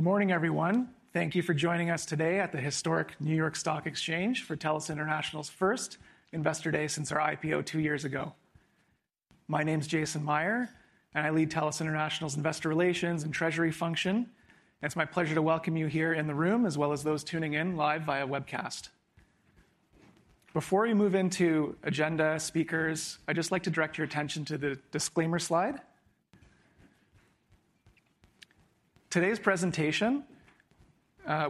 Good morning, everyone. Thank you for joining us today at the historic New York Stock Exchange for TELUS International's first Investor Day since our IPO two years ago. My name's Jason Mayr. I lead TELUS International's Investor Relations and Treasury function. It's my pleasure to welcome you here in the room, as well as those tuning in live via webcast. Before we move into agenda, speakers, I'd just like to direct your attention to the disclaimer slide. Today's presentation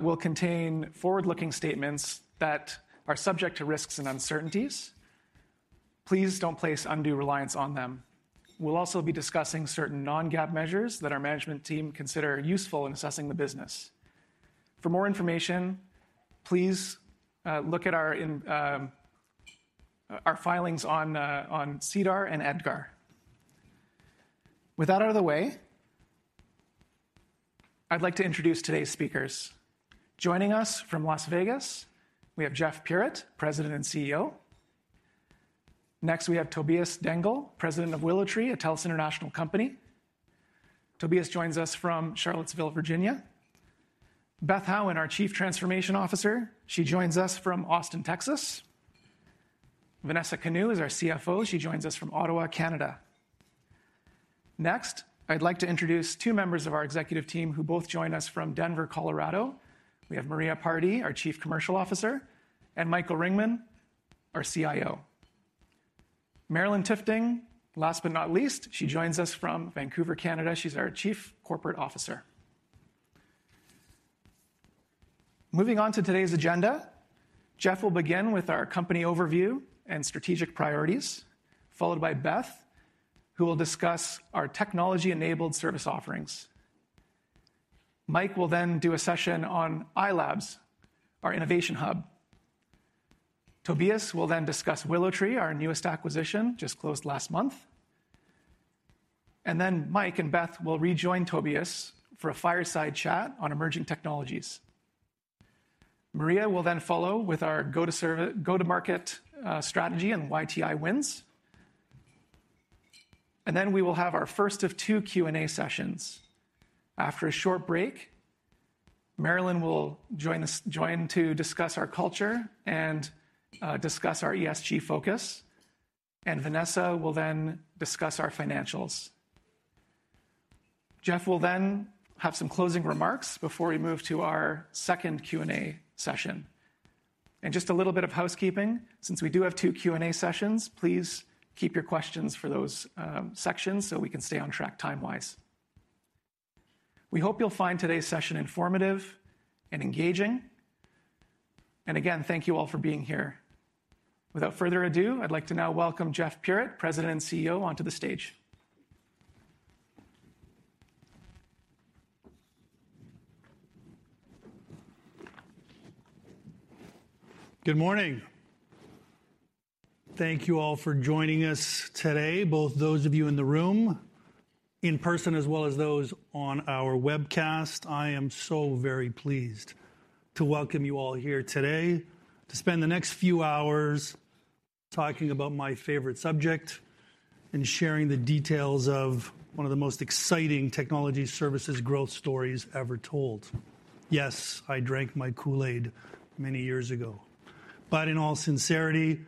will contain forward-looking statements that are subject to risks and uncertainties. Please don't place undue reliance on them. We'll also be discussing certain non-GAAP measures that our management team consider useful in assessing the business. For more information, please look at our filings on SEDAR and EDGAR. With that out of the way, I'd like to introduce today's speakers. Joining us from Las Vegas, we have Jeff Puritt, President and CEO. We have Tobias Dengel, President of WillowTree, a TELUS International company. Tobias joins us from Charlottesville, Virginia. Beth Howen, our Chief Transformation Officer, she joins us from Austin, Texas. Vanessa Kanu is our CFO. She joins us from Ottawa, Canada. I'd like to introduce two members of our executive team who both join us from Denver, Colorado. We have Maria Pardee, our Chief Commercial Officer, and Michael Ringman, our CIO. Marilyn Tyfting, last but not least, she joins us from Vancouver, Canada. She's our Chief Corporate Officer. Moving on to today's agenda, Jeff will begin with our company overview and strategic priorities, followed by Beth, who will discuss our technology-enabled service offerings. Mike will do a session on iLabs, our innovation hub. Tobias will discuss WillowTree, our newest acquisition, just closed last month. Then Mike and Beth will rejoin Tobias for a fireside chat on emerging technologies. Maria will then follow with our go-to-market strategy and why TI wins. Then we will have our first of two Q&A sessions. After a short break, Marilyn will join us to discuss our culture and discuss our ESG focus, and Vanessa will then discuss our financials. Jeff will then have some closing remarks before we move to our second Q&A session. Just a little bit of housekeeping, since we do have two Q&A sessions, please keep your questions for those sections, so we can stay on track time-wise. We hope you'll find today's session informative and engaging. Again, thank you all for being here. Without further ado, I'd like to now welcome Jeff Puritt, President and CEO, onto the stage. Good morning. Thank you all for joining us today, both those of you in the room in person, as well as those on our webcast. I am so very pleased to welcome you all here today to spend the next few hours talking about my favorite subject and sharing the details of one of the most exciting technology services growth stories ever told. Yes, I drank my Kool-Aid many years ago. In all sincerity,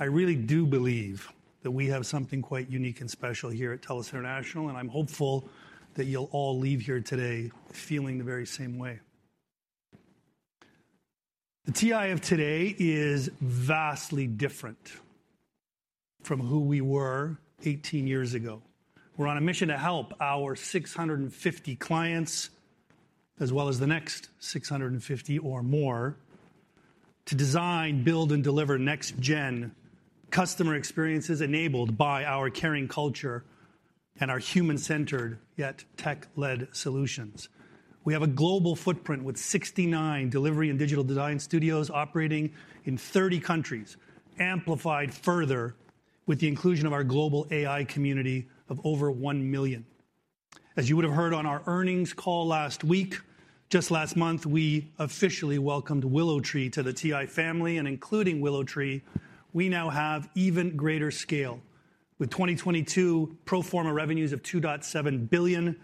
I really do believe that we have something quite unique and special here at TELUS International, and I'm hopeful that you'll all leave here today feeling the very same way. The TI of today is vastly different from who we were 18 years ago. We're on a mission to help our 650 clients, as well as the next 650 or more, to design, build, and deliver next-gen customer experiences enabled by our caring culture and our human-centered, yet tech-led solutions. We have a global footprint with 69 delivery and digital design studios operating in 30 countries, amplified further with the inclusion of our global AI community of over 1 million. As you would have heard on our earnings call last week, just last month, we officially welcomed WillowTree to the TI family. Including WillowTree, we now have even greater scale. With 2022 pro forma revenues of $2.7 billion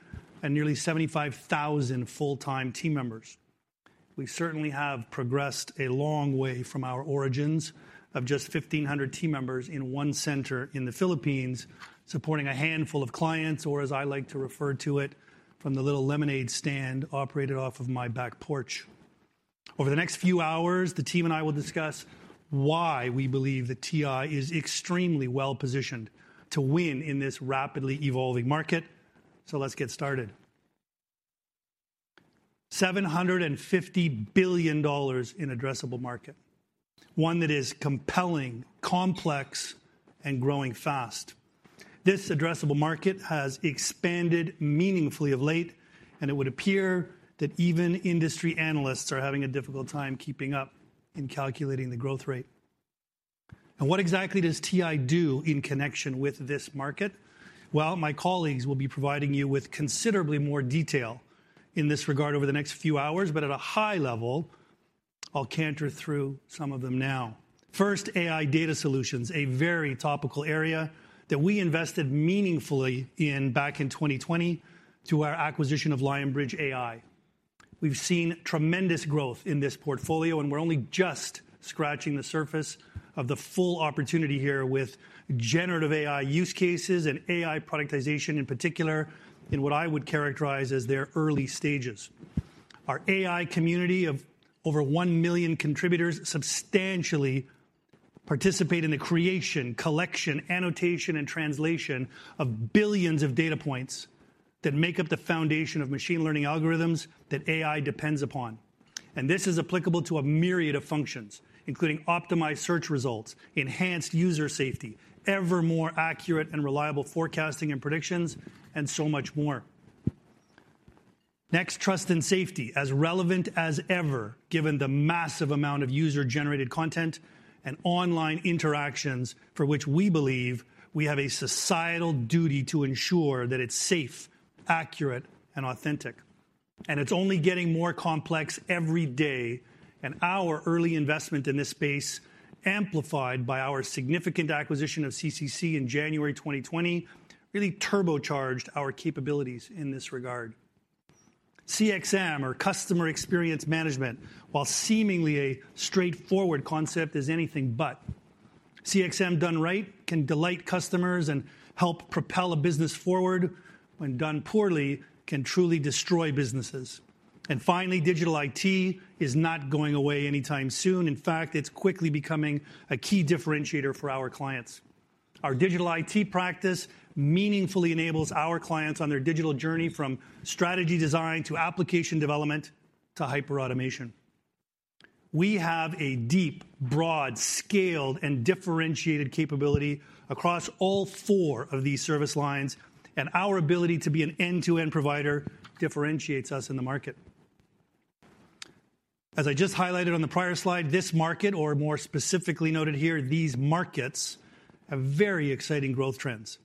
and nearly 75,000 full-time team members, we certainly have progressed a long way from our origins of just 1,500 team members in one center in the Philippines, supporting a handful of clients, or as I like to refer to it, from the little lemonade stand operated off of my back porch. Over the next few hours, the team and I will discuss why we believe that TI is extremely well-positioned to win in this rapidly evolving market. Let's get started. $750 billion in addressable market, one that is compelling, complex, and growing fast. This addressable market has expanded meaningfully of late, and it would appear that even industry analysts are having a difficult time keeping up in calculating the growth rate. What exactly does TI do in connection with this market? Well, my colleagues will be providing you with considerably more detail in this regard over the next few hours. At a high level, I'll canter through some of them now. First, AI data solutions, a very topical area that we invested meaningfully in back in 2020 through our acquisition of Lionbridge AI. We've seen tremendous growth in this portfolio, and we're only just scratching the surface of the full opportunity here with generative AI use cases and AI productization in particular, in what I would characterize as their early stages. Our AI community of over 1 million contributors substantially participate in the creation, collection, annotation, and translation of billions of data points that make up the foundation of machine learning algorithms that AI depends upon. This is applicable to a myriad of functions, including optimized search results, enhanced user safety, ever more accurate and reliable forecasting and predictions, and so much more. Next, Trust and Safety, as relevant as ever given the massive amount of user-generated content and online interactions for which we believe we have a societal duty to ensure that it's safe, accurate, and authentic. It's only getting more complex every day, and our early investment in this space, amplified by our significant acquisition of CCC in January 2020, really turbocharged our capabilities in this regard. CXM or customer experience management, while seemingly a straightforward concept, is anything but. CXM done right can delight customers and help propel a business forward. When done poorly, can truly destroy businesses. Finally, digital IT is not going away anytime soon. In fact, it's quickly becoming a key differentiator for our clients. Our digital IT practice meaningfully enables our clients on their digital journey from strategy design to application development to hyperautomation. We have a deep, broad, scaled, and differentiated capability across all four of these service lines. Our ability to be an end-to-end provider differentiates us in the market. As I just highlighted on the prior slide, this market, or more specifically noted here, these markets, have very exciting growth trends.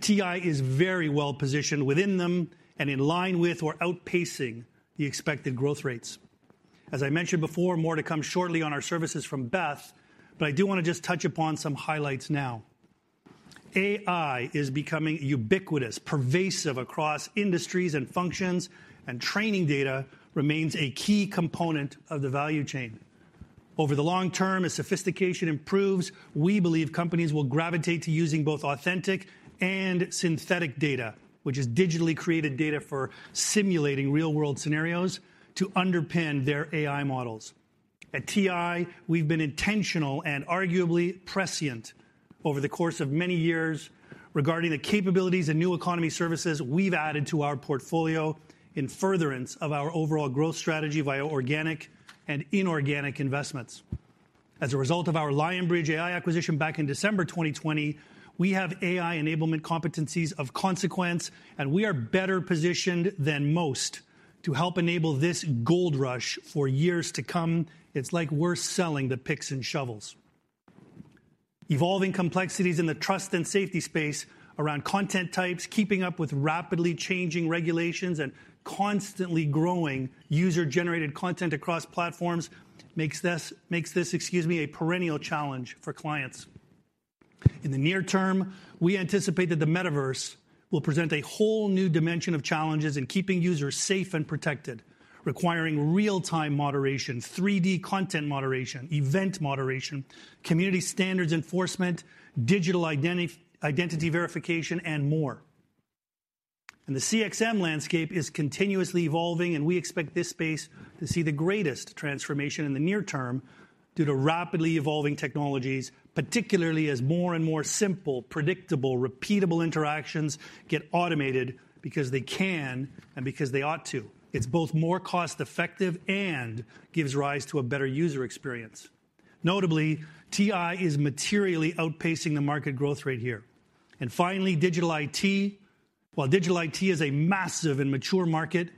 TI is very well-positioned within them and in line with or outpacing the expected growth rates. As I mentioned before, more to come shortly on our services from Beth. I do wanna just touch upon some highlights now. AI is becoming ubiquitous, pervasive across industries and functions. Training data remains a key component of the value chain. Over the long term, as sophistication improves, we believe companies will gravitate to using both authentic and synthetic data, which is digitally created data for simulating real-world scenarios to underpin their AI models. At TI, we've been intentional and arguably prescient over the course of many years regarding the capabilities and new economy services we've added to our portfolio in furtherance of our overall growth strategy via organic and inorganic investments. As a result of our Lionbridge AI acquisition back in December 2020, we have AI enablement competencies of consequence, and we are better positioned than most to help enable this gold rush for years to come. It's like we're selling the picks and shovels. Evolving complexities in the Trust and Safety space around content types, keeping up with rapidly changing regulations, and constantly growing user-generated content across platforms makes this, excuse me, a perennial challenge for clients. In the near term, we anticipate that the metaverse will present a whole new dimension of challenges in keeping users safe and protected, requiring real-time moderation, 3D content moderation, event moderation, community standards enforcement, digital identity verification, and more. The CXM landscape is continuously evolving, and we expect this space to see the greatest transformation in the near term due to rapidly evolving technologies, particularly as more and more simple, predictable, repeatable interactions get automated because they can and because they ought to. It's both more cost-effective and gives rise to a better user experience. Notably, TI is materially outpacing the market growth rate here. Finally, digital IT. While digital IT is a massive and mature market,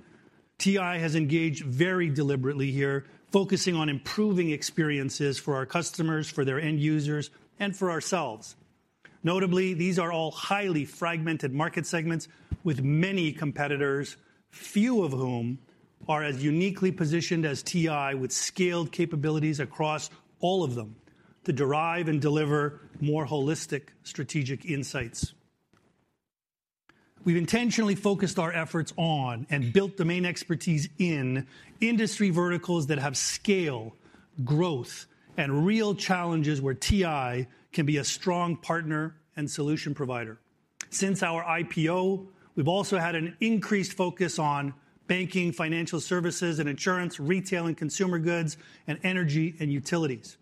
TI has engaged very deliberately here, focusing on improving experiences for our customers, for their end users, and for ourselves. Notably, these are all highly fragmented market segments with many competitors, few of whom are as uniquely positioned as TI with scaled capabilities across all of them to derive and deliver more holistic strategic insights. We've intentionally focused our efforts on and built domain expertise in industry verticals that have scale, growth, and real challenges where TI can be a strong partner and solution provider. Since our IPO, we've also had an increased focus on banking, financial services and insurance, retail and consumer goods, and energy and utilities.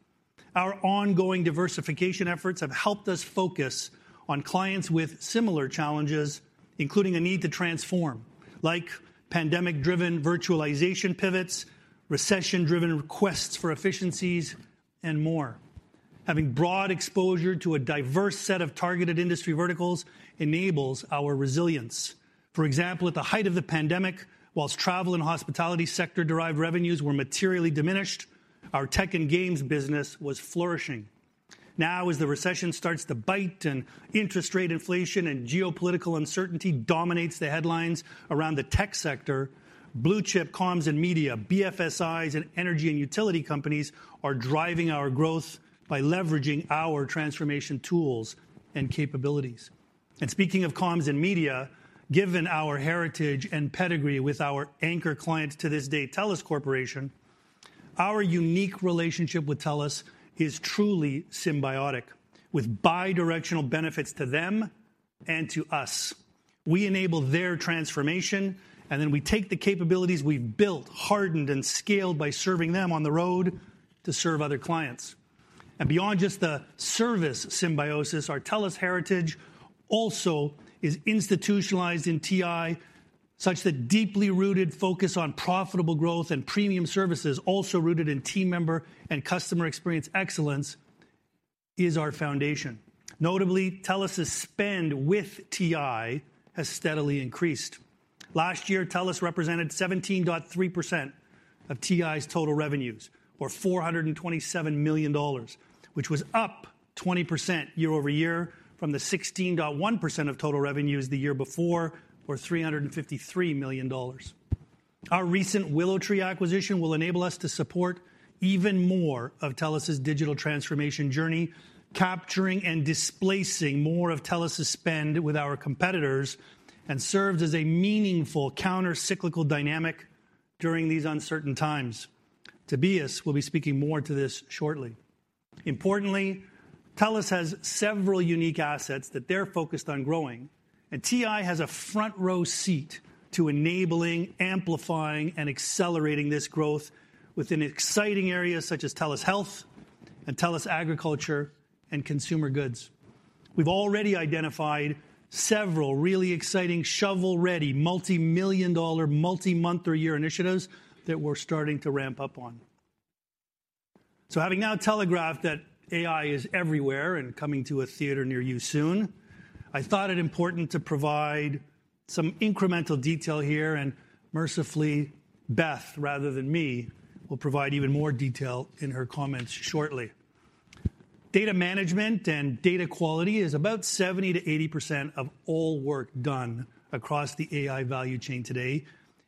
Our ongoing diversification efforts have helped us focus on clients with similar challenges, including a need to transform, like pandemic-driven virtualization pivots, recession-driven requests for efficiencies, and more. Having broad exposure to a diverse set of targeted industry verticals enables our resilience. For example, at the height of the pandemic, whilst travel and hospitality sector-derived revenues were materially diminished, our tech and games business was flourishing. As the recession starts to bite and interest rate inflation and geopolitical uncertainty dominates the headlines around the tech sector, blue-chip comms and media, BFSIs, and energy and utility companies are driving our growth by leveraging our transformation tools and capabilities. Speaking of comms and media, given our heritage and pedigree with our anchor client to this day, TELUS Corporation, our unique relationship with TELUS is truly symbiotic, with bi-directional benefits to them and to us. We enable their transformation, and then we take the capabilities we've built, hardened, and scaled by serving them on the road to serve other clients. Beyond just the service symbiosis, our TELUS heritage also is institutionalized in TI, such that deeply rooted focus on profitable growth and premium services, also rooted in team member and customer experience excellence, is our foundation. Notably, TELUS's spend with TI has steadily increased. Last year, TELUS represented 17.3% of TI's total revenues, or $427 million, which was up 20% year-over-year from the 16.1% of total revenues the year before, or $353 million. Our recent WillowTree acquisition will enable us to support even more of TELUS's digital transformation journey, capturing and displacing more of TELUS's spend with our competitors, and serves as a meaningful counter-cyclical dynamic during these uncertain times. Tobias will be speaking more to this shortly. Importantly, TELUS has several unique assets that they're focused on growing, and TI has a front-row seat to enabling, amplifying, and accelerating this growth within exciting areas such as TELUS Health and TELUS Agriculture and Consumer Goods. We've already identified several really exciting shovel-ready, multi-million dollar, multi-month or year initiatives that we're starting to ramp up on. Having now telegraphed that AI is everywhere and coming to a theater near you soon, I thought it important to provide some incremental detail here, and mercifully, Beth, rather than me, will provide even more detail in her comments shortly. Data management and data quality is about 70%-80% of all work done across the AI value chain today,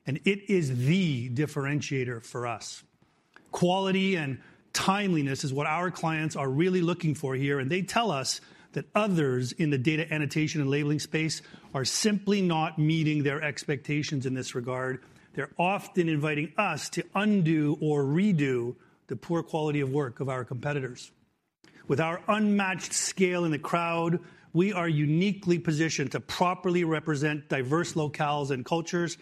and it is the differentiator for us. Quality and timeliness is what our clients are really looking for here, and they tell us that others in the data annotation and labeling space are simply not meeting their expectations in this regard. They're often inviting us to undo or redo the poor quality of work of our competitors. With our unmatched scale in the crowd, we are uniquely positioned to properly represent diverse locales and cultures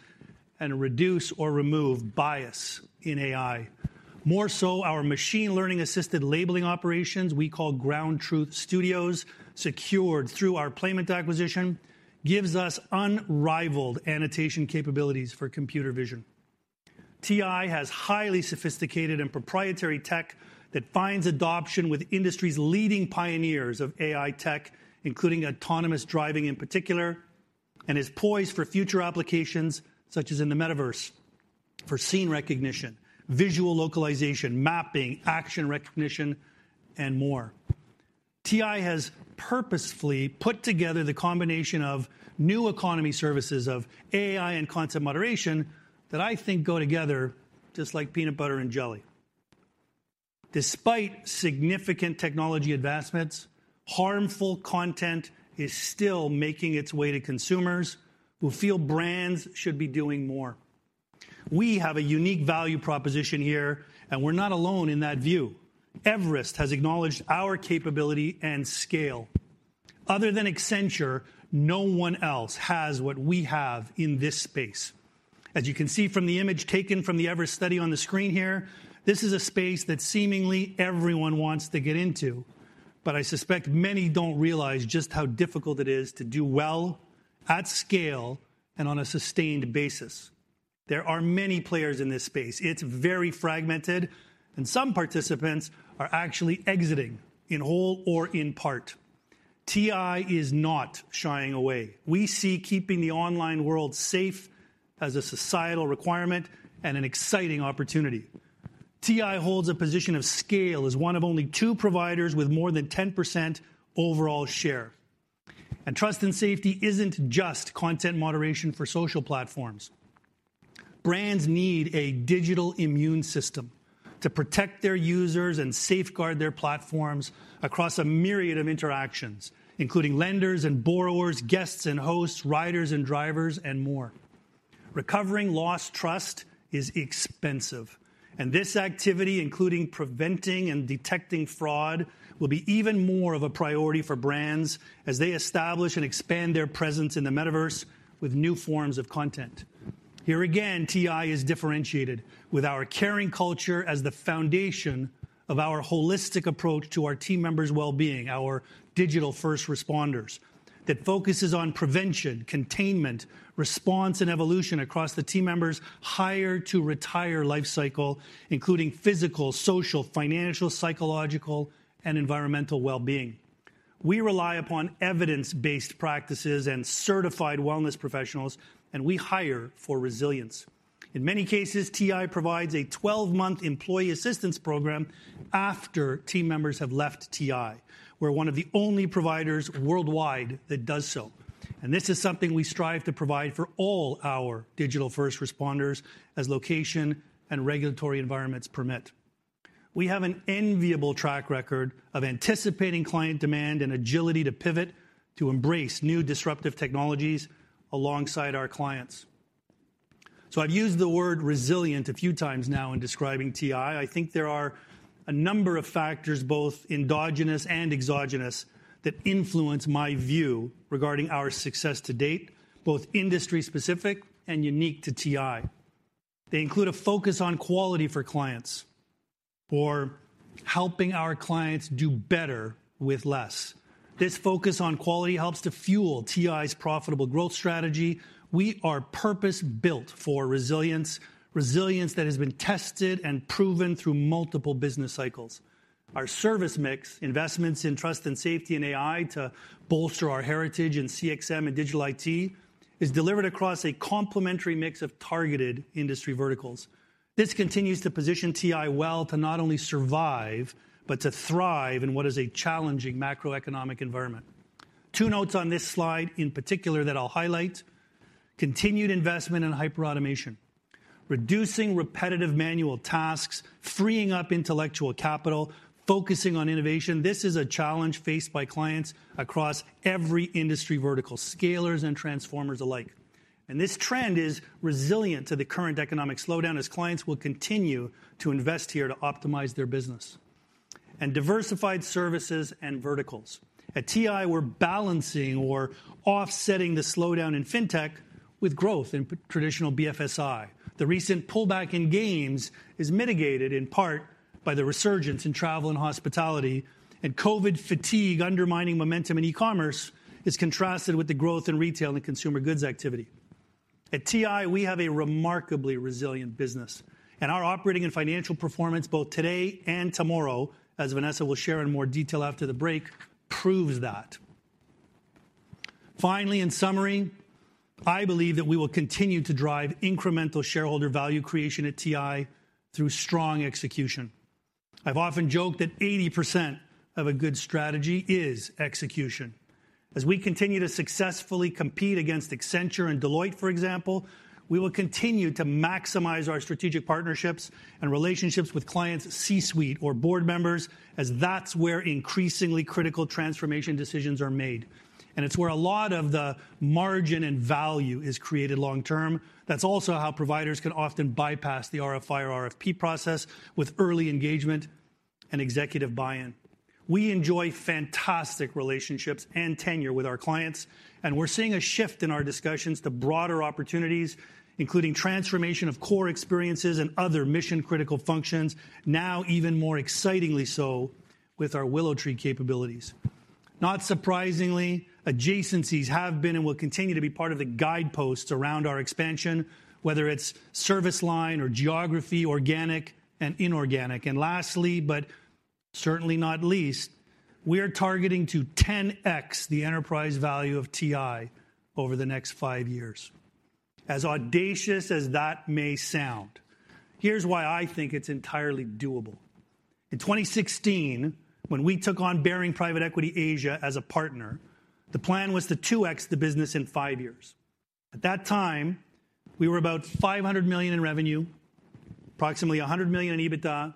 and reduce or remove bias in AI. More so, our machine learning-assisted labeling operations we call Ground Truth Studios, secured through our Playment acquisition, gives us unrivaled annotation capabilities for computer vision. TI has highly sophisticated and proprietary tech that finds adoption with industry's leading pioneers of AI tech, including autonomous driving in particular, and is poised for future applications such as in the metaverse for scene recognition, visual localization, mapping, action recognition, and more. TI has purposefully put together the combination of new economy services of AI and content moderation that I think go together just like peanut butter and jelly. Despite significant technology advancements, harmful content is still making its way to consumers who feel brands should be doing more. We have a unique value proposition here, and we're not alone in that view. Everest has acknowledged our capability and scale. Other than Accenture, no one else has what we have in this space. As you can see from the image taken from the Everest study on the screen here, this is a space that seemingly everyone wants to get into. I suspect many don't realize just how difficult it is to do well at scale and on a sustained basis. There are many players in this space. It's very fragmented, and some participants are actually exiting in whole or in part. TI is not shying away. We see keeping the online world safe as a societal requirement and an exciting opportunity. TI holds a position of scale as one of only two providers with more than 10% overall share. Trust and Safety isn't just content moderation for social platforms. Brands need a digital immune system to protect their users and safeguard their platforms across a myriad of interactions, including lenders and borrowers, guests and hosts, riders and drivers, and more. Recovering lost trust is expensive, and this activity, including preventing and detecting fraud, will be even more of a priority for brands as they establish and expand their presence in the metaverse with new forms of content. Here again, TI is differentiated with our caring culture as the foundation of our holistic approach to our team members' well-being, our digital first responders, that focuses on prevention, containment, response, and evolution across the team members' hire-to-retire life cycle, including physical, social, financial, psychological, and environmental well-being. We rely upon evidence-based practices and certified wellness professionals. We hire for resilience. In many cases, TI provides a 12-month employee assistance program after team members have left TI. We're one of the only providers worldwide that does so. This is something we strive to provide for all our digital first responders as location and regulatory environments permit. We have an enviable track record of anticipating client demand and agility to pivot to embrace new disruptive technologies alongside our clients. I've used the word resilient a few times now in describing TI. I think there are a number of factors, both endogenous and exogenous, that influence my view regarding our success to date, both industry-specific and unique to TI. They include a focus on quality for clients or helping our clients do better with less. This focus on quality helps to fuel TI's profitable growth strategy. We are purpose-built for resilience that has been tested and proven through multiple business cycles. Our service mix, investments in Trust and Safety and AI to bolster our heritage in CXM and digital IT, is delivered across a complementary mix of targeted industry verticals. This continues to position TI well to not only survive, but to thrive in what is a challenging macroeconomic environment. Two notes on this slide in particular that I'll highlight. Continued investment in hyperautomation. Reducing repetitive manual tasks, freeing up intellectual capital, focusing on innovation. This is a challenge faced by clients across every industry vertical, scalers and transformers alike. This trend is resilient to the current economic slowdown as clients will continue to invest here to optimize their business. Diversified services and verticals. At TI, we're balancing or offsetting the slowdown in fintech with growth in traditional BFSI. The recent pullback in games is mitigated in part by the resurgence in travel and hospitality, and COVID fatigue undermining momentum in e-commerce is contrasted with the growth in retail and consumer goods activity. At TI, we have a remarkably resilient business, and our operating and financial performance both today and tomorrow, as Vanessa will share in more detail after the break, proves that. In summary, I believe that we will continue to drive incremental shareholder value creation at TI through strong execution. I've often joked that 80% of a good strategy is execution. As we continue to successfully compete against Accenture and Deloitte, for example, we will continue to maximize our strategic partnerships and relationships with clients, C-suite or board members, as that's where increasingly critical transformation decisions are made, and it's where a lot of the margin and value is created long term. That's also how providers can often bypass the RFI or RFP process with early engagement and executive buy-in. We enjoy fantastic relationships and tenure with our clients, and we're seeing a shift in our discussions to broader opportunities, including transformation of core experiences and other mission-critical functions, now even more excitingly so with our WillowTree capabilities. Not surprisingly, adjacencies have been and will continue to be part of the guideposts around our expansion, whether it's service line or geography, organic and inorganic. Lastly, but certainly not least, we are targeting to 10x the enterprise value of TI over the next five years. As audacious as that may sound, here's why I think it's entirely doable. In 2016, when we took on Baring Private Equity Asia as a partner, the plan was to 2x the business in five years. At that time, we were about $500 million in revenue, approximately $100 million in EBITDA,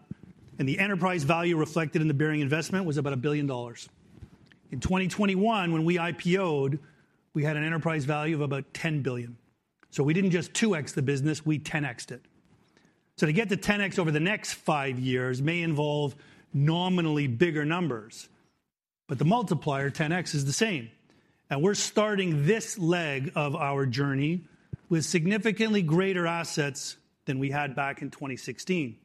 and the enterprise value reflected in the Baring investment was about $1 billion. In 2021, when we IPO'd, we had an enterprise value of about $10 billion. We didn't just 2x the business, we 10x'd it. To get to 10x over the next five years may involve nominally bigger numbers, but the multiplier, 10x, is the same. We're starting this leg of our journey with significantly greater assets than we had back in 2016.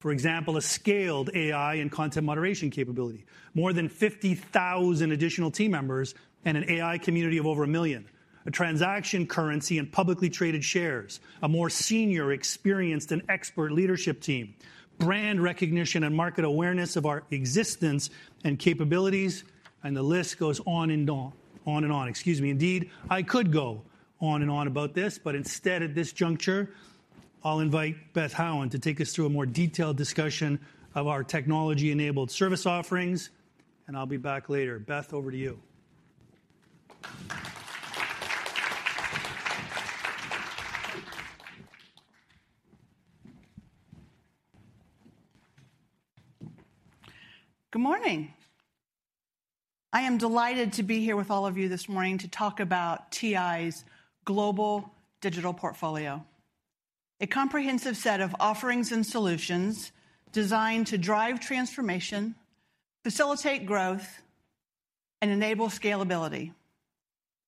For example, a scaled AI and content moderation capability. More than 50,000 additional team members and an AI community of over 1 million. A transaction currency and publicly traded shares. A more senior, experienced, and expert leadership team. Brand recognition and market awareness of our existence and capabilities, and the list goes on and on. Excuse me. Indeed, I could go on and on about this, but instead at this juncture, I'll invite Beth Howen to take us through a more detailed discussion of our technology-enabled service offerings, and I'll be back later. Beth, over to you. Good morning. I am delighted to be here with all of you this morning to talk about TI's global digital portfolio. A comprehensive set of offerings and solutions designed to drive transformation, facilitate growth, and enable scalability.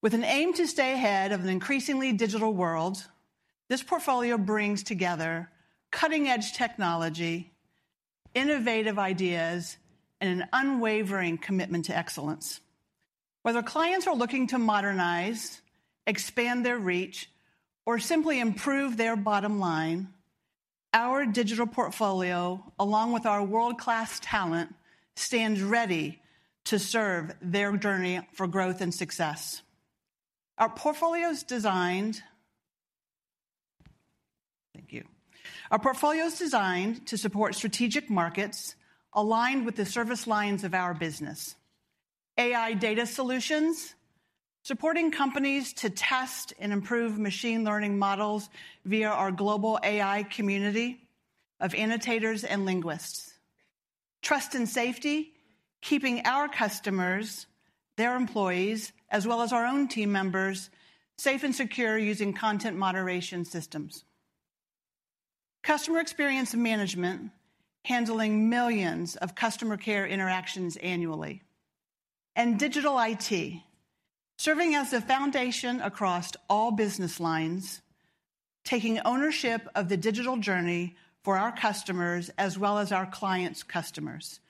With an aim to stay ahead of an increasingly digital world, this portfolio brings together cutting-edge technology, innovative ideas, and an unwavering commitment to excellence. Whether clients are looking to modernize, expand their reach, or simply improve the bottom line. Our digital portfolio, along with our world-class talent, stands ready to serve their journey for growth and success. Our portfolio is designed to support strategic markets aligned with the service lines of our business. AI data solutions, supporting companies to test and improve machine learning models via our global AI community of annotators and linguists. Trust and safety, keeping our customers, their employees, as well as our own team members, safe and secure using content moderation systems. Customer experience and management, handling millions of customer care interactions annually. Digital IT, serving as the foundation across all business lines, taking ownership of the digital journey for our customers as well as our clients' customers,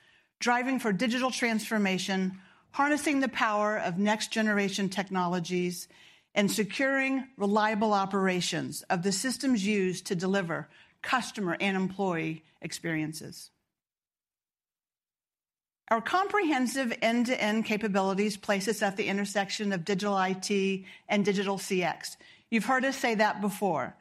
driving for digital transformation, harnessing the power of next-generation technologies, and securing reliable operations of the systems used to deliver customer and employee experiences. Our comprehensive end-to-end capabilities place us at the intersection of digital IT and digital CX. You've heard us say that before.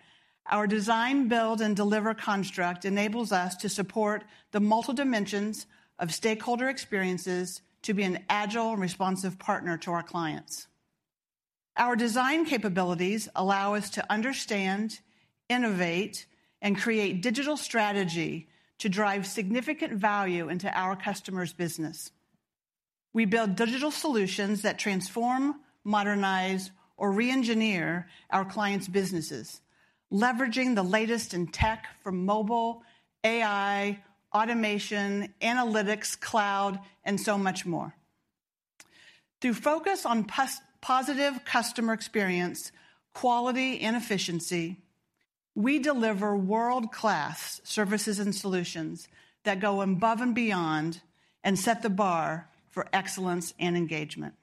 Our design, build, and deliver construct enables us to support the multiple dimensions of stakeholder experiences to be an agile and responsive partner to our clients. Our design capabilities allow us to understand, innovate, and create digital strategy to drive significant value into our customer's business. We build digital solutions that transform, modernize, or re-engineer our clients' businesses, leveraging the latest in tech from mobile, AI, automation, analytics, cloud, and so much more. Through focus on positive customer experience, quality, and efficiency, we deliver world-class services and solutions that go above and beyond and set the bar for excellence and engagement.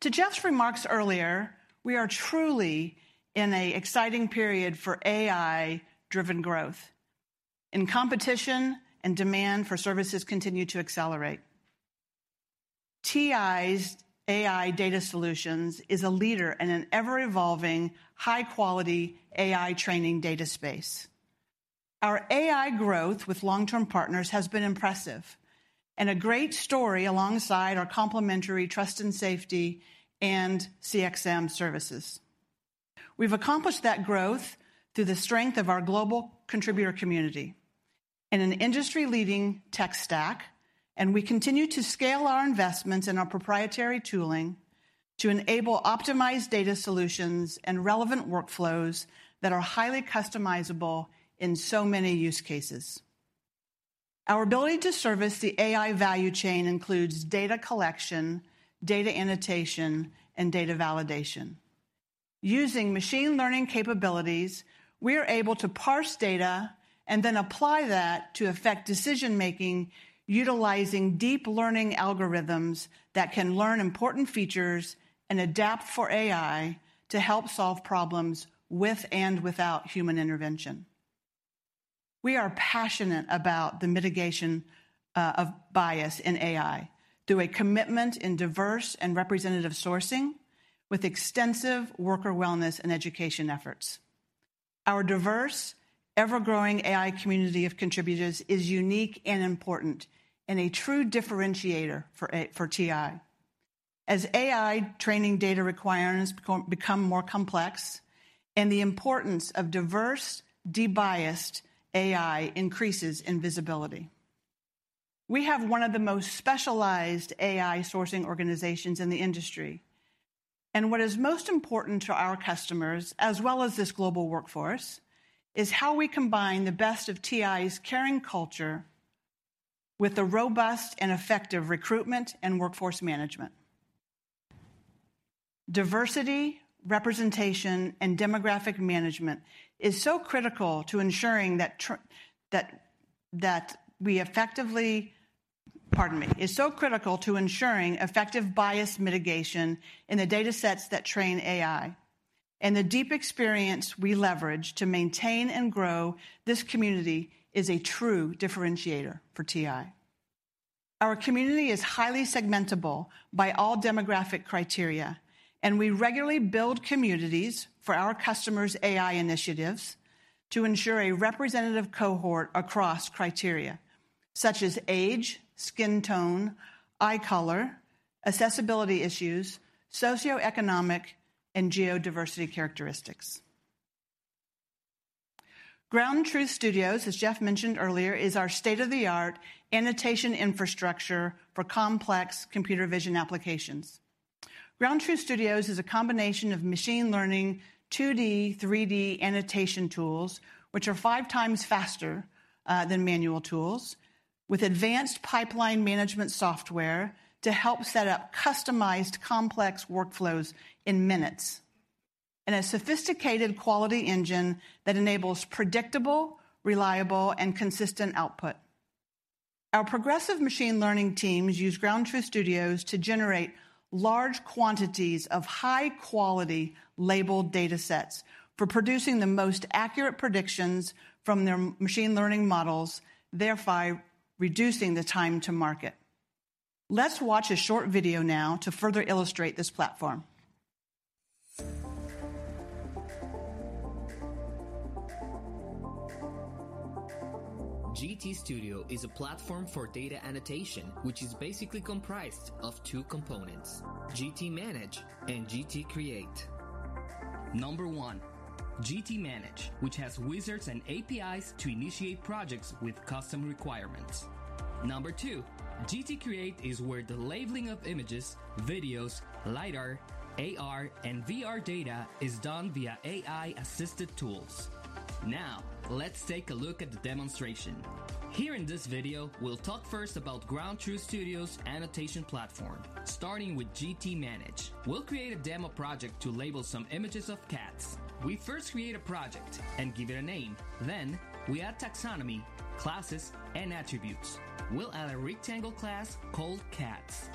To Jeff's remarks earlier, we are truly in a exciting period for AI-driven growth, and competition and demand for services continue to accelerate. TI's AI data solutions is a leader in an ever-evolving high-quality AI training data space. Our AI growth with long-term partners has been impressive and a great story alongside our complementary Trust and Safety and CXM services. We've accomplished that growth through the strength of our global contributor community in an industry-leading tech stack, and we continue to scale our investments in our proprietary tooling to enable optimized data solutions and relevant workflows that are highly customizable in so many use cases. Our ability to service the AI value chain includes data collection, data annotation, and data validation. Using machine learning capabilities, we are able to parse data and then apply that to affect decision-making utilizing deep learning algorithms that can learn important features and adapt for AI to help solve problems with and without human intervention. We are passionate about the mitigation of bias in AI through a commitment in diverse and representative sourcing with extensive worker wellness and education efforts. Our diverse, ever-growing AI community of contributors is unique and important, and a true differentiator for TI, as AI training data requirements become more complex and the importance of diverse, de-biased AI increases in visibility. We have one of the most specialized AI sourcing organizations in the industry, and what is most important to our customers, as well as this global workforce, is how we combine the best of TI's caring culture with the robust and effective recruitment and workforce management. Diversity, representation, and demographic management is so critical to ensuring that we effectively... Pardon me. Is so critical to ensuring effective bias mitigation in the datasets that train AI and the deep experience we leverage to maintain and grow this community is a true differentiator for TI. Our community is highly segmentable by all demographic criteria, and we regularly build communities for our customers' AI initiatives to ensure a representative cohort across criteria such as age, skin tone, eye color, accessibility issues, socioeconomic and geodiversity characteristics. Ground Truth Studio, as Jeff mentioned earlier, is our state-of-the-art annotation infrastructure for complex computer vision applications. Ground Truth Studio is a combination of machine learning 2D, 3D annotation tools, which are 5 times faster than manual tools, with advanced pipeline management software to help set up customized, complex workflows in minutes, and a sophisticated quality engine that enables predictable, reliable, and consistent output. Our progressive machine learning teams use Ground Truth Studio to generate large quantities of high-quality labeled data sets for producing the most accurate predictions from their machine learning models, thereby reducing the time to market. Let's watch a short video now to further illustrate this platform. GT Studio is a platform for data annotation, which is basically comprised of two components: GT Manage and GT Create. One. GT Manage, which has wizards and APIs to initiate projects with custom requirements. Two. GT Create is where the labeling of images, videos, lidar, AR, and VR data is done via AI-assisted tools. Let's take a look at the demonstration. Here in this video, we'll talk first about Ground Truth Studio's annotation platform, starting with GT Manage. We'll create a demo project to label some images of cats. We first create a project and give it a name. We add taxonomy, classes, and attributes. We'll add a rectangle class called Cats.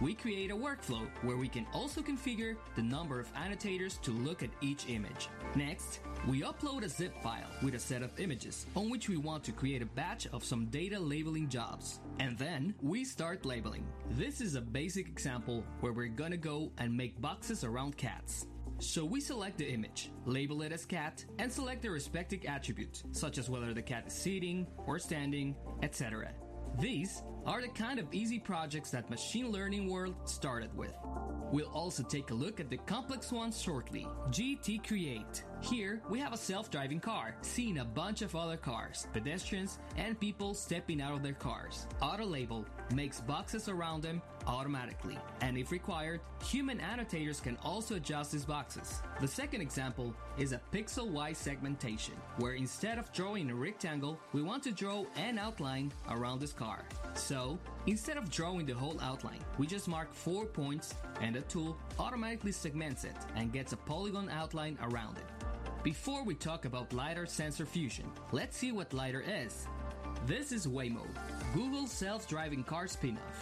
We create a workflow where we can also configure the number of annotators to look at each image. Next, we upload a zip file with a set of images on which we want to create a batch of some data labeling jobs. Then we start labeling. This is a basic example where we're gonna go and make boxes around cats. We select the image, label it as cat, and select the respective attributes, such as whether the cat is sitting or standing, et cetera. These are the kind of easy projects that machine learning world started with. We'll also take a look at the complex ones shortly. GT Create. Here we have a self-driving car seeing a bunch of other cars, pedestrians, and people stepping out of their cars. Auto Label makes boxes around them automatically. If required, human annotators can also adjust these boxes. The second example is a pixel-wide segmentation, where instead of drawing a rectangle, we want to draw an outline around this car. Instead of drawing the whole outline, we just mark four points, and a tool automatically segments it and gets a polygon outline around it. Before we talk about lidar sensor fusion, let's see what lidar is. This is Waymo, Google's self-driving car spinoff,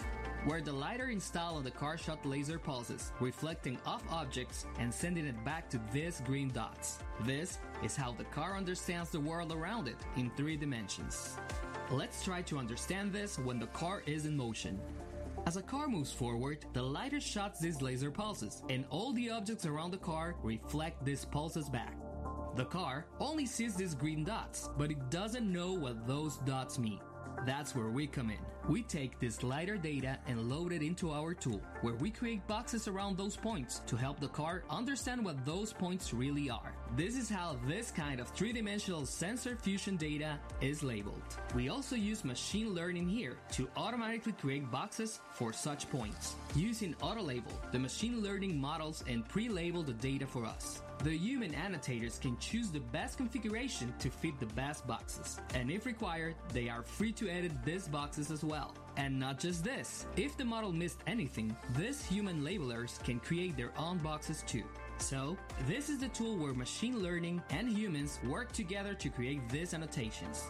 where the lidar installed on the car shot laser pulses reflecting off objects and sending it back to these green dots. This is how the car understands the world around it in three dimensions. Let's try to understand this when the car is in motion. As the car moves forward, the lidar shots these laser pulses, and all the objects around the car reflect these pulses back. The car only sees these green dots, but it doesn't know what those dots mean. That's where we come in. We take this lidar data and load it into our tool, where we create boxes around those points to help the car understand what those points really are. This is how this kind of three-dimensional sensor fusion data is labeled. We also use machine learning here to automatically create boxes for such points. Using Auto Label, the machine learning models and pre-label the data for us. The human annotators can choose the best configuration to fit the best boxes, and if required, they are free to edit these boxes as well. Not just this, if the model missed anything, these human labelers can create their own boxes too. This is the tool where machine learning and humans work together to create these annotations.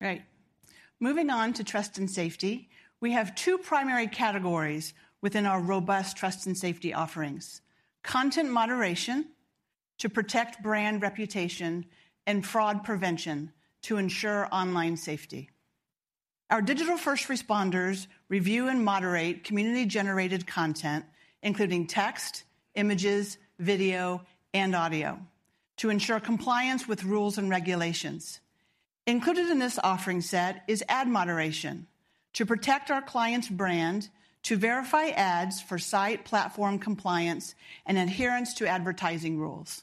Right. Moving on to Trust and Safety. We have two primary categories within our robust Trust and Safety offerings: content moderation to protect brand reputation, and fraud prevention to ensure online safety. Our digital first responders review and moderate community-generated content, including text, images, video, and audio to ensure compliance with rules and regulations. Included in this offering set is ad moderation to protect our client's brand, to verify ads for site platform compliance, and adherence to advertising rules.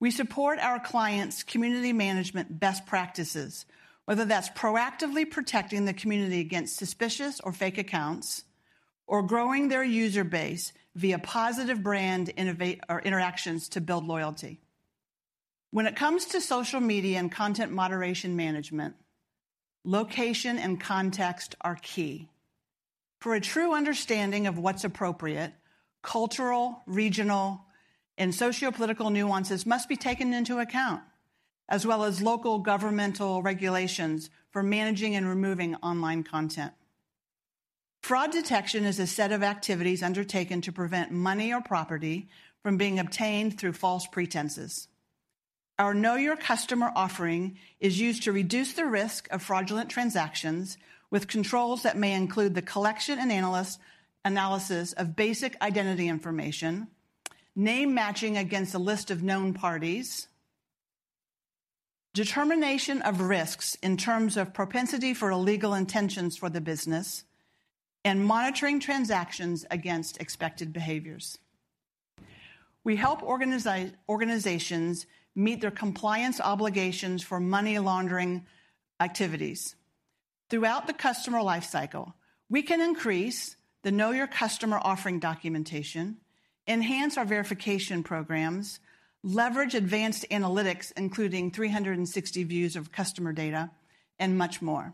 We support our clients' community management best practices, whether that's proactively protecting the community against suspicious or fake accounts, or growing their user base via positive brand or interactions to build loyalty. When it comes to social media and content moderation management, location and context are key. For a true understanding of what's appropriate, cultural, regional, and sociopolitical nuances must be taken into account, as well as local governmental regulations for managing and removing online content. Fraud detection is a set of activities undertaken to prevent money or property from being obtained through false pretenses. Our Know Your Customer offering is used to reduce the risk of fraudulent transactions with controls that may include the collection and analysis of basic identity information, name matching against a list of known parties, determination of risks in terms of propensity for illegal intentions for the business, and monitoring transactions against expected behaviors. We help organizations meet their compliance obligations for money laundering activities. Throughout the customer life cycle, we can increase the Know Your Customer offering documentation enhance our verification programs, leverage advanced analytics, including 360 views of customer data, and much more.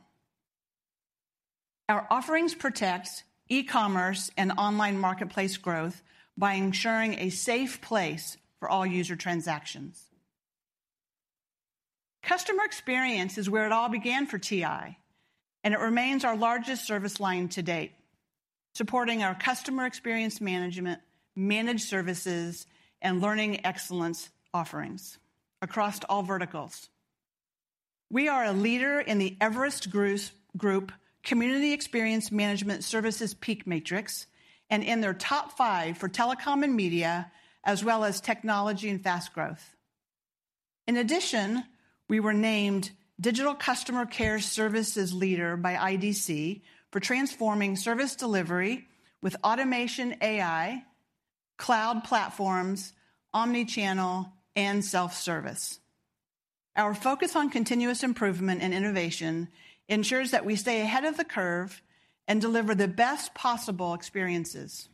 Our offerings protect e-commerce and online marketplace growth by ensuring a safe place for all user transactions. Customer experience is where it all began for TI, and it remains our largest service line to date, supporting our customer experience management, managed services, and learning excellence offerings across all verticals. We are a leader in the Everest Group Community Experience Management Services PEAK Matrix, and in their top five for telecom and media, as well as technology and fast growth. In addition, we were named Digital Customer Care Services leader by IDC for transforming service delivery with automation AI, cloud platforms, omnichannel, and self-service. Our focus on continuous improvement and innovation ensures that we stay ahead of the curve and deliver the best possible experiences.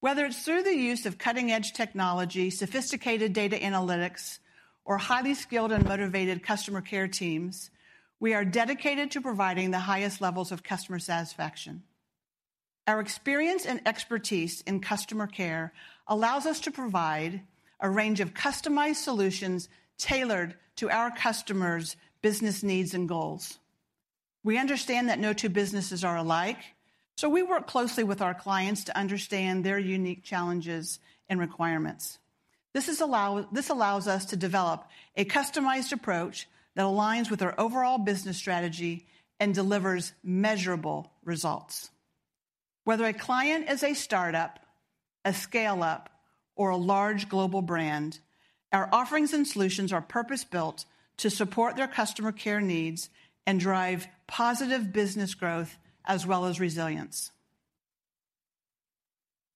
Whether it's through the use of cutting-edge technology, sophisticated data analytics, or highly skilled and motivated customer care teams, we are dedicated to providing the highest levels of customer satisfaction. Our experience and expertise in customer care allows us to provide a range of customized solutions tailored to our customers' business needs and goals. We understand that no two businesses are alike, so we work closely with our clients to understand their unique challenges and requirements. This allows us to develop a customized approach that aligns with our overall business strategy and delivers measurable results. Whether a client is a startup, a scale-up, or a large global brand, our offerings and solutions are purpose-built to support their customer care needs and drive positive business growth as well as resilience.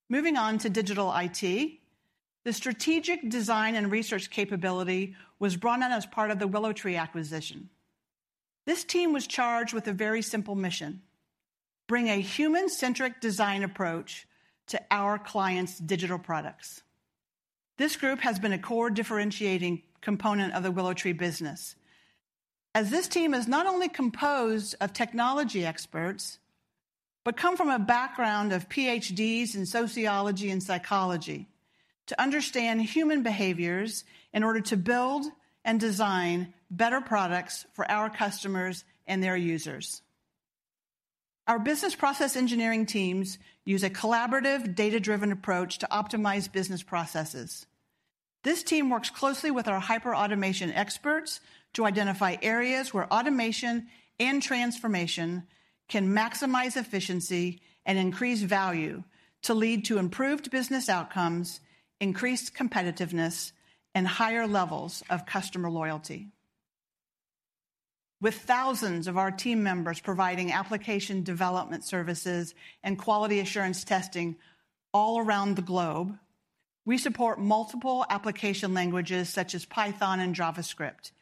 Moving on to digital IT. The strategic design and research capability was brought in as part of the WillowTree acquisition. This team was charged with a very simple mission, bring a human-centric design approach to our clients' digital products. This group has been a core differentiating component of the WillowTree business, as this team is not only composed of technology experts, but come from a background of PhDs in sociology and psychology to understand human behaviors in order to build and design better products for our customers and their users. Our business process engineering teams use a collaborative data-driven approach to optimize business processes. This team works closely with our hyperautomation experts to identify areas where automation and transformation can maximize efficiency and increase value to lead to improved business outcomes, increased competitiveness, and higher levels of customer loyalty. With thousands of our team members providing application development services and quality assurance testing all around the globe, we support multiple application languages such as Python and JavaScript,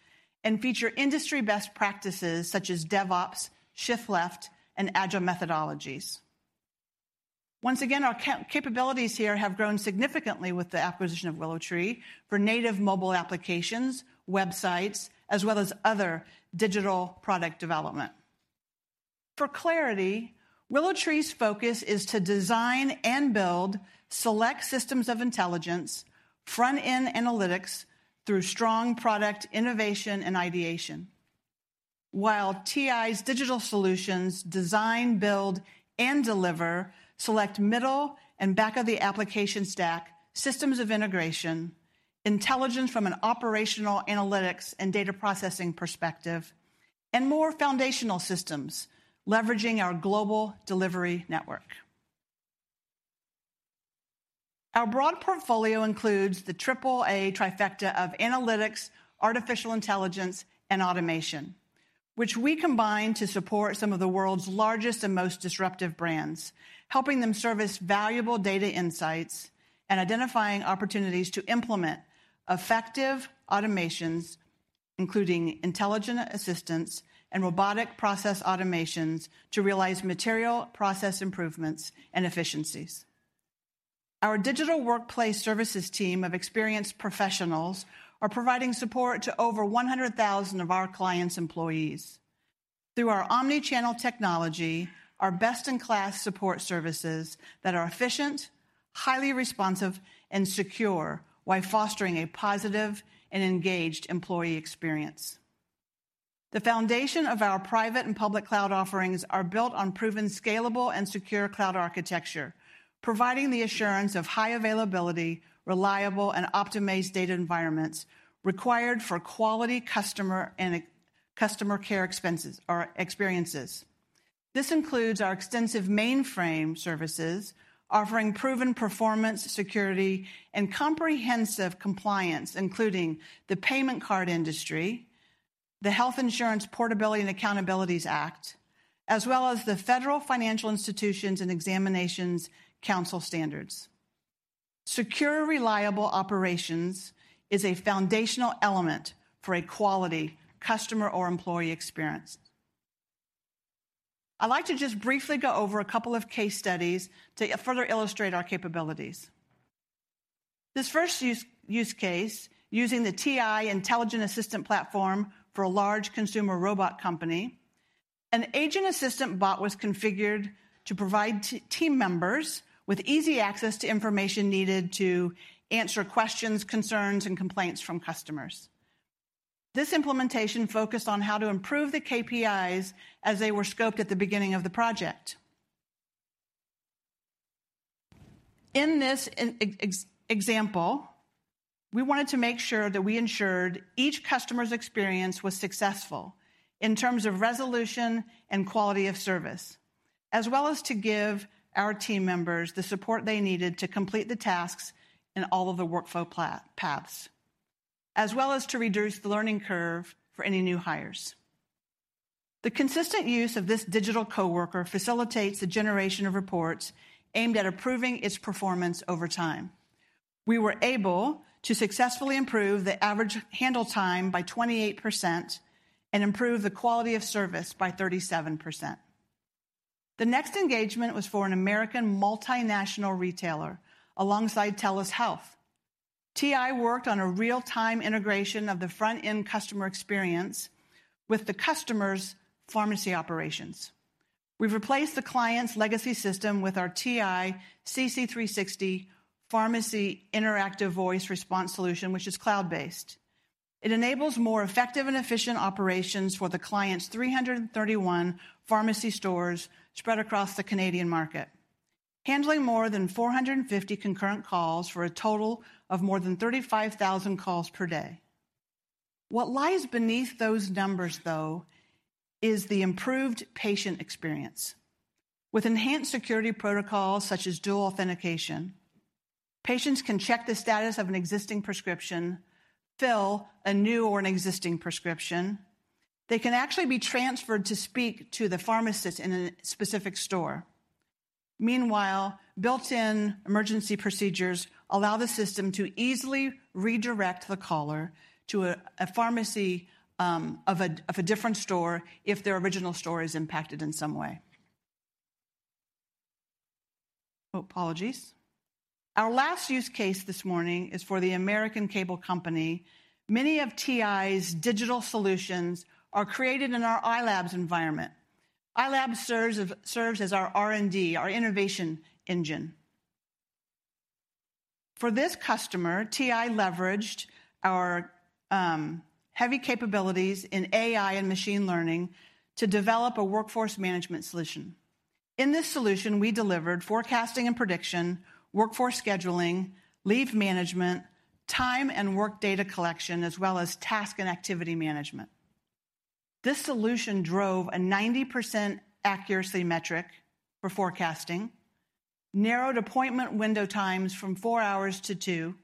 and feature industry best practices such as DevOps, shift left, and Agile methodologies. Once again, our capabilities here have grown significantly with the acquisition of WillowTree for native mobile applications, websites, as well as other digital product development. For clarity, WillowTree's focus is to design and build select systems of intelligence, front-end analytics through strong product innovation and ideation. While TI's digital solutions design, build, and deliver select middle and back of the application stack systems of integration, intelligence from an operational analytics and data processing perspective, and more foundational systems leveraging our global delivery network. Our broad portfolio includes the triple A trifecta of analytics, artificial intelligence, and automation, which we combine to support some of the world's largest and most disruptive brands, helping them service valuable data insights and identifying opportunities to implement effective automations, including intelligent assistants and robotic process automations to realize material process improvements and efficiencies. Our digital workplace services team of experienced professionals are providing support to over 100,000 of our clients' employees. Through our omnichannel technology, our best-in-class support services that are efficient, highly responsive, and secure while fostering a positive and engaged employee experience. The foundation of our private and public cloud offerings are built on proven scalable and secure cloud architecture, providing the assurance of high availability, reliable, and optimized data environments required for quality customer and customer care expenses or experiences. This includes our extensive mainframe services offering proven performance, security, and comprehensive compliance, including the payment card industry, the Health Insurance Portability and Accountability Act, as well as the Federal Financial Institutions Examination Council standards. Secure, reliable operations is a foundational element for a quality customer or employee experience. I'd like to just briefly go over a couple of case studies to further illustrate our capabilities. This first use case, using the TI Intelligent Assistant Platform for a large consumer robot company. An agent assistant bot was configured to provide team members with easy access to information needed to answer questions, concerns, and complaints from customers. This implementation focused on how to improve the KPIs as they were scoped at the beginning of the project. In this example, we wanted to make sure that we ensured each customer's experience was successful in terms of resolution and quality of service, as well as to give our team members the support they needed to complete the tasks in all of the workflow paths, as well as to reduce the learning curve for any new hires. The consistent use of this digital coworker facilitates the generation of reports aimed at improving its performance over time. We were able to successfully improve the average handle time by 28% and improve the quality of service by 37%. The next engagement was for an American multinational retailer alongside TELUS Health. TI worked on a real-time integration of the front-end customer experience with the customer's pharmacy operations. We've replaced the client's legacy system with our TI CC three sixty Pharmacy Interactive Voice Response solution, which is cloud-based. It enables more effective and efficient operations for the client's 331 pharmacy stores spread across the Canadian market, handling more than 450 concurrent calls for a total of more than 35,000 calls per day. What lies beneath those numbers, though, is the improved patient experience. With enhanced security protocols such as dual authentication, patients can check the status of an existing prescription, fill a new or an existing prescription. They can actually be transferred to speak to the pharmacist in a specific store. Meanwhile, built-in emergency procedures allow the system to easily redirect the caller to a pharmacy of a different store if their original store is impacted in some way. Apologies. Our last use case this morning is for the American Cable Company. Many of TI's digital solutions are created in our iLabs environment. iLabs serves as our R&D, our innovation engine. For this customer, TI leveraged our heavy capabilities in AI and machine learning to develop a workforce management solution. In this solution, we delivered forecasting and prediction, workforce scheduling, leave management, time and work data collection, as well as task and activity management. This solution drove a 90% accuracy metric for forecasting, narrowed appointment window times from four hours to two hours,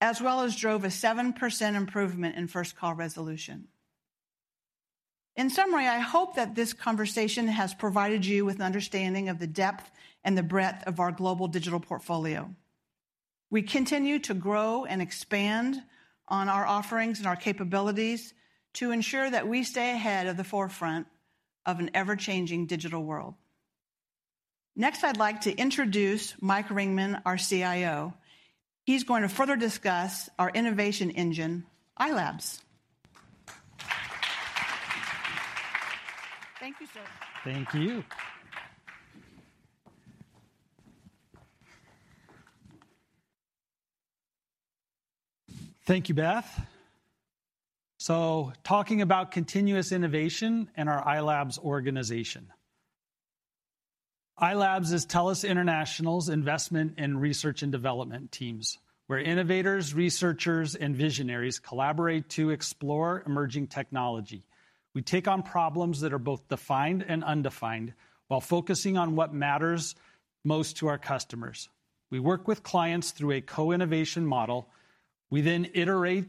as well as drove a 7% improvement in first call resolution. In summary, I hope that this conversation has provided you with an understanding of the depth and the breadth of our global digital portfolio. We continue to grow and expand on our offerings and our capabilities to ensure that we stay ahead of the forefront of an ever-changing digital world. Next, I'd like to introduce Michael Ringman, our CIO. He's going to further discuss our innovation engine, iLabs. Thank you, sir. Thank you. Thank you, Beth. Talking about continuous innovation and our iLabs organization. iLabs is TELUS International's investment in research and development teams, where innovators, researchers, and visionaries collaborate to explore emerging technology. We take on problems that are both defined and undefined while focusing on what matters most to our customers. We work with clients through a co-innovation model. We iterate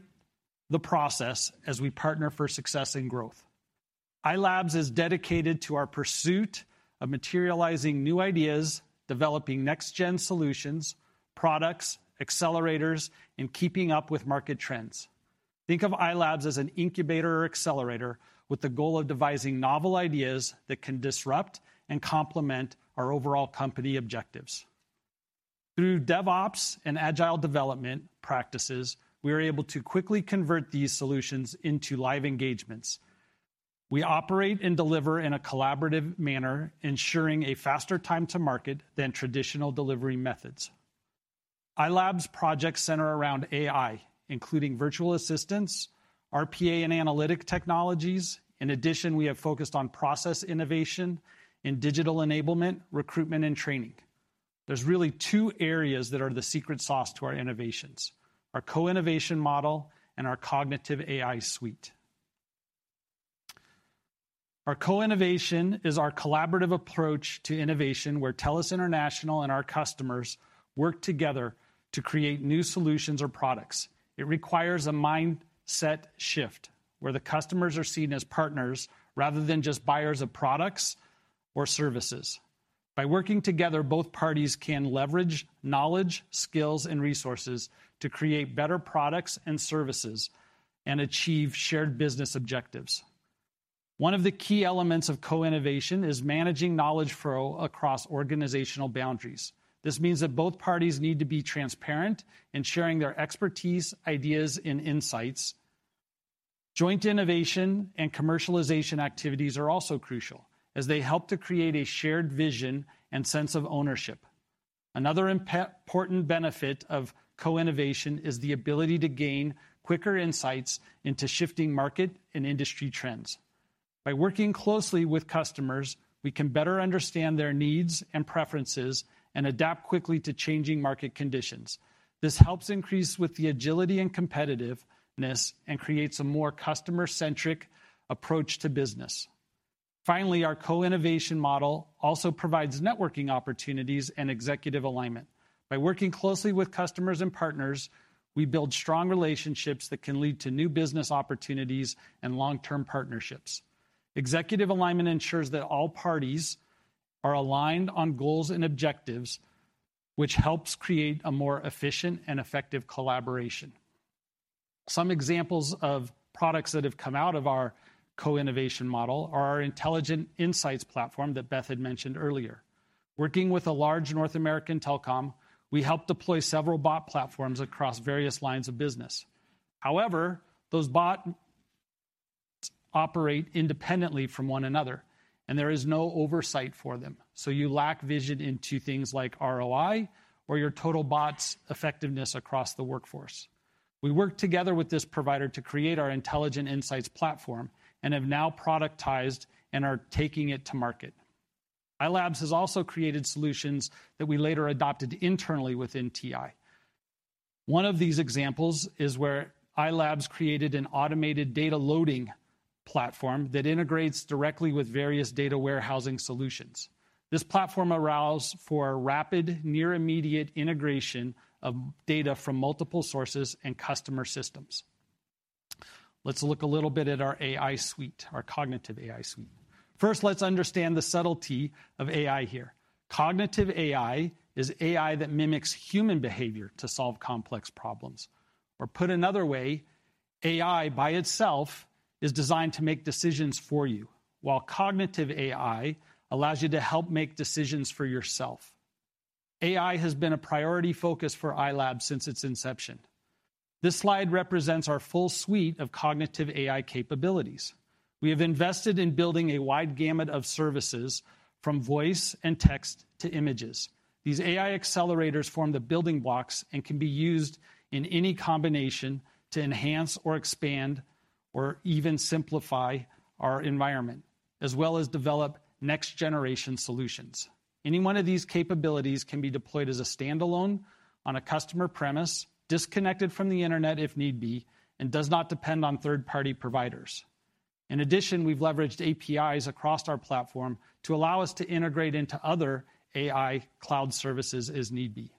the process as we partner for success and growth. iLabs is dedicated to our pursuit of materializing new ideas, developing next-gen solutions, products, accelerators, and keeping up with market trends. Think of iLabs as an incubator or accelerator with the goal of devising novel ideas that can disrupt and complement our overall company objectives. Through DevOps and Agile development practices, we are able to quickly convert these solutions into live engagements. We operate and deliver in a collaborative manner, ensuring a faster time to market than traditional delivery methods. iLabs projects center around AI, including virtual assistants, RPA and analytic technologies. In addition, we have focused on process innovation and digital enablement, recruitment, and training. There's really two areas that are the secret sauce to our innovations, our co-innovation model and our cognitive AI suite. Our co-innovation is our collaborative approach to innovation, where TELUS International and our customers work together to create new solutions or products. It requires a mindset shift where the customers are seen as partners rather than just buyers of products or services. By working together, both parties can leverage knowledge, skills, and resources to create better products and services and achieve shared business objectives. One of the key elements of co-innovation is managing knowledge flow across organizational boundaries. This means that both parties need to be transparent in sharing their expertise, ideas, and insights. Joint innovation and commercialization activities are also crucial as they help to create a shared vision and sense of ownership. Another important benefit of co-innovation is the ability to gain quicker insights into shifting market and industry trends. By working closely with customers, we can better understand their needs and preferences and adapt quickly to changing market conditions. This helps increase with the agility and competitiveness and creates a more customer-centric approach to business. Finally, our co-innovation model also provides networking opportunities and executive alignment. By working closely with customers and partners, we build strong relationships that can lead to new business opportunities and long-term partnerships. Executive alignment ensures that all parties are aligned on goals and objectives, which helps create a more efficient and effective collaboration. Some examples of products that have come out of our co-innovation model are our Intelligent Insights Platform that Beth had mentioned earlier. Working with a large North American telecom, we helped deploy several bot platforms across various lines of business. Those bots operate independently from one another, and there is no oversight for them, so you lack vision into things like ROI or your total bot's effectiveness across the workforce. We worked together with this provider to create our Intelligent Insights Platform and have now productized and are taking it to market. iLabs has also created solutions that we later adopted internally within TI. One of these examples is where iLabs created an automated data loading platform that integrates directly with various data warehousing solutions. This platform allows for rapid, near immediate integration of data from multiple sources and customer systems. Let's look a little bit at our AI suite, our cognitive AI suite. First, let's understand the subtlety of AI here. Cognitive AI is AI that mimics human behavior to solve complex problems. Put another way, AI by itself is designed to make decisions for you, while cognitive AI allows you to help make decisions for yourself. AI has been a priority focus for iLabs since its inception. This slide represents our full suite of cognitive AI capabilities. We have invested in building a wide gamut of services from voice and text to images. These AI accelerators form the building blocks and can be used in any combination to enhance or expand or even simplify our environment, as well as develop next-generation solutions. Any one of these capabilities can be deployed as a standalone on a customer premise, disconnected from the internet if need be, and does not depend on third-party providers. In addition, we've leveraged APIs across our platform to allow us to integrate into other AI cloud services as need be.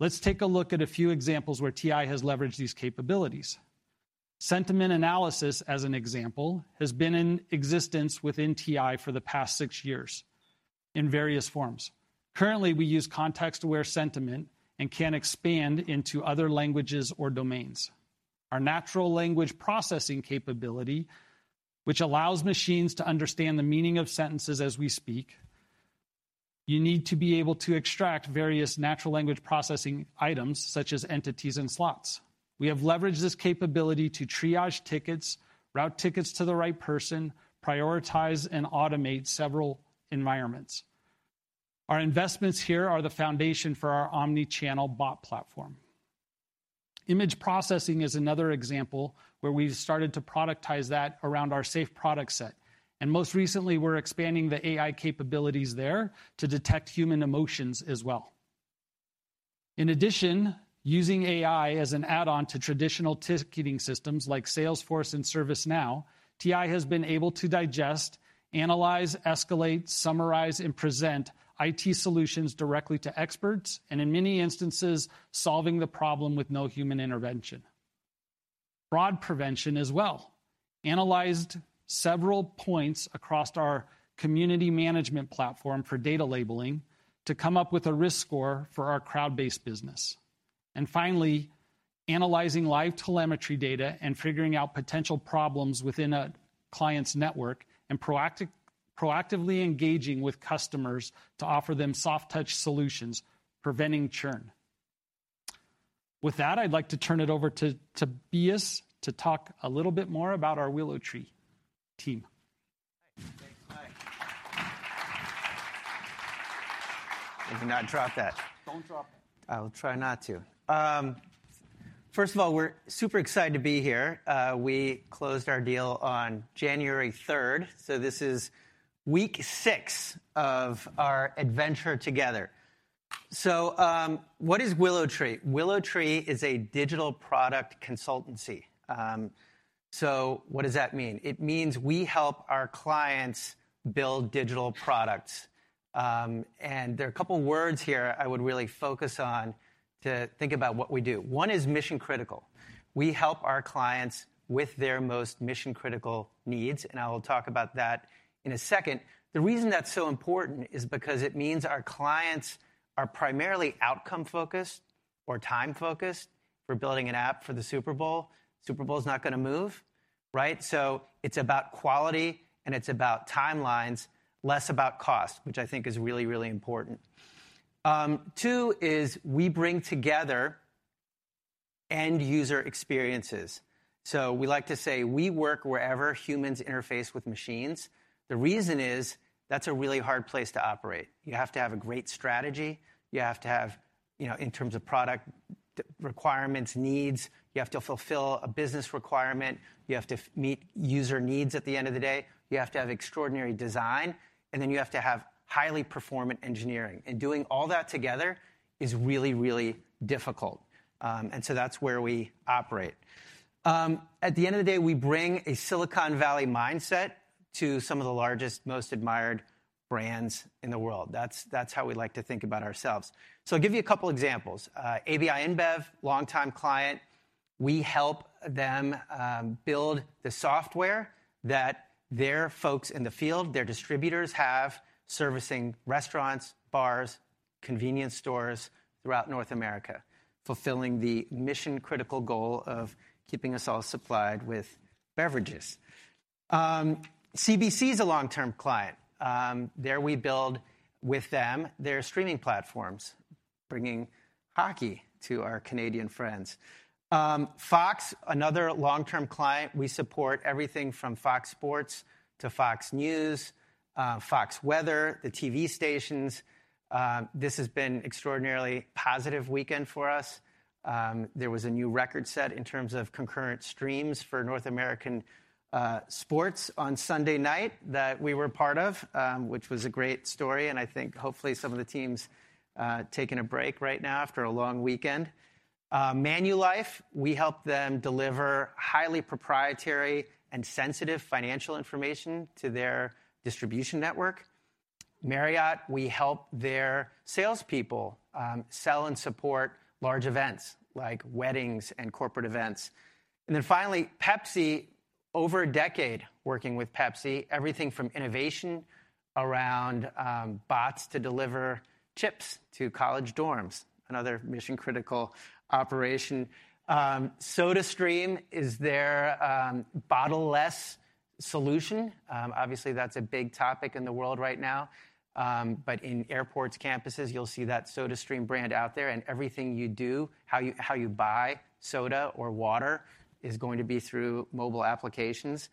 Let's take a look at a few examples where TI has leveraged these capabilities. Sentiment analysis, as an example, has been in existence within TI for the past six years in various forms. Currently, we use context-aware sentiment and can expand into other languages or domains. Our natural language processing capability, which allows machines to understand the meaning of sentences as we speak, you need to be able to extract various natural language processing items such as entities and slots. We have leveraged this capability to triage tickets, route tickets to the right person, prioritize, and automate several environments. Our investments here are the foundation for our omnichannel bot platform. Image processing is another example where we've started to productize that around our safe product set, and most recently, we're expanding the AI capabilities there to detect human emotions as well. Using AI as an add-on to traditional ticketing systems like Salesforce and ServiceNow, TI has been able to digest, analyze, escalate, summarize, and present IT solutions directly to experts, and in many instances, solving the problem with no human intervention. Fraud prevention as well analyzed several points across our community management platform for data labeling to come up with a risk score for our crowd-based business. Finally, analyzing live telemetry data and figuring out potential problems within a client's network and proactively engaging with customers to offer them soft touch solutions, preventing churn. With that, I'd like to turn it over to Tobias to talk a little bit more about our WillowTree team. Thanks, Mike. If you not drop that. Don't drop it. I will try not to. First of all, we're super excited to be here. We closed our deal on January 3rd, so this is week six of our adventure together. What is WillowTree? WillowTree is a digital product consultancy. What does that mean? It means we help our clients build digital products. There are a couple words here I would really focus on to think about what we do. One is mission-critical. We help our clients with their most mission-critical needs, and I will talk about that in a second. The reason that's so important is because it means our clients are primarily outcome-focused or time-focused. If we're building an app for the Super Bowl, Super Bowl is not gonna move, right? It's about quality and it's about timelines, less about cost, which I think is really, really important. Two is we bring together end user experiences. We like to say we work wherever humans interface with machines. The reason is that's a really hard place to operate. You have to have a great strategy. You have to have, you know, in terms of product requirements, needs. You have to fulfill a business requirement. You have to meet user needs at the end of the day. You have to have extraordinary design, and then you have to have highly performant engineering. Doing all that together is really, really difficult. That's where we operate. At the end of the day, we bring a Silicon Valley mindset to some of the largest, most admired brands in the world. That's how we like to think about ourselves. I'll give you a couple examples. AB InBev, longtime client, we help them build the software that their folks in the field, their distributors have servicing restaurants, bars, convenience stores throughout North America, fulfilling the mission-critical goal of keeping us all supplied with beverages. CBC is a long-term client. There we build with them their streaming platforms, bringing hockey to our Canadian friends. Fox, another long-term client, we support everything from Fox Sports to Fox News, Fox Weather, the TV stations. This has been extraordinarily positive weekend for us. There was a new record set in terms of concurrent streams for North American sports on Sunday night that we were part of, which was a great story, and I think hopefully some of the teams taking a break right now after a long weekend. Manulife, we help them deliver highly proprietary and sensitive financial information to their distribution network. Marriott, we help their salespeople, sell and support large events like weddings and corporate events. Finally, Pepsi, over a decade working with Pepsi, everything from innovation around bots to deliver chips to college dorms, another mission-critical operation. SodaStream is their bottle-less solution. Obviously that's a big topic in the world right now. But in airports, campuses, you'll see that SodaStream brand out there and everything you do, how you, how you buy soda or water is going to be through mobile applications.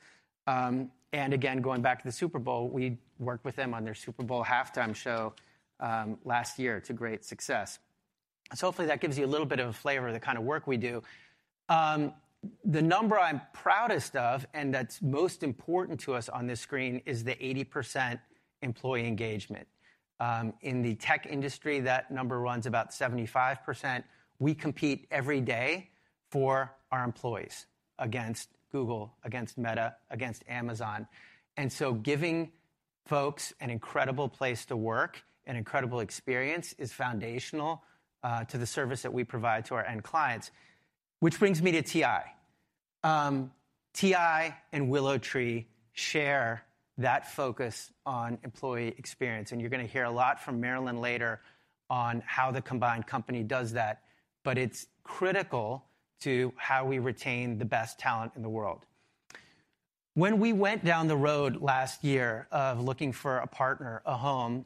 Again, going back to the Super Bowl, we worked with them on their Super Bowl halftime show last year to great success. Hopefully that gives you a little bit of a flavor of the kind of work we do. The number I'm proudest of and that's most important to us on this screen is the 80% employee engagement. In the tech industry, that number runs about 75%. We compete every day for our employees against Google, against Meta, against Amazon. Giving folks an incredible place to work, an incredible experience, is foundational to the service that we provide to our end clients. Which brings me to TI. TI and WillowTree share that focus on employee experience, and you're gonna hear a lot from Marilyn later on how the combined company does that, but it's critical to how we retain the best talent in the world. When we went down the road last year of looking for a partner, a home,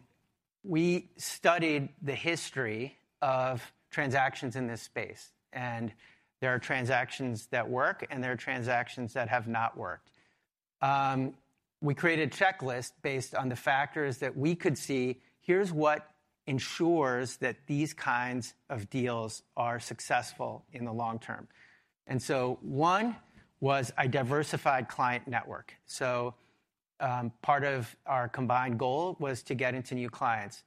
we studied the history of transactions in this space, and there are transactions that work, and there are transactions that have not worked. We created a checklist based on the factors that we could see, here's what ensures that these kinds of deals are successful in the long term. One was a diversified client network. Part of our combined goal was to get into new clients.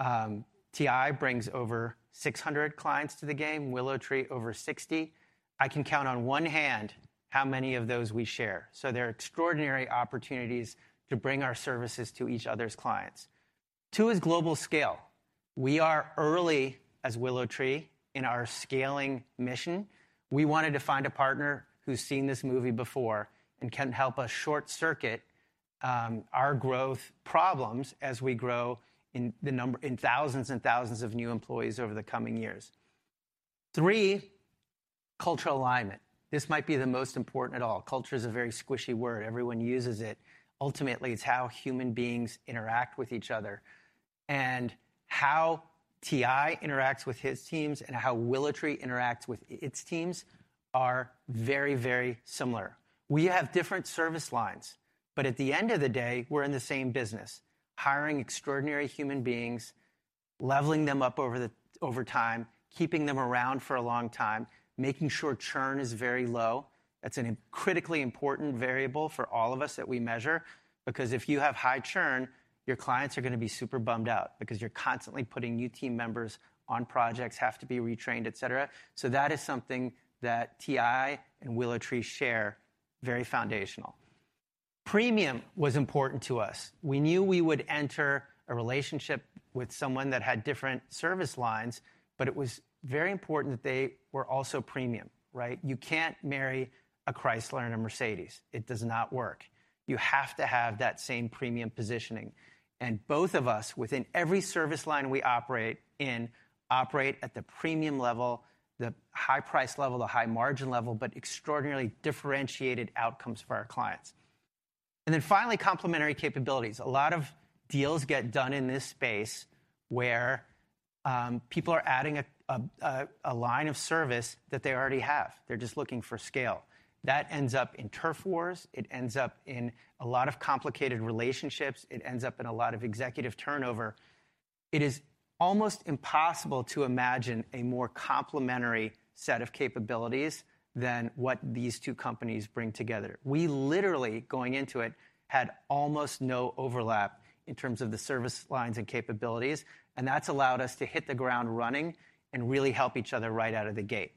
TI brings over 600 clients to the game, WillowTree over 60. I can count on one hand how many of those we share. There are extraordinary opportunities to bring our services to each other's clients. Two is global scale. We are early as WillowTree in our scaling mission. We wanted to find a partner who's seen this movie before and can help us short-circuit our growth problems as we grow in thousands and thousands of new employees over the coming years. Three, cultural alignment. This might be the most important at all. Culture is a very squishy word. Everyone uses it. Ultimately, it's how human beings interact with each other. How TI interacts with its teams and how WillowTree interacts with its teams are very, very similar. We have different service lines, but at the end of the day, we're in the same business: hiring extraordinary human beings, leveling them up over time, keeping them around for a long time, making sure churn is very low. That's an critically important variable for all of us that we measure, because if you have high churn, your clients are gonna be super bummed out because you're constantly putting new team members on projects, have to be retrained, et cetera. That is something that TI and WillowTree share. Very foundational. Premium was important to us. We knew we would enter a relationship with someone that had different service lines, but it was very important that they were also premium, right? You can't marry a Chrysler and a Mercedes. It does not work. You have to have that same premium positioning. Both of us, within every service line we operate in, operate at the premium level, the high price level, the high margin level, but extraordinarily differentiated outcomes for our clients. Finally, complementary capabilities. A lot of deals get done in this space where people are adding a line of service that they already have. They're just looking for scale. That ends up in turf wars. It ends up in a lot of complicated relationships. It ends up in a lot of executive turnover. It is almost impossible to imagine a more complementary set of capabilities than what these two companies bring together. We literally, going into it, had almost no overlap in terms of the service lines and capabilities, and that's allowed us to hit the ground running and really help each other right out of the gate.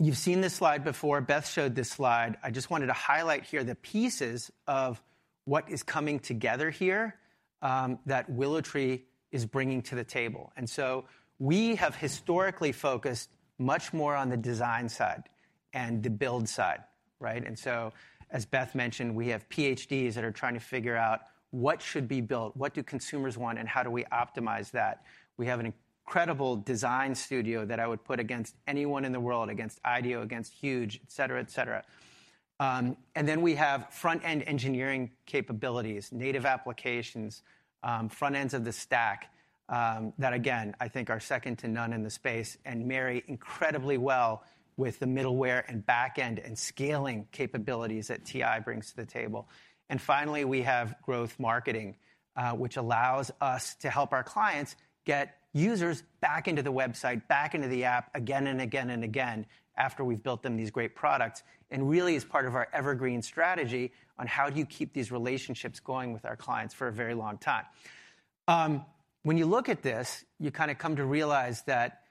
You've seen this slide before. Beth showed this slide. I just wanted to highlight here the pieces of what is coming together here that WillowTree is bringing to the table. We have historically focused much more on the design side and the build side, right? As Beth mentioned, we have PhDs that are trying to figure out what should be built, what do consumers want, and how do we optimize that. We have an incredible design studio that I would put against anyone in the world, against IDEO, against Huge, et cetera, et cetera. And then we have front-end engineering capabilities, native applications, front ends of the stack, that again, I think are second to none in the space and marry incredibly well with the middleware and back-end and scaling capabilities that TI brings to the table. Finally, we have growth marketing, which allows us to help our clients get users back into the website, back into the app again and again and again after we've built them these great products, and really is part of our evergreen strategy on how do you keep these relationships going with our clients for a very long time. When you look at this, you kind of come to realize that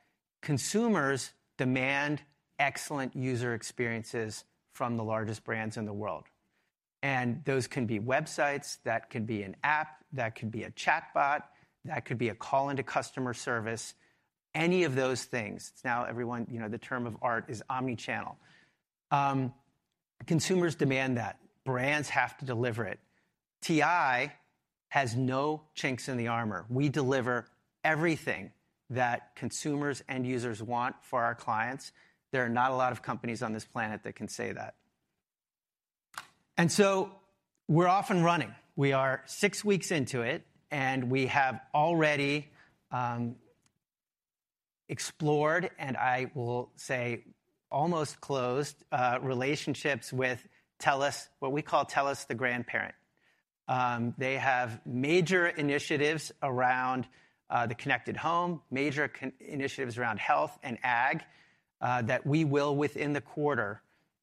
consumers demand excellent user experiences from the largest brands in the world. Those can be websites, that could be an app, that could be a chatbot, that could be a call into customer service, any of those things. It's now everyone, you know, the term of art is omnichannel. Consumers demand that. Brands have to deliver it. TI has no chinks in the armor. We deliver everything that consumers and users want for our clients. There are not a lot of companies on this planet that can say that. We're off and running. We are 6 weeks into it, and we have already explored, and I will say almost closed, relationships with TELUS, what we call TELUS the grandparent. They have major initiatives around the connected home, major initiatives around health and ag, that we will, within the quarter,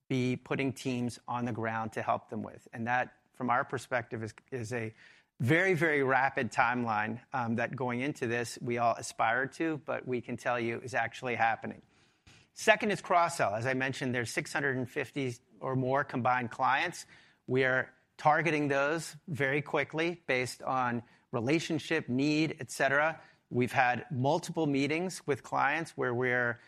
be putting teams on the ground to help them with. That, from our perspective is a very, very rapid timeline that going into this, we all aspire to, but we can tell you is actually happening. Second is cross-sell. As I mentioned, there's 650 or more combined clients. We are targeting those very quickly based on relationship, need, et cetera. We've had multiple meetings with clients where we're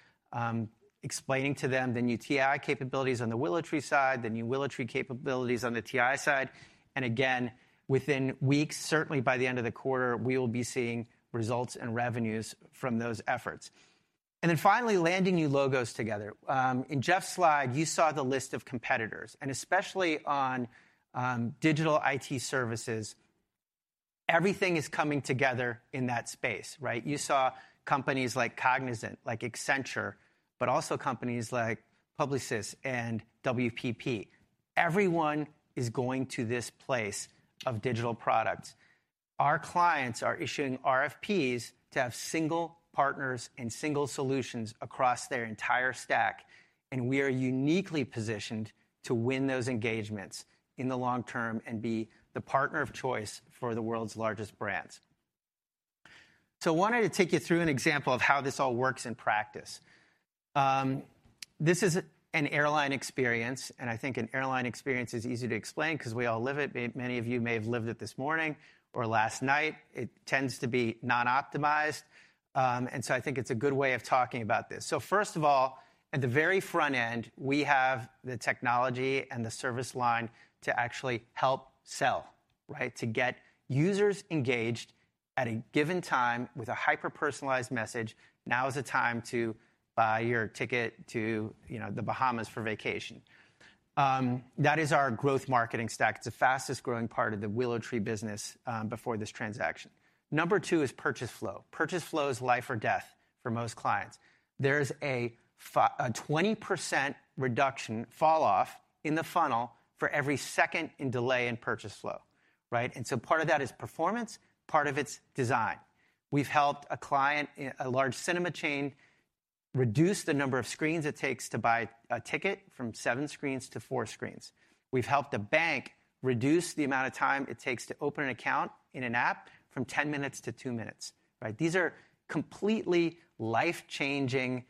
explaining to them the new TI capabilities on the WillowTree side, the new WillowTree capabilities on the TI side. Again, within weeks, certainly by the end of the quarter, we will be seeing results and revenues from those efforts. Finally, landing new logos together. In Jeff's slide, you saw the list of competitors, and especially on digital IT services, everything is coming together in that space, right? You saw companies like Cognizant, like Accenture, but also companies like Publicis and WPP. Everyone is going to this place of digital products. Our clients are issuing RFPs to have single partners and single solutions across their entire stack, and we are uniquely positioned to win those engagements in the long term and be the partner of choice for the world's largest brands. I wanted to take you through an example of how this all works in practice. This is an airline experience, and I think an airline experience is easy to explain because we all live it. Many of you may have lived it this morning or last night. It tends to be non-optimized, I think it's a good way of talking about this. First of all, at the very front end, we have the technology and the service line to actually help sell, right? To get users engaged at a given time with a hyper-personalized message. Now is the time to buy your ticket to, you know, the Bahamas for vacation. That is our growth marketing stack. It's the fastest-growing part of the WillowTree business, before this transaction. Number two is purchase flow. Purchase flow is life or death for most clients. There is a 20% reduction falloff in the funnel for every second in delay in purchase flow, right? Part of that is performance, part of it's design. We've helped a client in a large cinema chain reduce the number of screens it takes to buy a ticket from seven screens to four screens. We've helped a bank reduce the amount of time it takes to open an account in an app from 10 minutes to two minutes, right? These are completely life-changing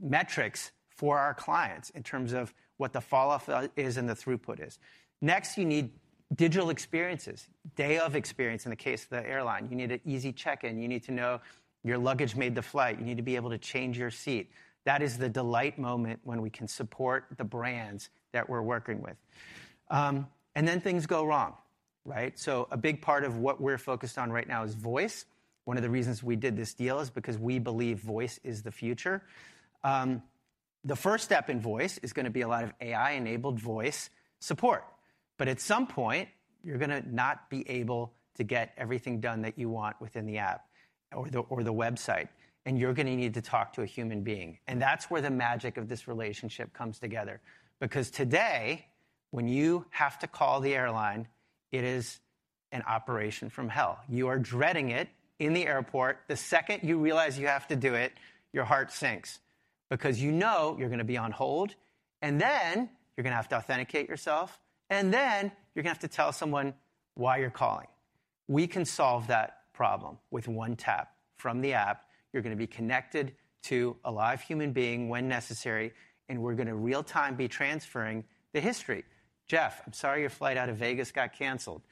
metrics for our clients in terms of what the falloff is and the throughput is. Next, you need digital experiences, day-of experience in the case of the airline. You need an easy check-in. You need to know your luggage made the flight. You need to be able to change your seat. That is the delight moment when we can support the brands that we're working with. Then things go wrong, right? A big part of what we're focused on right now is voice. One of the reasons we did this deal is because we believe voice is the future. The first step in voice is gonna be a lot of AI-enabled voice support, but at some point, you're gonna not be able to get everything done that you want within the app or the, or the website, and you're gonna need to talk to a human being. That's where the magic of this relationship comes together because today when you have to call the airline, it is an operation from hell. You are dreading it in the airport. The second you realize you have to do it, your heart sinks because you know you're gonna be on hold, and then you're gonna have to authenticate yourself, and then you're gonna have to tell someone why you're calling. We can solve that problem with one tap from the app. You're gonna be connected to a live human being when necessary, and we're gonna real-time be transferring the history. "Jeff, I'm sorry your flight out of Vegas got canceled.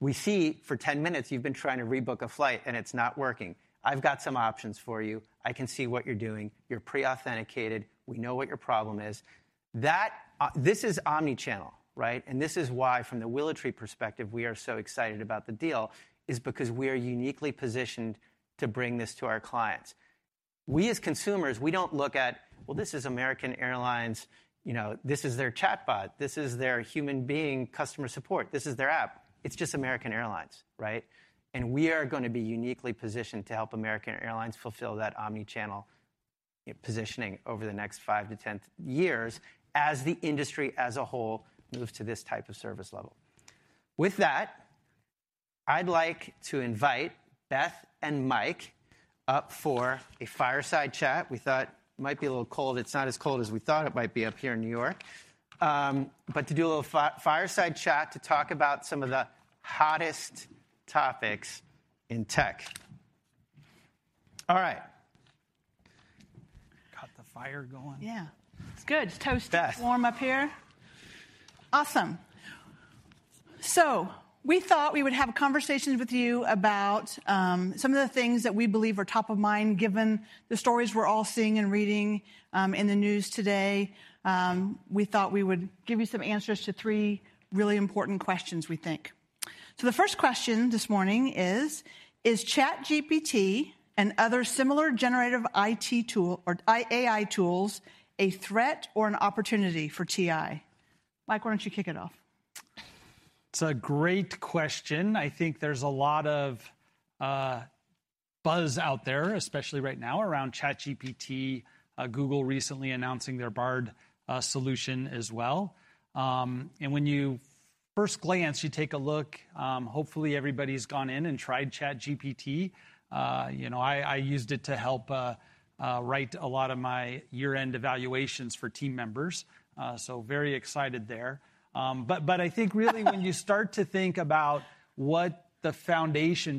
We see for 10 minutes you've been trying to rebook a flight and it's not working. I've got some options for you. I can see what you're doing. You're pre-authenticated. We know what your problem is." This is omnichannel, right? This is why from the WillowTree perspective, we are so excited about the deal is because we are uniquely positioned to bring this to our clients. We as consumers, we don't look at, well, this is American Airlines, you know, this is their chatbot, this is their human being customer support, this is their app. It's just American Airlines, right? We are gonna be uniquely positioned to help American Airlines fulfill that omnichannel positioning over the next five years to 10 years as the industry as a whole moves to this type of service level. With that, I'd like to invite Beth and Mike up for a fireside chat. We thought it might be a little cold. It's not as cold as we thought it might be up here in New York. To do a little fireside chat to talk about some of the hottest topics in tech. All right. Got the fire going. Yeah. It's good. It's toasty- Beth warm up here. Awesome. We thought we would have a conversation with you about, some of the things that we believe are top of mind given the stories we're all seeing and reading, in the news today. We thought we would give you some answers to three really important questions we think. The first question this morning is: Is ChatGPT and other similar generative IT tool or AI tools a threat or an opportunity for TI? Mike, why don't you kick it off? It's a great question. I think there's a lot of buzz out there, especially right now around ChatGPT, Google recently announcing their Bard solution as well. When you first glance, you take a look, hopefully everybody's gone in and tried ChatGPT. You know, I used it to help write a lot of my year-end evaluations for team members, so very excited there. I think really when you start to think about what the foundation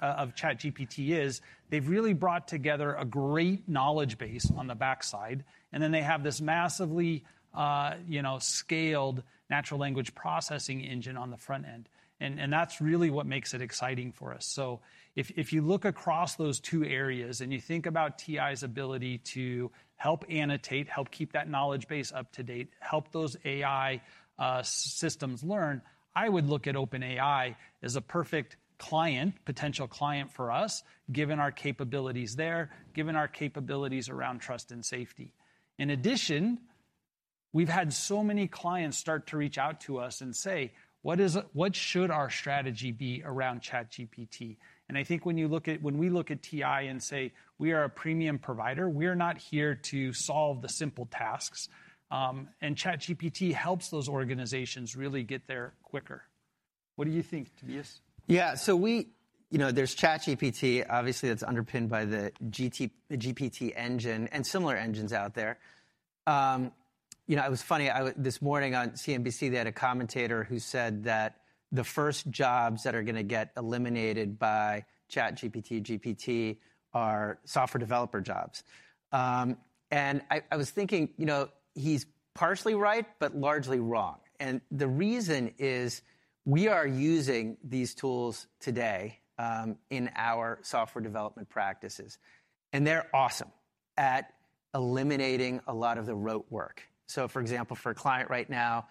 of ChatGPT is, they've really brought together a great knowledge base on the backside, and then they have this massively, you know, scaled natural language processing engine on the front end, and that's really what makes it exciting for us. If you look across those two areas and you think about TI's ability to help annotate, help keep that knowledge base up to date, help those AI systems learn, I would look at OpenAI as a perfect client, potential client for us, given our capabilities there, given our capabilities around Trust and Safety. In addition, we've had so many clients start to reach out to us and say, "What should our strategy be around ChatGPT?" I think when we look at TI and say, we are a premium provider, we're not here to solve the simple tasks, and ChatGPT helps those organizations really get there quicker. What do you think, Tobias? Yeah. You know, there's ChatGPT, obviously that's underpinned by the GPT engine and similar engines out there. you know, it was funny, this morning on CNBC, they had a commentator who said that the first jobs that are gonna get eliminated by ChatGPT, GPT are software developer jobs. I was thinking, you know, he's partially right, but largely wrong. The reason is we are using these tools today, in our software development practices, and they're awesome at eliminating a lot of the rote work. For example, for a client right now,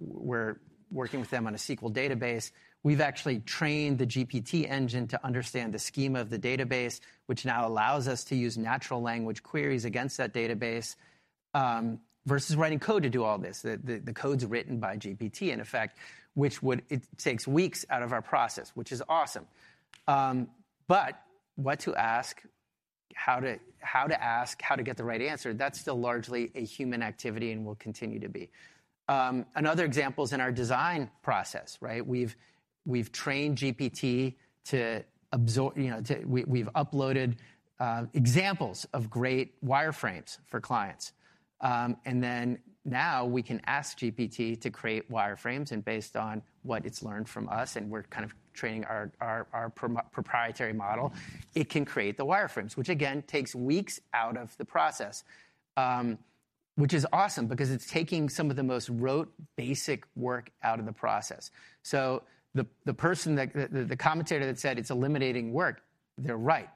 we're working with them on a SQL database. We've actually trained the GPT engine to understand the scheme of the database, which now allows us to use natural language queries against that database, versus writing code to do all this. The code's written by GPT in effect, which it takes weeks out of our process, which is awesome. What to ask, how to ask, how to get the right answer, that's still largely a human activity and will continue to be. Another example is in our design process, right? We've trained GPT. We've uploaded examples of great wireframes for clients. Now we can ask GPT to create wireframes and based on what it's learned from us, and we're kind of training our proprietary model, it can create the wireframes, which again takes weeks out of the process. Which is awesome because it's taking some of the most rote basic work out of the process. The commentator that said it's eliminating work, they're right.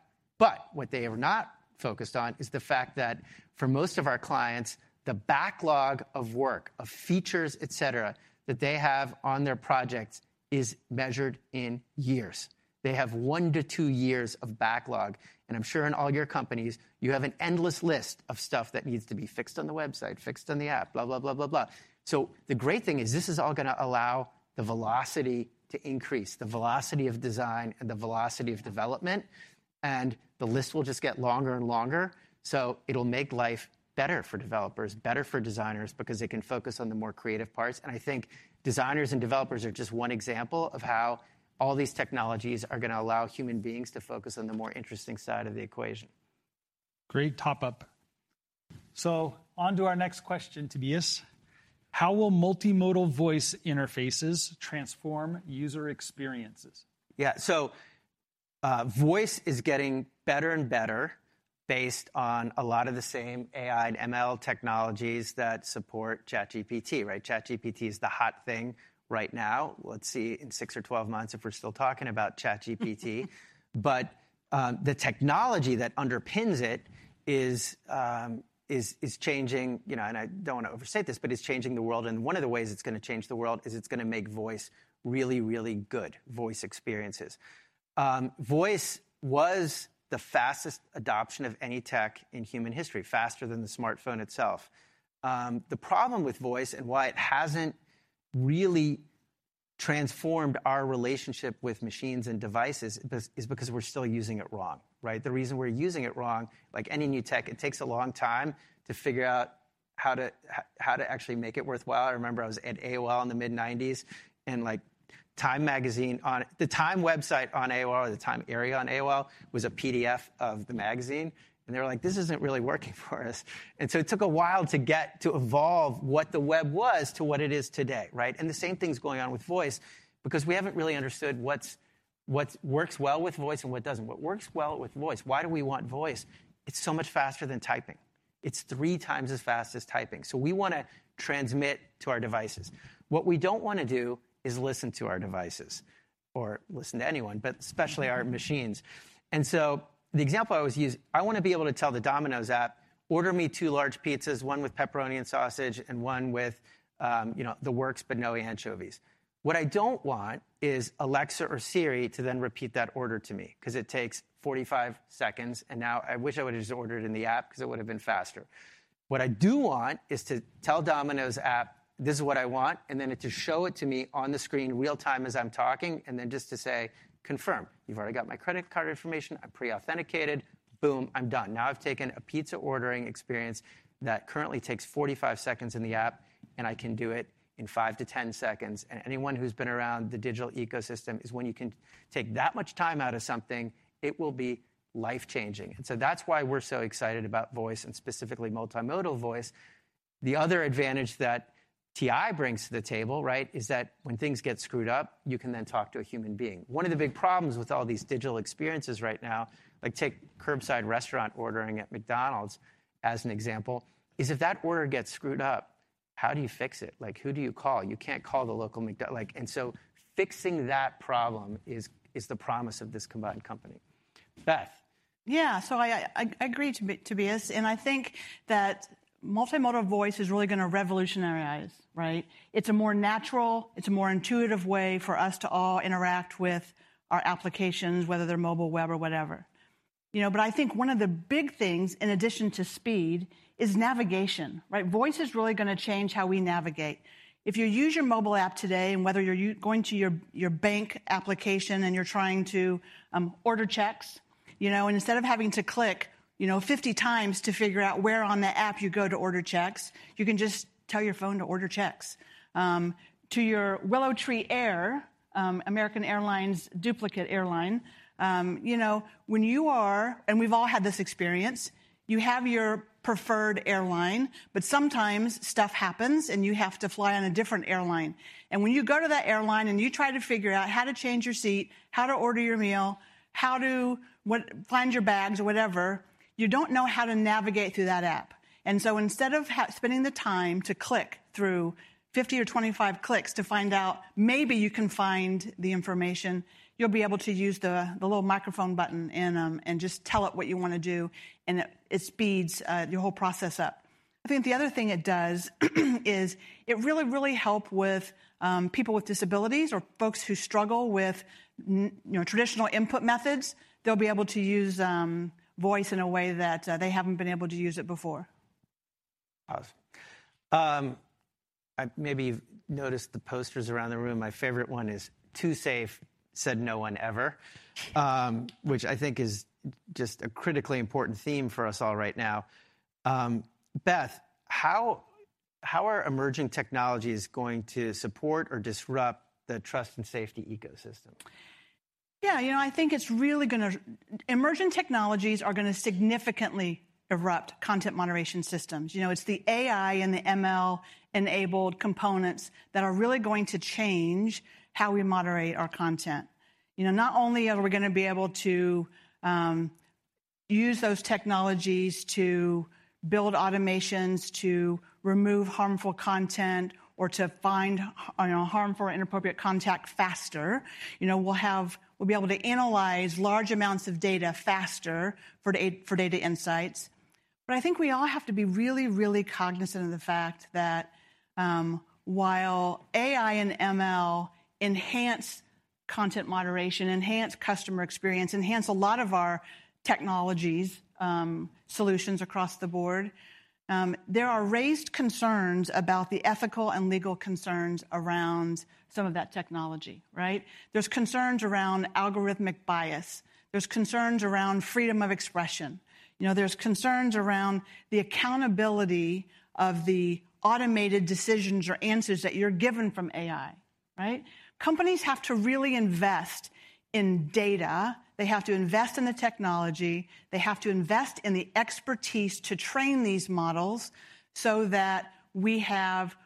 What they are not focused on is the fact that for most of our clients, the backlog of work, of features, et cetera, that they have on their projects is measured in years. They have one years to two years of backlog, and I'm sure in all your companies, you have an endless list of stuff that needs to be fixed on the website, fixed on the app, blah, blah, blah. The great thing is this is all gonna allow the velocity to increase, the velocity of design and the velocity of development, and the list will just get longer and longer, so it'll make life better for developers, better for designers because they can focus on the more creative parts. I think designers and developers are just one example of how all these technologies are gonna allow human beings to focus on the more interesting side of the equation. Great top-up. On to our next question, Tobias. How will multimodal voice interfaces transform user experiences? Yeah. voice is getting better and better based on a lot of the same AI and ML technologies that support ChatGPT, right? ChatGPT is the hot thing right now. Let's see in six months or 12 months if we're still talking about ChatGPT. the technology that underpins it is changing, you know, and I don't wanna overstate this, but it's changing the world, and one of the ways it's gonna change the world is it's gonna make voice really, really good voice experiences. voice was the fastest adoption of any tech in human history, faster than the smartphone itself. the problem with voice and why it hasn't really transformed our relationship with machines and devices is because we're still using it wrong, right? The reason we're using it wrong, like any new tech, it takes a long time to figure out how to actually make it worthwhile. I remember I was at AOL in the mid-90s, and, like, Time Magazine on The Time website on AOL or the Time area on AOL was a PDF of the magazine, and they were like, "This isn't really working for us." it took a while to get to evolve what the web was to what it is today, right? the same thing's going on with voice because we haven't really understood what works well with voice and what doesn't. What works well with voice, why do we want voice? It's so much faster than typing. It's 3x as fast as typing, so we wanna transmit to our devices. What we don't wanna do is listen to our devices or listen to anyone, but especially our machines. The example I always use, I wanna be able to tell the Domino's app, "Order me two large pizzas, one with pepperoni and sausage and one with, you know, the works, but no anchovies." What I don't want is Alexa or Siri to then repeat that order to me 'cause it takes 45 seconds, and now I wish I would've just ordered in the app 'cause it would've been faster. What I do want is to tell Domino's app, "This is what I want," and then it to show it to me on the screen real-time as I'm talking, and then just to say, "Confirm." You've already got my credit card information. I pre-authenticated. Boom, I'm done. Now I've taken a pizza ordering experience that currently takes 45 seconds in the app, and I can do it in five second to 10 seconds. Anyone who's been around the digital ecosystem is when you can take that much time out of something, it will be life-changing. That's why we're so excited about voice and specifically multimodal voice. The other advantage that TI brings to the table, right, is that when things get screwed up, you can then talk to a human being. One of the big problems with all these digital experiences right now, like take curbside restaurant ordering at McDonald's as an example, is if that order gets screwed up, how do you fix it? Like, who do you call? You can't call the local. Fixing that problem is the promise of this combined company. Beth. Yeah. I agree Tobias, and I think that multimodal voice is really gonna revolutionize, right? It's a more natural, it's a more intuitive way for us to all interact with our applications, whether they're mobile, web, or whatever, you know. I think one of the big things, in addition to speed, is navigation, right? Voice is really gonna change how we navigate. If you use your mobile app today and whether you're going to your bank application and you're trying to order checks, you know, and instead of having to click, you know, 50 times to figure out where on the app you go to order checks, you can just tell your phone to order checks. To your WillowTree, American Airlines, you know, we've all had this experience. You have your preferred airline, sometimes stuff happens, and you have to fly on a different airline. When you go to that airline and you try to figure out how to change your seat, how to order your meal, how to, what, find your bags or whatever, you don't know how to navigate through that app. Instead of spending the time to click through 50 or 25 clicks to find out, maybe you can find the information, you'll be able to use the little microphone button and just tell it what you wanna do, and it speeds your whole process up. I think the other thing it does is it really, really help with people with disabilities or folks who struggle with you know, traditional input methods. They'll be able to use voice in a way that they haven't been able to use it before. Awesome. Maybe you've noticed the posters around the room. My favorite one is, "Too safe," said no one ever. Which I think is just a critically important theme for us all right now. Beth, how are emerging technologies going to support or disrupt the Trust and Safety ecosystem? Yeah, you know, I think it's really gonna significantly erupt content moderation systems. You know, it's the AI and the ML-enabled components that are really going to change how we moderate our content. You know, not only are we gonna be able to use those technologies to build automations, to remove harmful content, or to find, you know, harmful or inappropriate content faster. You know, we'll be able to analyze large amounts of data faster for data insights. I think we all have to be really, really cognizant of the fact that while AI and ML enhance content moderation, enhance customer experience, enhance a lot of our technologies, solutions across the board, there are raised concerns about the ethical and legal concerns around some of that technology, right? There's concerns around algorithmic bias. There's concerns around freedom of expression. You know, there's concerns around the accountability of the automated decisions or answers that you're given from AI, right. Companies have to really invest in data. They have to invest in the technology. They have to invest in the expertise to train these models so that we have,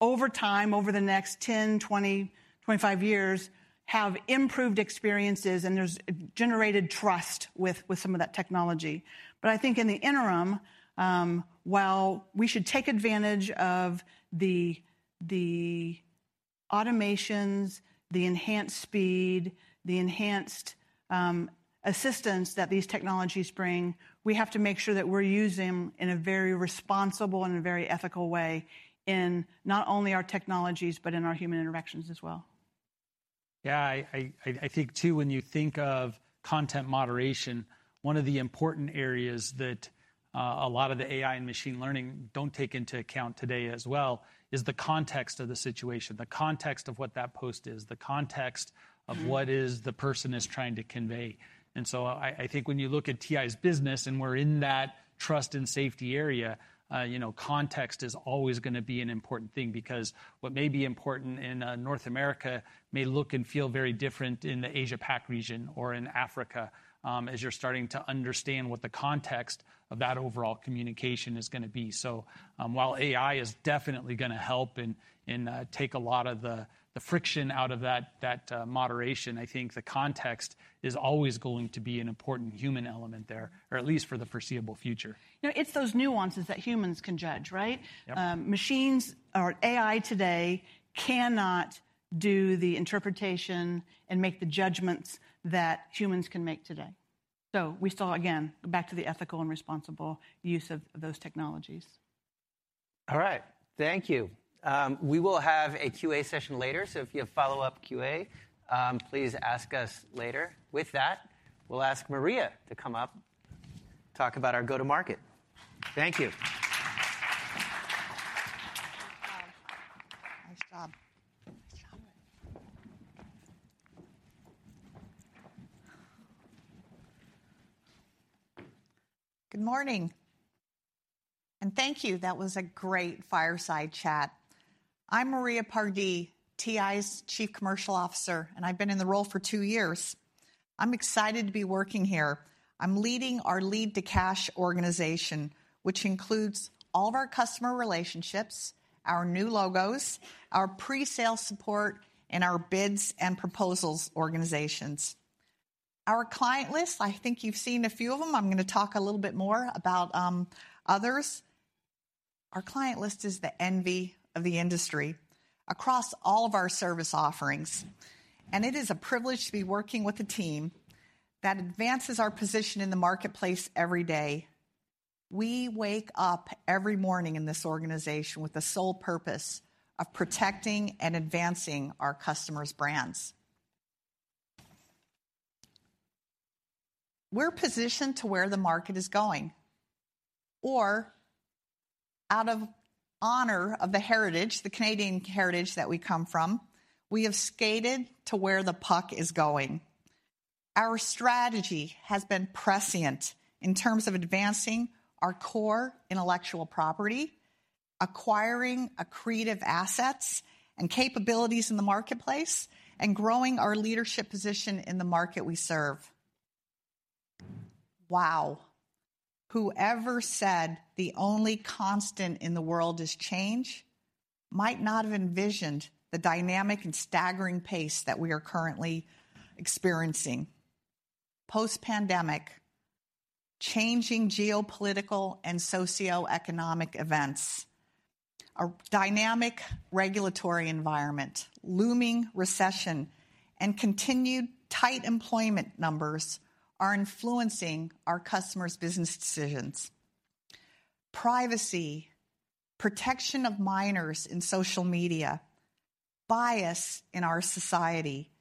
over time, over the next 10 years, 20 years, 25 years, have improved experiences, and there's generated trust with some of that technology. I think in the interim, while we should take advantage of the automations, the enhanced speed, the enhanced assistance that these technologies bring, we have to make sure that we're using them in a very responsible and a very ethical way in not only our technologies, but in our human interactions as well. Yeah, I think too, when you think of content moderation, one of the important areas that a lot of the AI and machine learning don't take into account today as well is the context of the situation, the context of what that post is, the context of what is the person is trying to convey. I think when you look at TI's business and we're in that Trust and Safety area, you know, context is always gonna be an important thing because what may be important in North America may look and feel very different in the Asia Pac region or in Africa, as you're starting to understand what the context of that overall communication is gonna be. While AI is definitely gonna help and take a lot of the friction out of that moderation, I think the context is always going to be an important human element there, or at least for the foreseeable future. You know, it's those nuances that humans can judge, right? Yep. Machines or AI today cannot do the interpretation and make the judgments that humans can make today. We still, again, back to the ethical and responsible use of those technologies. All right. Thank you. We will have a QA session later, if you have follow-up QA, please ask us later. With that, we'll ask Maria to come up, talk about our go-to-market. Thank you. Nice job. Nice job. Good morning, and thank you. That was a great fireside chat. I'm Maria Pardee, TI's Chief Commercial Officer, and I've been in the role for two years. I'm excited to be working here. I'm leading our lead to cash organization, which includes all of our customer relationships, our new logos, our pre-sale support, and our bids and proposals organizations. Our client list, I think you've seen a few of them. I'm gonna talk a little bit more about others. Our client list is the envy of the industry across all of our service offerings, and it is a privilege to be working with a team that advances our position in the marketplace every day. We wake up every morning in this organization with the sole purpose of protecting and advancing our customers' brands. We're positioned to where the market is going, or out of honor of the heritage, the Canadian heritage that we come from, we have skated to where the puck is going. Our strategy has been prescient in terms of advancing our core intellectual property, acquiring accretive assets and capabilities in the marketplace, and growing our leadership position in the market we serve. Wow. Whoever said the only constant in the world is change might not have envisioned the dynamic and staggering pace that we are currently experiencing. Post-pandemic, changing geopolitical and socioeconomic events, a dynamic regulatory environment, looming recession, and continued tight employment numbers are influencing our customers' business decisions. Privacy, protection of minors in social media, bias in our society,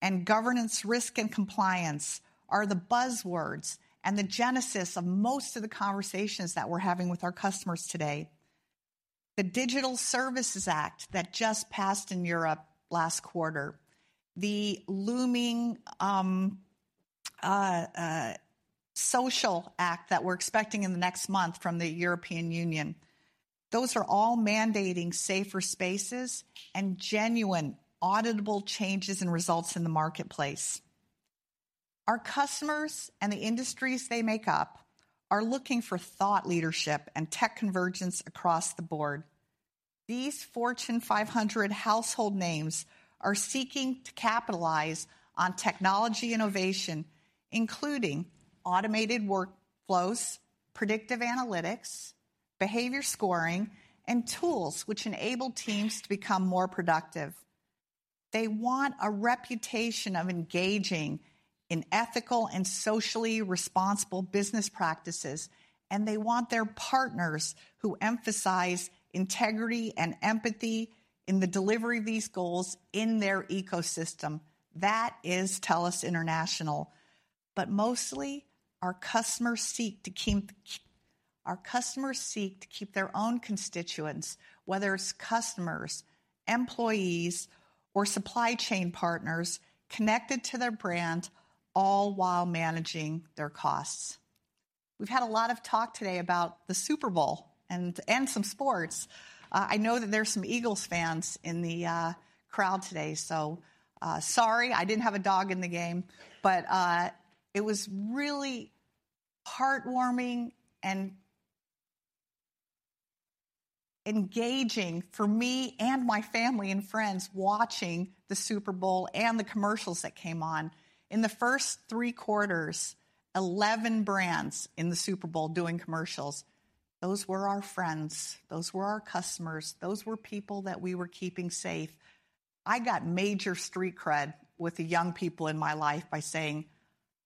and governance risk and compliance are the buzzwords and the genesis of most of the conversations that we're having with our customers today. The Digital Services Act that just passed in Europe last quarter, the looming social act that we're expecting in the next month from the European Union, those are all mandating safer spaces and genuine auditable changes and results in the marketplace. Our customers and the industries they make up are looking for thought leadership and tech convergence across the board. These Fortune 500 household names are seeking to capitalize on technology innovation, including automated workflows, predictive analytics, behavior scoring, and tools which enable teams to become more productive. They want a reputation of engaging in ethical and socially responsible business practices, and they want their partners who emphasize integrity and empathy in the delivery of these goals in their ecosystem. That is TELUS International. Mostly our customers seek to keep their own constituents, whether it's customers, employees or supply chain partners, connected to their brand, all while managing their costs. We've had a lot of talk today about the Super Bowl and some sports. I know that there's some Eagles fans in the crowd today, so sorry I didn't have a dog in the game, but it was really heartwarming and engaging for me and my family and friends watching the Super Bowl and the commercials that came on. In the first three quarters, 11 brands in the Super Bowl doing commercials. Those were our friends, those were our customers. Those were people that we were keeping safe. I got major street cred with the young people in my life by saying,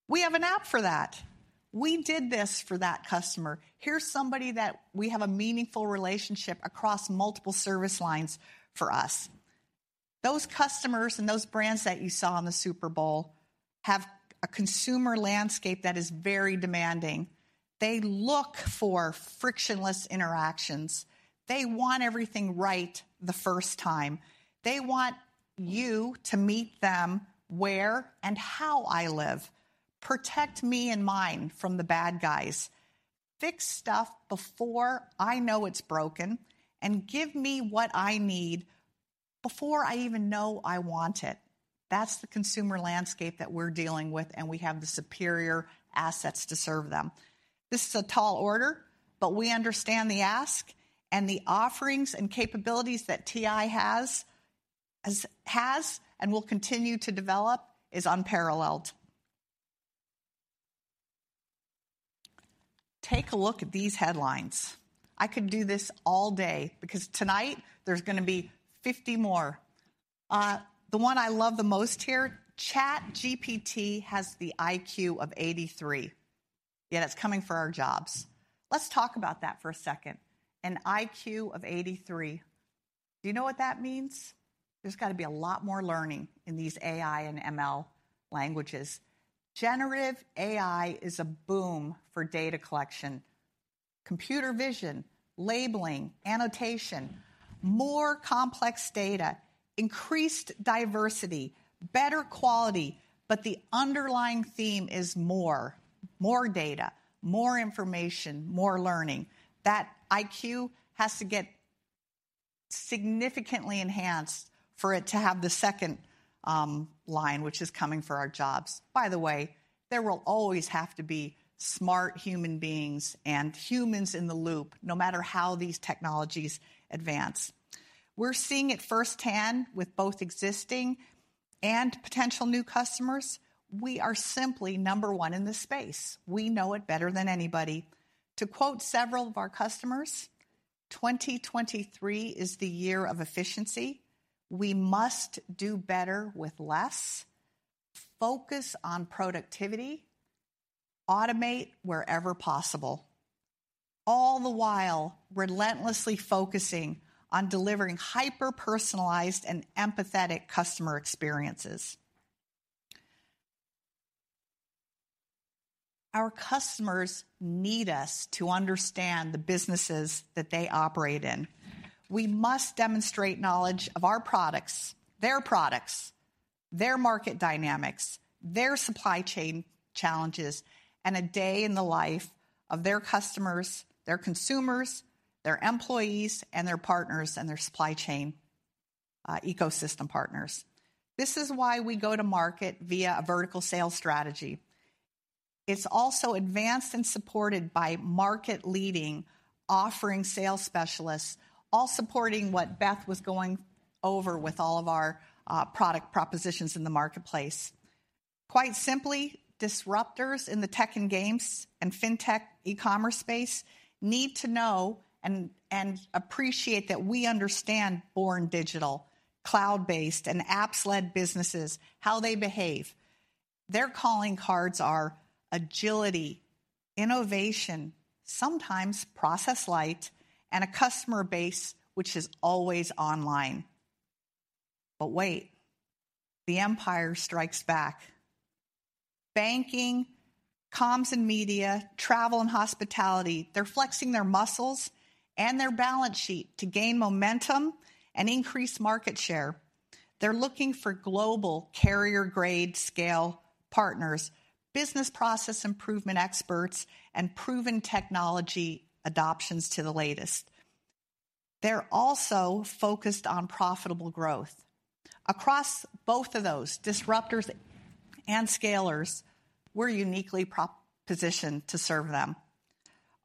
"We have an app for that. We did this for that customer. Here's somebody that we have a meaningful relationship across multiple service lines for us." Those customers and those brands that you saw on the Super Bowl have a consumer landscape that is very demanding. They look for frictionless interactions. They want everything right the first time. They want you to meet them where and how I live. Protect me and mine from the bad guys. Fix stuff before I know it's broken, and give me what I need before I even know I want it. That's the consumer landscape that we're dealing with, and we have the superior assets to serve them. This is a tall order, but we understand the ask and the offerings and capabilities that TI has and will continue to develop is unparalleled. Take a look at these headlines. I could do this all day because tonight there's going to be 50 more. The one I love the most here, ChatGPT has the IQ of 83, yet it's coming for our jobs. Let's talk about that for a second. An IQ of 83. Do you know what that means? There's got to be a lot more learning in these AI and ML languages. Generative AI is a boom for data collection, computer vision, labeling, annotation, more complex data, increased diversity, better quality. The underlying theme is more. More data, more information, more learning. That IQ has to get significantly enhanced for it to have the second line, which is coming for our jobs. By the way, there will always have to be smart human beings and humans in the loop no matter how these technologies advance. We're seeing it firsthand with both existing and potential new customers. We are simply number one in this space. We know it better than anybody. To quote several of our customers, "2023 is the year of efficiency. We must do better with less, focus on productivity, automate wherever possible, all the while relentlessly focusing on delivering hyper-personalized and empathetic customer experiences." Our customers need us to understand the businesses that they operate in. We must demonstrate knowledge of our products, their products, their market dynamics, their supply chain challenges, and a day in the life of their customers, their consumers, their employees and their partners and their supply chain ecosystem partners. This is why we go to market via a vertical sales strategy. It's also advanced and supported by market-leading offering sales specialists, all supporting what Beth was going over with all of our product propositions in the marketplace. Quite simply, disruptors in the tech and games and fintech e-commerce space need to know and appreciate that we understand born digital, cloud-based, and apps-led businesses, how they behave. Their calling cards are agility, innovation, sometimes process light, and a customer base which is always online. Wait, the empire strikes back. Banking, comms and media, travel and hospitality, they're flexing their muscles and their balance sheet to gain momentum and increase market share. They're looking for global carrier-grade scale partners, business process improvement experts, and proven technology adoptions to the latest. They're also focused on profitable growth. Across both of those disruptors and scalers, we're uniquely positioned to serve them.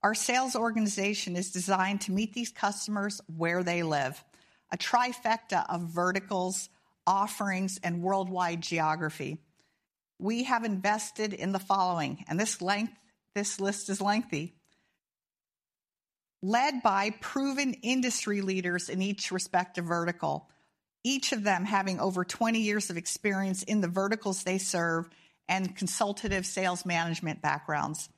Our sales organization is designed to meet these customers where they live. A trifecta of verticals, offerings, and worldwide geography. We have invested in the following, this list is lengthy. Led by proven industry leaders in each respective vertical, each of them having over 20 years of experience in the verticals they serve and consultative sales management backgrounds.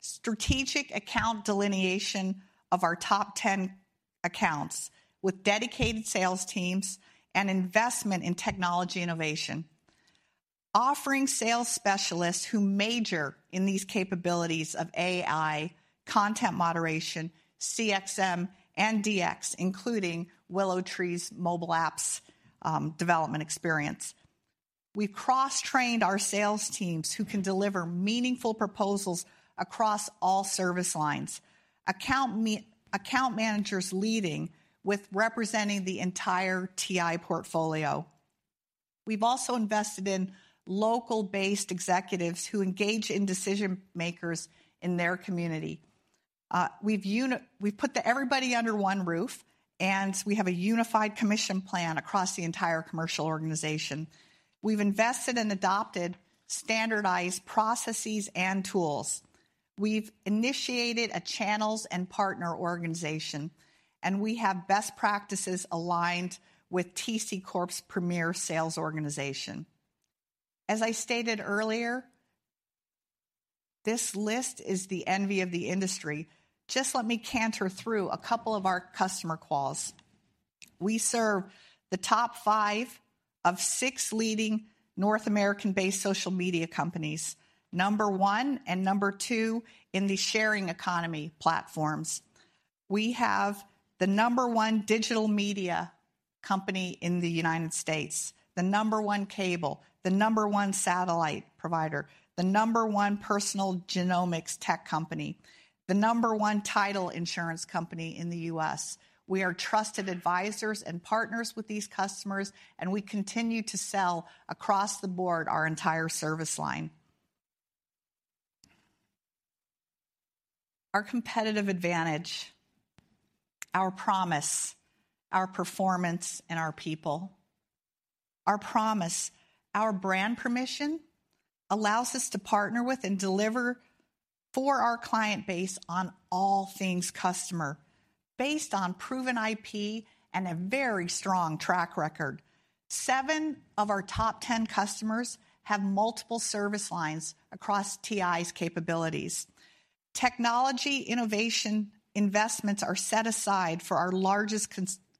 Strategic account delineation of our top 10 accounts with dedicated sales teams and investment in technology innovation. Offering sales specialists who major in these capabilities of AI, content moderation, CXM, and DX, including WillowTree's mobile apps, development experience. We've cross-trained our sales teams who can deliver meaningful proposals across all service lines. Account managers leading with representing the entire TI portfolio. We've also invested in local-based executives who engage in decision-makers in their community. We've put the everybody under one roof, and we have a unified commission plan across the entire commercial organization. We've invested and adopted standardized processes and tools. We've initiated a channels and partner organization. We have best practices aligned with TC Corp's premier sales organization. As I stated earlier, this list is the envy of the industry. Just let me canter through a couple of our customer quals. We serve the top five of six leading North American-based social media companies, number one and number two in the sharing economy platforms. We have the number one digital media company in the United States, the number one cable, the number one satellite provider, the number one personal genomics tech company, the number one title insurance company in the US. We are trusted advisors and partners with these customers. We continue to sell across the board our entire service line. Our competitive advantage, our promise, our performance, and our people. Our promise, our brand permission allows us to partner with and deliver for our client base on all things customer based on proven IP and a very strong track record. Seven of our top 10 customers have multiple service lines across TI's capabilities. Technology innovation investments are set aside for our largest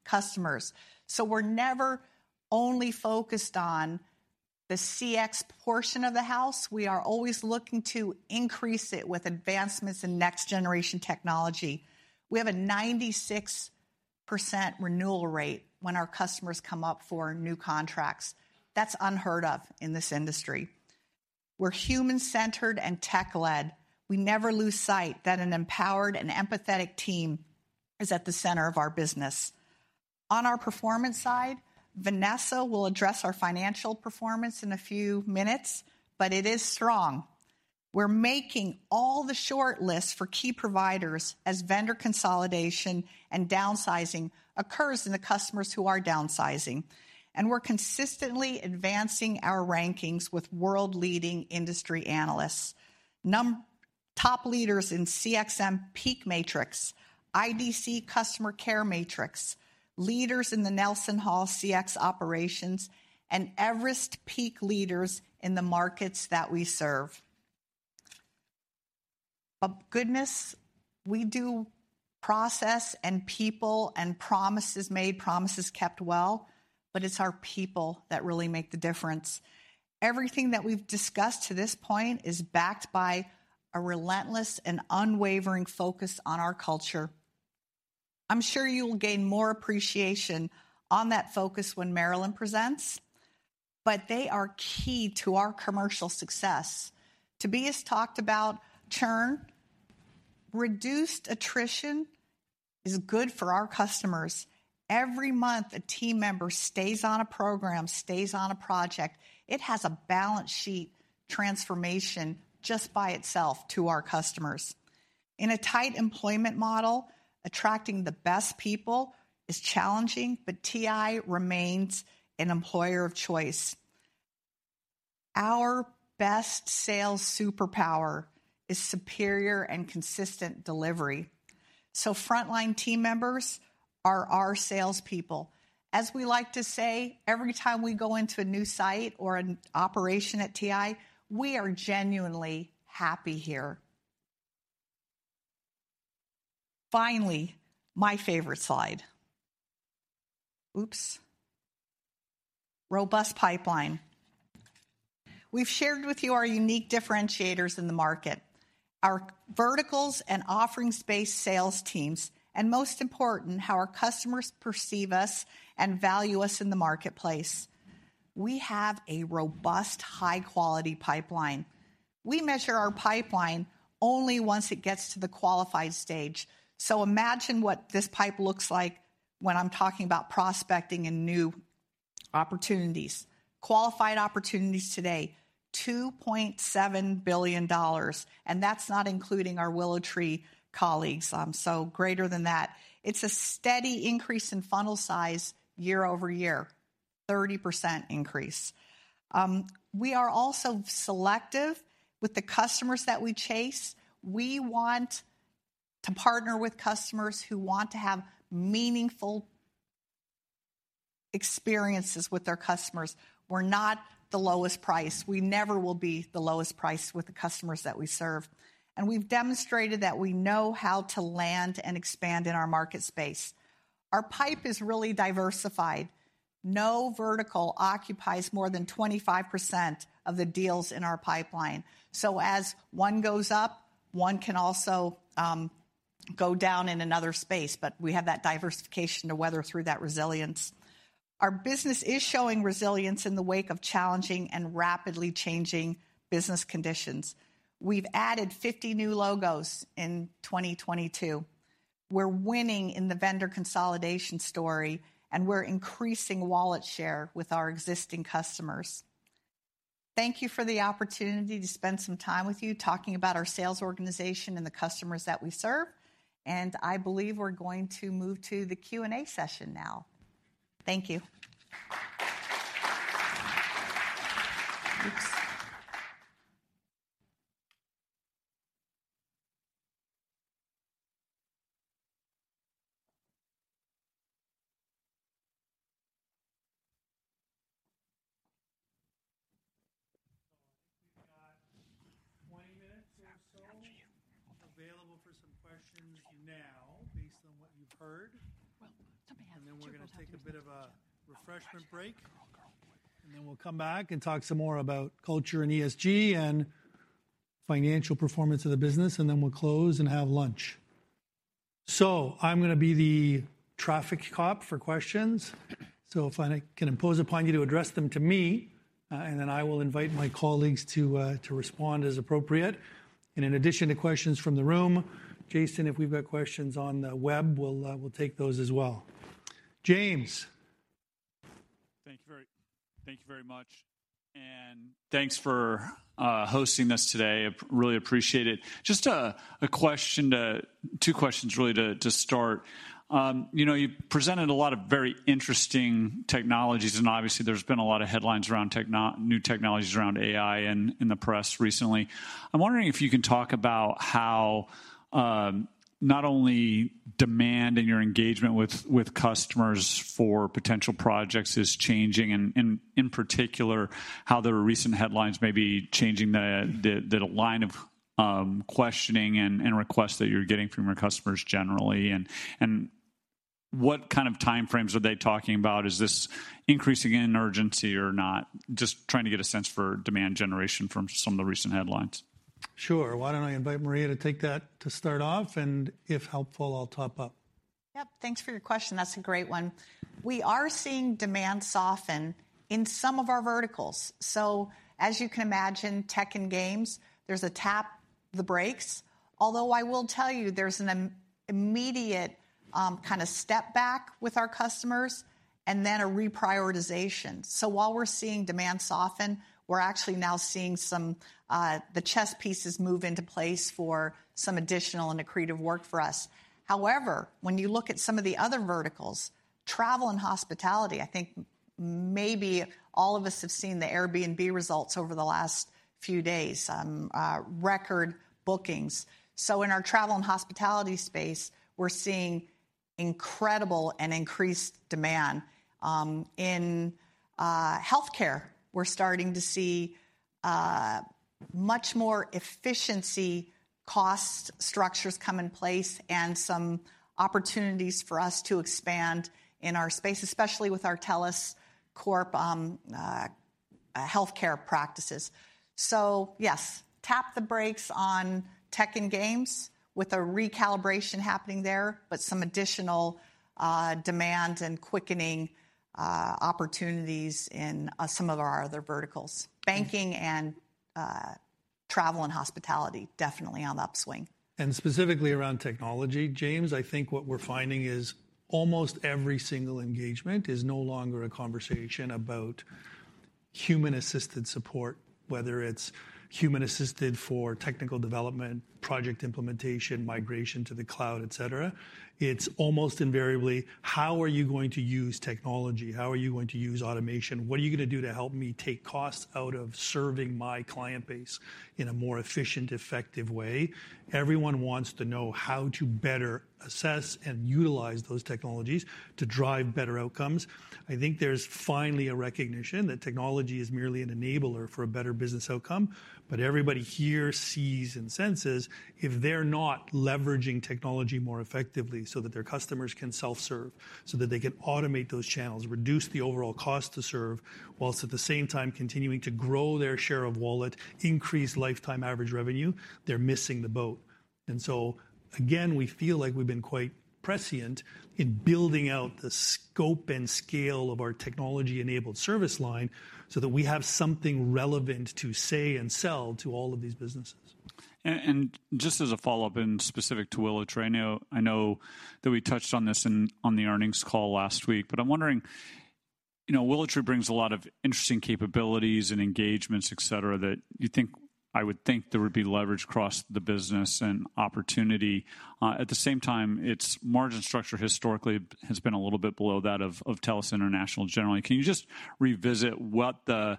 customers, so we're never only focused on the CX portion of the house. We are always looking to increase it with advancements in next-generation technology. We have a 96% renewal rate when our customers come up for new contracts. That's unheard of in this industry. We're human-centered and tech-led. We never lose sight that an empowered and empathetic team is at the center of our business. On our performance side, Vanessa will address our financial performance in a few minutes, but it is strong. We're making all the shortlists for key providers as vendor consolidation and downsizing occurs in the customers who are downsizing, and we're consistently advancing our rankings with world-leading industry analysts. Top leaders in CXM PEAK Matrix, IDC Customer Care Matrix, leaders in the NelsonHall CX Operations, and Everest Peak leaders in the markets that we serve. Goodness, we do process and people and promises made, promises kept well, but it's our people that really make the difference. Everything that we've discussed to this point is backed by a relentless and unwavering focus on our culture. I'm sure you'll gain more appreciation on that focus when Marilyn presents, but they are key to our commercial success. Tobias talked about churn. Reduced attrition is good for our customers. Every month a team member stays on a program, stays on a project, it has a balance sheet transformation just by itself to our customers. In a tight employment model, attracting the best people is challenging, but TI remains an employer of choice. Our best sales superpower is superior and consistent delivery, so frontline team members are our salespeople. As we like to say, every time we go into a new site or an operation at TI, we are genuinely happy here. Finally, my favorite slide. Oops. Robust pipeline. We've shared with you our unique differentiators in the market, our verticals and offerings-based sales teams, and most important, how our customers perceive us and value us in the marketplace. We have a robust, high-quality pipeline. We measure our pipeline only once it gets to the qualified stage. Imagine what this pipe looks like when I'm talking about prospecting and new opportunities. Qualified opportunities today, $2.7 billion, and that's not including our WillowTree colleagues, so greater than that. It's a steady increase in funnel size year-over-year, 30% increase. We are also selective with the customers that we chase. We want to partner with customers who want to have meaningful experiences with their customers. We're not the lowest price. We never will be the lowest price with the customers that we serve. We've demonstrated that we know how to land and expand in our market space. Our pipe is really diversified. No vertical occupies more than 25% of the deals in our pipeline. As one goes up, one can also go down in another space, but we have that diversification to weather through that resilience. Our business is showing resilience in the wake of challenging and rapidly changing business conditions. We've added 50 new logos in 2022. We're winning in the vendor consolidation story. We're increasing wallet share with our existing customers. Thank you for the opportunity to spend some time with you talking about our sales organization and the customers that we serve. I believe we're going to move to the Q&A session now. Thank you. Oops. I think we've got 20 minutes or so- It's after you. Available for some questions now based on what you've heard. Well, somebody has to. We're gonna take a bit of a refreshment break, and then we'll come back and talk some more about culture and ESG and financial performance of the business, and then we'll close and have lunch. I'm gonna be the traffic cop for questions. If I can impose upon you to address them to me, and then I will invite my colleagues to respond as appropriate. In addition to questions from the room, Jason, if we've got questions on the web, we'll take those as well. James. Thank you very much. Thanks for hosting this today. I really appreciate it. Just two questions really to start. you know, you presented a lot of very interesting technologies, obviously there's been a lot of headlines around new technologies around AI in the press recently. I'm wondering if you can talk about how not only demand and your engagement with customers for potential projects is changing in particular, how the recent headlines may be changing the line of questioning and requests that you're getting from your customers generally and what kind of time frames are they talking about? Is this increasing in urgency or not? Just trying to get a sense for demand generation from some of the recent headlines. Sure. Why don't I invite Maria to take that to start off, and if helpful, I'll top up. Yep. Thanks for your question. That's a great one. We are seeing demand soften in some of our verticals. As you can imagine, tech and games, there's a tap the brakes. Although I will tell you, there's an immediate kind of step back with our customers and then a reprioritization. While we're seeing demand soften, we're actually now seeing some the chess pieces move into place for some additional and accretive work for us. When you look at some of the other verticals, travel and hospitality, I think maybe all of us have seen the Airbnb results over the last few days, record bookings. In our travel and hospitality space, we're seeing incredible and increased demand. In healthcare, we're starting to see much more efficiency cost structures come in place and some opportunities for us to expand in our space, especially with our TELUS Corp healthcare practices. Yes, tap the brakes on tech and games with a recalibration happening there, but some additional demand and quickening opportunities in some of our other verticals. Banking and travel and hospitality, definitely on the upswing. Specifically around technology, James, I think what we're finding is almost every single engagement is no longer a conversation about human-assisted support, whether it's human-assisted for technical development, project implementation, migration to the cloud, et cetera. It's almost invariably, how are you going to use technology? How are you going to use automation? What are you gonna do to help me take costs out of serving my client base in a more efficient, effective way? Everyone wants to know how to better assess and utilize those technologies to drive better outcomes. I think there's finally a recognition that technology is merely an enabler for a better business outcome. Everybody here sees and senses if they're not leveraging technology more effectively so that their customers can self-serve, so that they can automate those channels, reduce the overall cost to serve, whilst at the same time continuing to grow their share of wallet, increase lifetime average revenue, they're missing the boat. Again, we feel like we've been quite prescient in building out the scope and scale of our technology-enabled service line so that we have something relevant to say and sell to all of these businesses. Just as a follow-up and specific to WillowTree, I know that we touched on this on the earnings call last week, but I'm wondering, you know, WillowTree brings a lot of interesting capabilities and engagements, et cetera, I would think there would be leverage across the business and opportunity. At the same time, its margin structure historically has been a little bit below that of TELUS International generally. Can you just revisit what the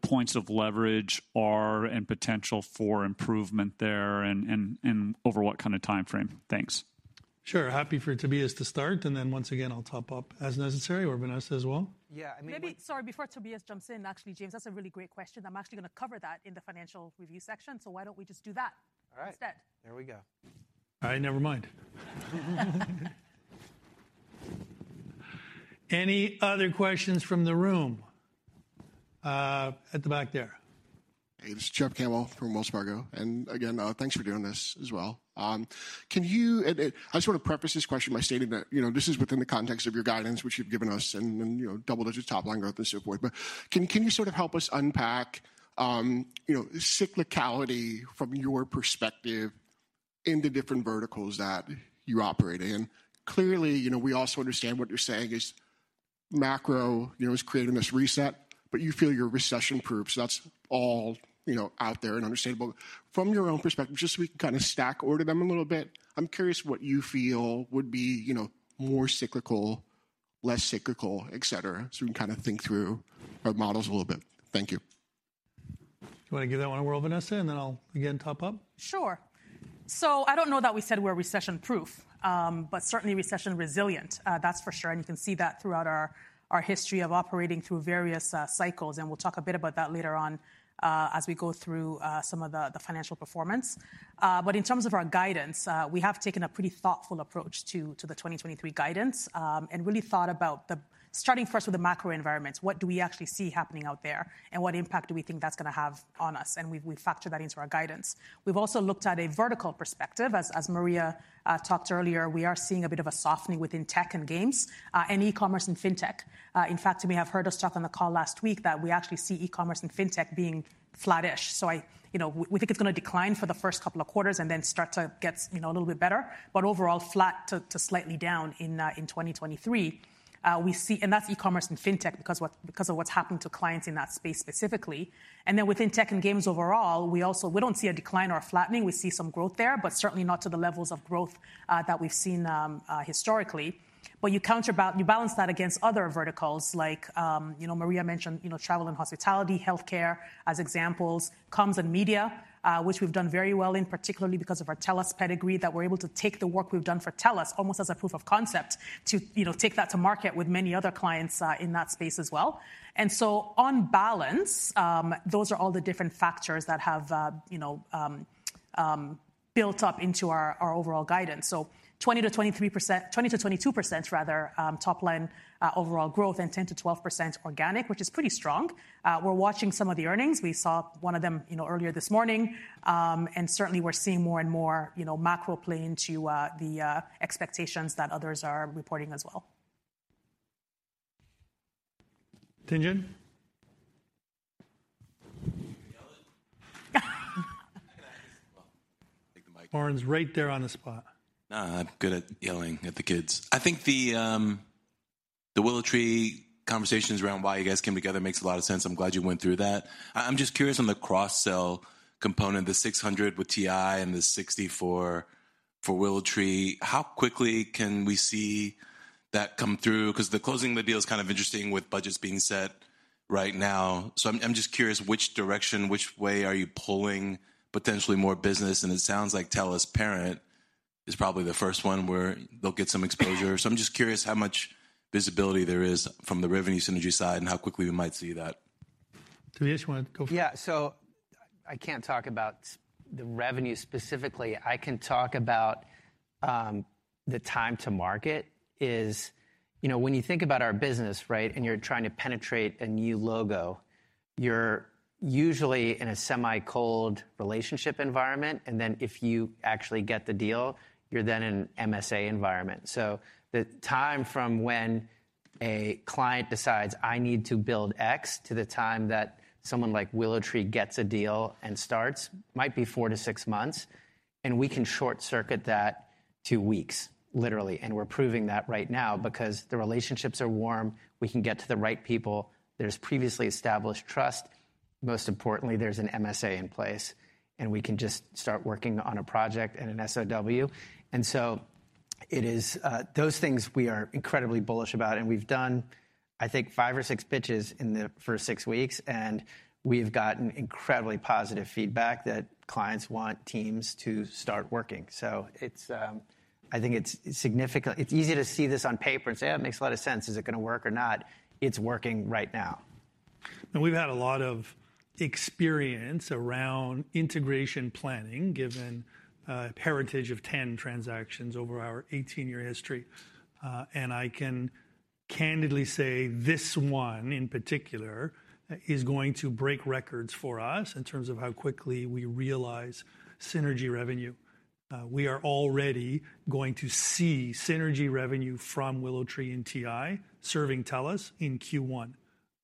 points of leverage are and potential for improvement there and over what kind of timeframe? Thanks. Sure. Happy for Tobias to start, and then once again, I'll top up as necessary, or Vanessa as well. Yeah, I mean. Maybe, sorry, before Tobias jumps in, actually, James, that's a really great question. I'm actually gonna cover that in the financial review section. Why don't we just do that. All right.... instead. There we go. All right, never mind. Any other questions from the room? At the back there. Hey, this is Jeff Cantwell from Wells Fargo. Again, thanks for doing this as well. I just want to preface this question by stating that, you know, this is within the context of your guidance, which you've given us and then, you know, double-digit top-line growth and so forth. Can you sort of help us unpack, you know, cyclicality from your perspective in the different verticals that you operate in? Clearly, you know, we also understand what you're saying is macro, you know, is creating this reset, but you feel you're recession-proof, so that's all, you know, out there and understandable. From your own perspective, just so we can kinda stack order them a little bit, I'm curious what you feel would be, you know, more cyclical, less cyclical, et cetera, so we can kinda think through our models a little bit. Thank you. You want to give that one a whirl, Vanessa, and then I'll again top up? Sure. I don't know that we said we're recession-proof, but certainly recession-resilient, that's for sure. You can see that throughout our history of operating through various cycles, and we'll talk a bit about that later on, as we go through some of the financial performance. But in terms of our guidance, we have taken a pretty thoughtful approach to the 2023 guidance, and really thought about starting first with the macro environment, what do we actually see happening out there, and what impact do we think that's gonna have on us? We factor that into our guidance. We've also looked at a vertical perspective. As Maria talked earlier, we are seeing a bit of a softening within tech and games, and e-commerce and fintech. In fact, you may have heard us talk on the call last week that we actually see e-commerce and fintech being flattish. You know, we think it's gonna decline for the first couple of quarters and then start to get, you know, a little bit better, but overall flat to slightly down in 2023. That's e-commerce and fintech because of what's happened to clients in that space specifically. Within tech and games overall, we don't see a decline or a flattening. We see some growth there, but certainly not to the levels of growth that we've seen historically. You balance that against other verticals like, you know, Maria mentioned, you know, travel and hospitality, healthcare as examples. Comms and media, which we've done very well in particularly because of our TELUS pedigree, that we're able to take the work we've done for TELUS almost as a proof of concept to, you know, take that to market with many other clients in that space as well. On balance, those are all the different factors that have, you know, built up into our overall guidance. 20%-22% rather, top-line overall growth and 10%-12% organic, which is pretty strong. We're watching some of the earnings. We saw one of them, you know, earlier this morning. Certainly we're seeing more and more, you know, macro play into the expectations that others are reporting as well. Tien? Yell it. I'm gonna have to... Well, take the mic. Lauren's right there on the spot. Nah, I'm good at yelling at the kids. I think the WillowTree conversations around why you guys came together makes a lot of sense. I'm glad you went through that. I'm just curious on the cross-sell component, the 600 with TI and the 60 for WillowTree, how quickly can we see that come through? 'Cause the closing of the deal is kind of interesting with budgets being set right now. I'm just curious which direction, which way are you pulling potentially more business? And it sounds like TELUS parent is probably the first one where they'll get some exposure. I'm just curious how much visibility there is from the revenue synergy side and how quickly we might see that. Tobias, you want to go for it? Yeah. I can't talk about the revenue specifically. I can talk about the time to market. You know, when you think about our business, right, and you're trying to penetrate a new logo, you're usually in a semi-cold relationship environment, and then if you actually get the deal, you're then in MSA environment. The time from when a client decides, "I need to build X," to the time that someone like WillowTree gets a deal and starts might be four months to six months, and we can short-circuit that to weeks, literally. We're proving that right now because the relationships are warm, we can get to the right people. There's previously established trust. Most importantly, there's an MSA in place, and we can just start working on a project and an SOW. Those things we are incredibly bullish about, we've done, I think, five or six pitches in the first six weeks, we've gotten incredibly positive feedback that clients want teams to start working. I think it's significant. It's easy to see this on paper and say, "Oh, it makes a lot of sense. Is it gonna work or not?" It's working right now. We've had a lot of experience around integration planning, given a heritage of 10 transactions over our 18-year history. I can candidly say this one, in particular, is going to break records for us in terms of how quickly we realize synergy revenue. We are already going to see synergy revenue from WillowTree and TI serving TELUS in Q1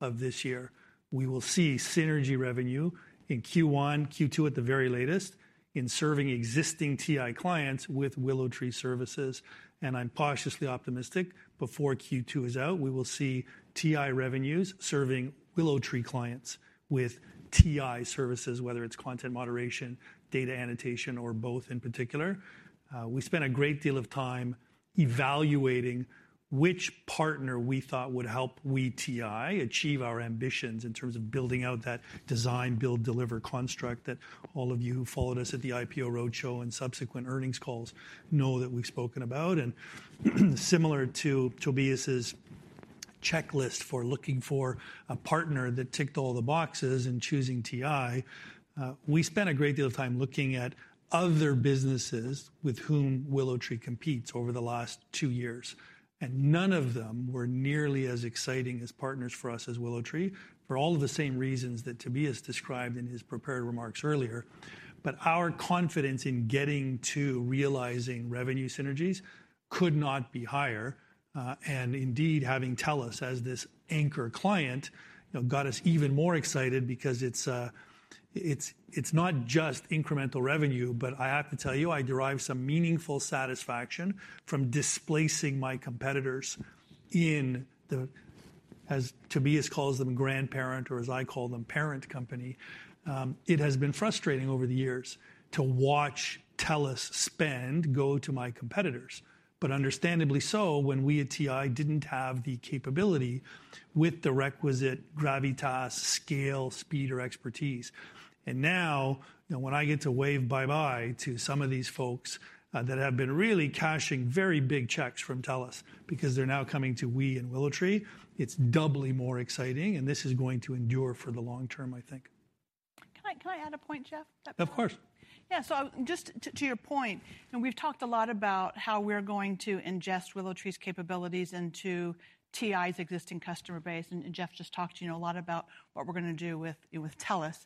of this year. We will see synergy revenue in Q1, Q2 at the very latest, in serving existing TI clients with WillowTree services. I'm cautiously optimistic before Q2 is out, we will see TI revenues serving WillowTree clients with TI services, whether it's content moderation, data annotation, or both in particular. We spent a great deal of time evaluating which partner we thought would help TI achieve our ambitions in terms of building out that design, build, deliver construct that all of you who followed us at the IPO roadshow and subsequent earnings calls know that we've spoken about. Similar to Tobias' checklist for looking for a partner that ticked all the boxes in choosing TI, we spent a great deal of time looking at other businesses with whom WillowTree competes over the last two years, and none of them were nearly as exciting as partners for us as WillowTree, for all of the same reasons that Tobias described in his prepared remarks earlier. Our confidence in getting to realizing revenue synergies could not be higher. Indeed, having TELUS as this anchor client, you know, got us even more excited because it's not just incremental revenue, but I have to tell you, I derive some meaningful satisfaction from displacing my competitors in the, as Tobias calls them, grandparent, or as I call them, parent company. It has been frustrating over the years to watch TELUS spend go to my competitors, but understandably so when we at TI didn't have the capability with the requisite gravitas, scale, speed, or expertise. Now, you know, when I get to wave bye-bye to some of these folks that have been really cashing very big checks from TELUS because they're now coming to we and WillowTree, it's doubly more exciting, and this is going to endure for the long term, I think. Can I add a point, Jeff? Of course. Just to your point, we've talked a lot about how we're going to ingest WillowTree's capabilities into TI's existing customer base. Jeff just talked, you know, a lot about what we're going to do with Telus.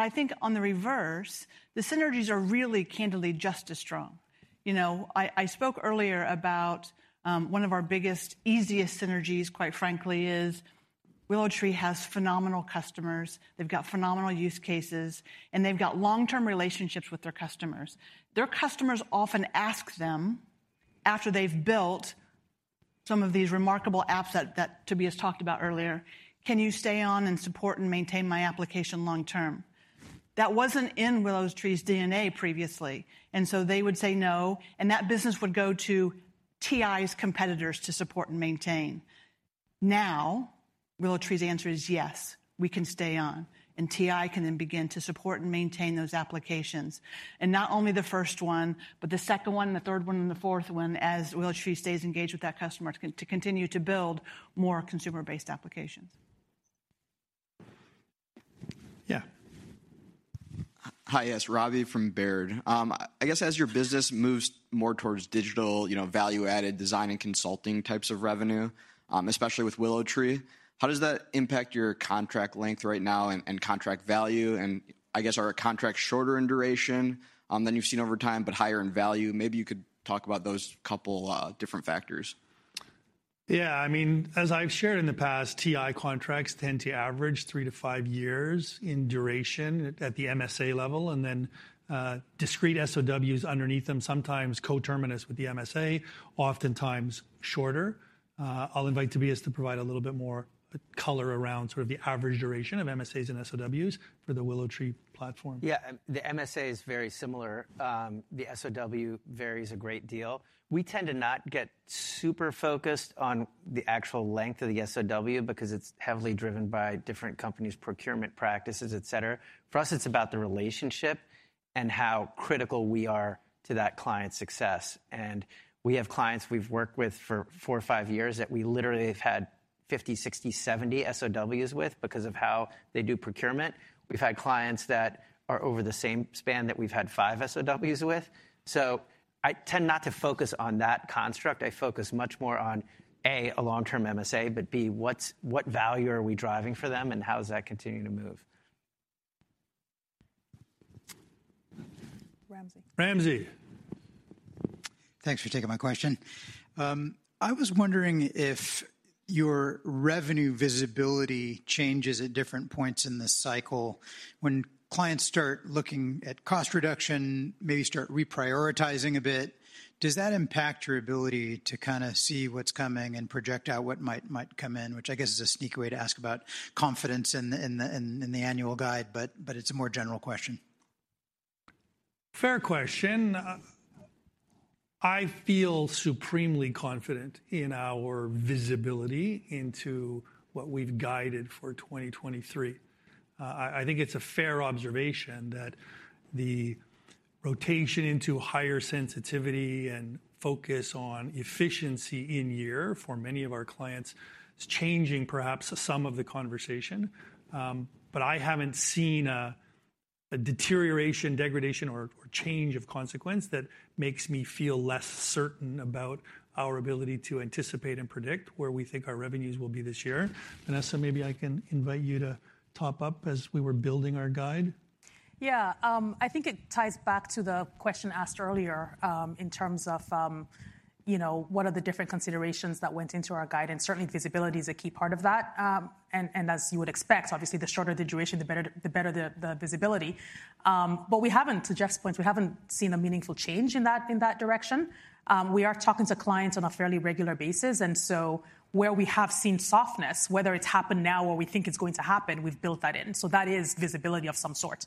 I think on the reverse, the synergies are really candidly just as strong. You know, I spoke earlier about one of our biggest, easiest synergies, quite frankly, is WillowTree has phenomenal customers. They've got phenomenal use cases, and they've got long-term relationships with their customers. Their customers often ask them, after they've built some of these remarkable apps that Tobias talked about earlier, "Can you stay on and support and maintain my application long term?" That wasn't in WillowTree's DNA previously. They would say, "No," and that business would go to TI's competitors to support and maintain. WillowTree's answer is, "Yes, we can stay on," and TI can then begin to support and maintain those applications. Not only the first one, but the second one and the third one and the fourth one as WillowTree stays engaged with that customer to continue to build more consumer-based applications. Yeah. Hi. Yes. Ravi from Baird. I guess as your business moves more towards digital, you know, value-added design and consulting types of revenue, especially with WillowTree, how does that impact your contract length right now and contract value? I guess, are contracts shorter in duration than you've seen over time but higher in value? Maybe you could talk about those couple different factors. Yeah. I mean, as I've shared in the past, TI contracts tend to average three years to five years in duration at the MSA level, and then discrete SOWs underneath them, sometimes coterminous with the MSA, oftentimes shorter. I'll invite Tobias to provide a little bit more color around sort of the average duration of MSAs and SOWs for the WillowTree platform. Yeah. The MSA is very similar. The SOW varies a great deal. We tend to not get super focused on the actual length of the SOW because it's heavily driven by different companies' procurement practices, et cetera. For us, it's about the relationship and how critical we are to that client's success. We have clients we've worked with for four or five years that we literally have had 50 SOWs, 60 SOWs, 70 SOWs with because of how they do procurement. We've had clients that are over the same span that we've had five SOWs with. I tend not to focus on that construct. I focus much more on, A, a long-term MSA, but, B, what value are we driving for them, and how does that continue to move? Ramsey. Ramsey. Thanks for taking my question. I was wondering if your revenue visibility changes at different points in the cycle when clients start looking at cost reduction, maybe start reprioritizing a bit. Does that impact your ability to kind of see what's coming and project out what might come in? Which I guess is a sneak way to ask about confidence in the annual guide, but it's a more general question. Fair question. I feel supremely confident in our visibility into what we've guided for 2023. I think it's a fair observation that the rotation into higher sensitivity and focus on efficiency in year for many of our clients is changing perhaps some of the conversation. I haven't seen a deterioration, degradation, or change of consequence that makes me feel less certain about our ability to anticipate and predict where we think our revenues will be this year. Vanessa, maybe I can invite you to top up as we were building our guide. I think it ties back to the question asked earlier, you know, in terms of, what are the different considerations that went into our guidance. Certainly, visibility is a key part of that. As you would expect, obviously, the shorter the duration, the better the visibility. To Jeff's point, we haven't seen a meaningful change in that, in that direction. We are talking to clients on a fairly regular basis, where we have seen softness, whether it's happened now or we think it's going to happen, we've built that in. That is visibility of some sort.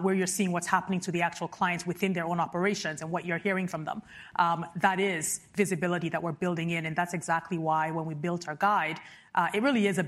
Where you're seeing what's happening to the actual clients within their own operations and what you're hearing from them. That is visibility that we're building in, and that's exactly why when we built our guide, it really is a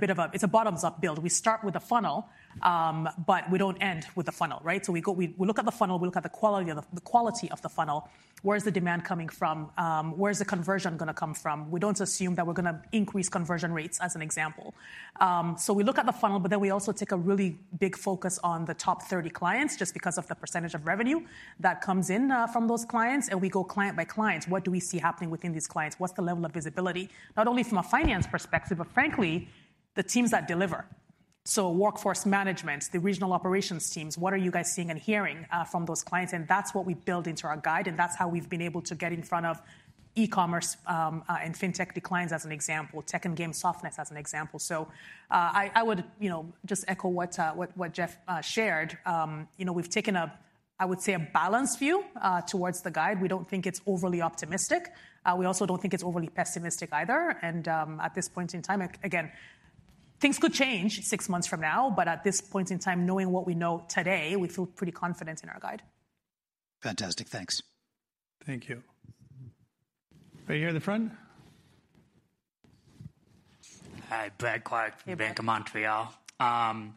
bottoms-up build. We start with a funnel, but we don't end with a funnel, right? We look at the funnel, we look at the quality of the funnel. Where is the demand coming from? Where is the conversion gonna come from? We don't assume that we're gonna increase conversion rates, as an example. We look at the funnel, but then we also take a really big focus on the top 30 clients just because of the percentage of revenue that comes in from those clients, and we go client by client. What do we see happening within these clients? What's the level of visibility, not only from a finance perspective, but frankly, the teams that deliver? Workforce management, the regional operations teams, what are you guys seeing and hearing from those clients? That's what we build into our guide, and that's how we've been able to get in front of e-commerce, and fintech declines as an example, tech and game softness as an example. I would, you know, just echo what Jeff shared. You know, we've taken a, I would say, a balanced view towards the guide. We don't think it's overly optimistic. We also don't think it's overly pessimistic either. At this point in time, again, things could change 6 months from now, but at this point in time, knowing what we know today, we feel pretty confident in our guide. Fantastic. Thanks. Thank you. Right here in the front. Hi, Bradley Clark from Bank of Montreal.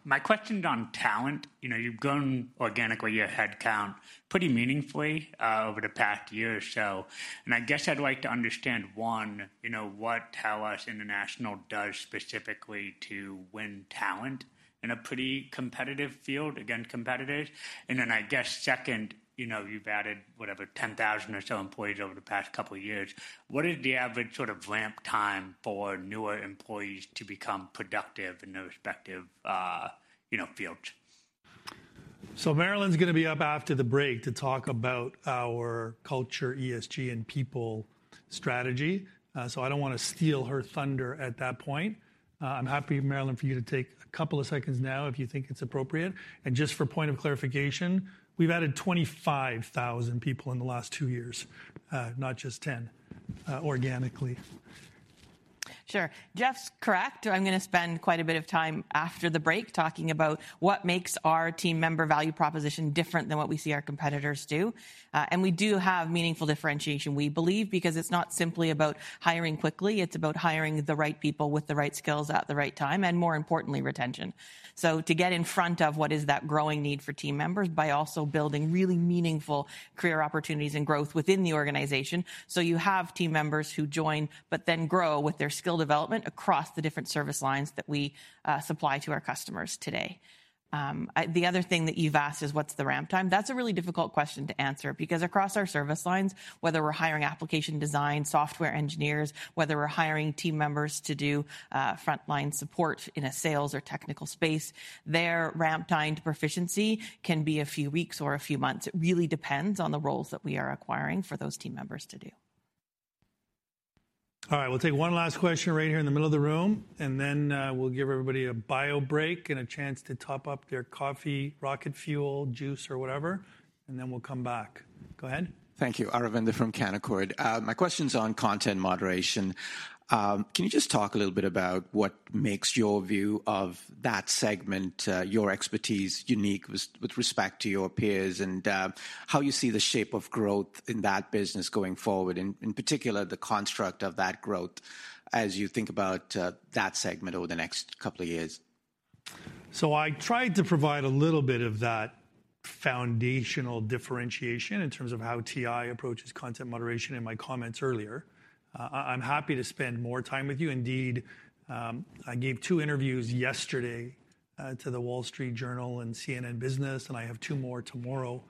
My question's on talent. You know, you've grown organically your head count pretty meaningfully over the past year or so, and I guess I'd like to understand, one, you know, what TELUS International does specifically to win talent in a pretty competitive field against competitors. Then I guess second, you know, you've added, whatever, 10,000 or so employees over the past couple of years. What is the average sort of ramp time for newer employees to become productive in their respective, you know, fields? Marilyn's gonna be up after the break to talk about our culture, ESG, and people strategy. I don't wanna steal her thunder at that point. I'm happy, Marilyn, for you to take a couple of seconds now if you think it's appropriate. Just for point of clarification, we've added 25,000 people in the last two years, not just 10, organically. Sure. Jeff's correct. I'm gonna spend quite a bit of time after the break talking about what makes our team member value proposition different than what we see our competitors do. We do have meaningful differentiation, we believe, because it's not simply about hiring quickly, it's about hiring the right people with the right skills at the right time, and more importantly, retention. To get in front of what is that growing need for team members by also building really meaningful career opportunities and growth within the organization. You have team members who join but then grow with their skill development across the different service lines that we supply to our customers today. The other thing that you've asked is what's the ramp time? That's a really difficult question to answer because across our service lines, whether we're hiring application design, software engineers, whether we're hiring team members to do, frontline support in a sales or technical space, their ramp time to proficiency can be a few weeks or a few months. It really depends on the roles that we are acquiring for those team members to do. All right. We'll take one last question right here in the middle of the room, and then, we'll give everybody a bio break and a chance to top up their coffee, rocket fuel, juice or whatever, and then we'll come back. Go ahead. Thank you. Aravind from Canaccord. My question's on content moderation. Can you just talk a little bit about what makes your view of that segment, your expertise unique with respect to your peers and, how you see the shape of growth in that business going forward, in particular, the construct of that growth as you think about that segment over the next couple of years? I tried to provide a little bit of that foundational differentiation in terms of how TI approaches content moderation in my comments earlier. I'm happy to spend more time with you. Indeed, I gave 2 interviews yesterday to The Wall Street Journal and CNN Business, and I have 2 more tomorrow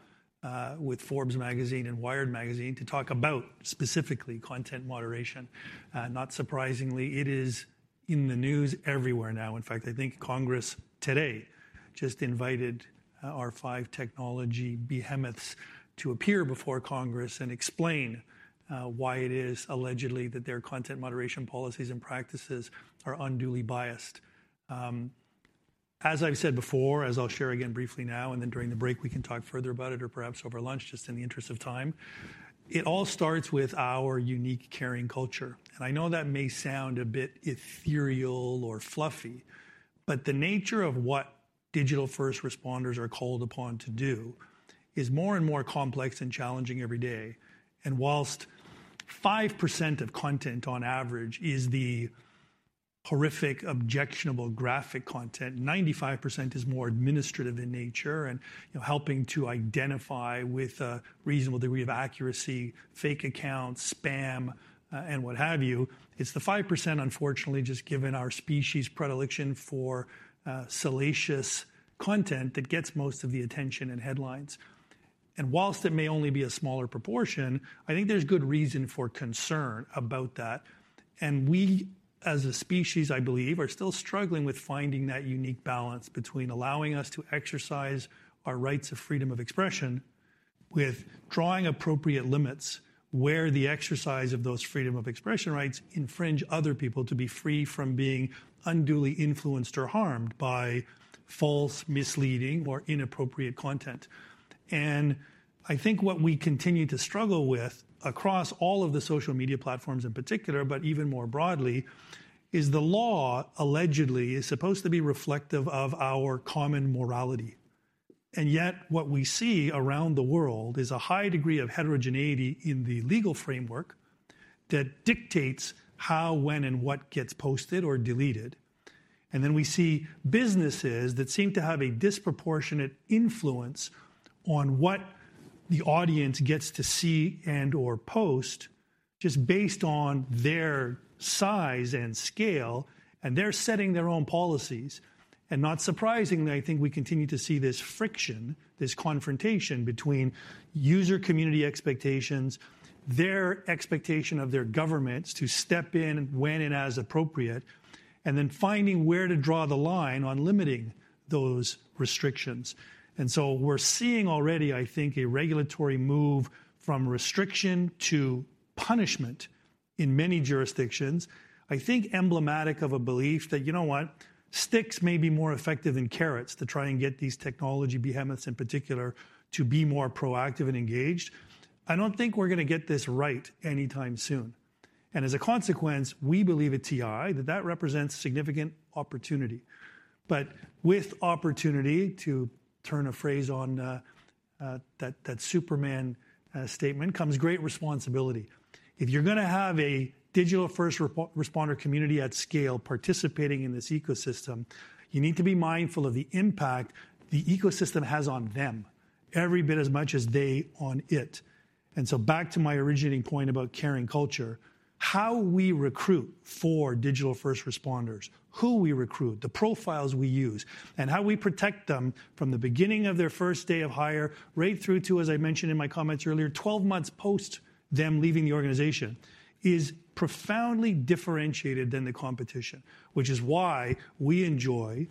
with Forbes magazine and Wired magazine to talk about specifically content moderation. Not surprisingly, it is in the news everywhere now. In fact, I think Congress today just invited our 5 technology behemoths to appear before Congress and explain why it is allegedly that their content moderation policies and practices are unduly biased. As I've said before, as I'll share again briefly now, and then during the break, we can talk further about it or perhaps over lunch, just in the interest of time, it all starts with our unique caring culture. I know that may sound a bit ethereal or fluffy, but the nature of what digital first responders are called upon to do is more and more complex and challenging every day. Whilst 5% of content on average is the horrific, objectionable graphic content, 95% is more administrative in nature and, you know, helping to identify with a reasonable degree of accuracy fake accounts, spam, and what have you. It's the 5%, unfortunately, just given our species' predilection for salacious content that gets most of the attention and headlines. Whilst it may only be a smaller proportion, I think there's good reason for concern about that. We as a species, I believe, are still struggling with finding that unique balance between allowing us to exercise our rights of freedom of expression with drawing appropriate limits where the exercise of those freedom of expression rights infringe other people to be free from being unduly influenced or harmed by false, misleading, or inappropriate content. I think what we continue to struggle with across all of the social media platforms in particular, but even more broadly, is the law allegedly is supposed to be reflective of our common morality. Yet what we see around the world is a high degree of heterogeneity in the legal framework that dictates how, when, and what gets posted or deleted. Then we see businesses that seem to have a disproportionate influence on what the audience gets to see and/or post just based on their size and scale, and they're setting their own policies. Not surprisingly, I think we continue to see this friction, this confrontation between user community expectations, their expectation of their governments to step in when and as appropriate, and then finding where to draw the line on limiting those restrictions. So we're seeing already, I think, a regulatory move from restriction to punishment in many jurisdictions. I think emblematic of a belief that, you know what? Sticks may be more effective than carrots to try and get these technology behemoths in particular to be more proactive and engaged. I don't think we're gonna get this right anytime soon. As a consequence, we believe at TI that that represents significant opportunity. With opportunity, to turn a phrase on that Superman statement, comes great responsibility. If you're gonna have a digital first responder community at scale participating in this ecosystem, you need to be mindful of the impact the ecosystem has on them every bit as much as they on it. Back to my originating point about caring culture, how we recruit for digital first responders, who we recruit, the profiles we use, and how we protect them from the beginning of their first day of hire right through to, as I mentioned in my comments earlier, 12 months post them leaving the organization, is profoundly differentiated than the competition, which is why we enjoy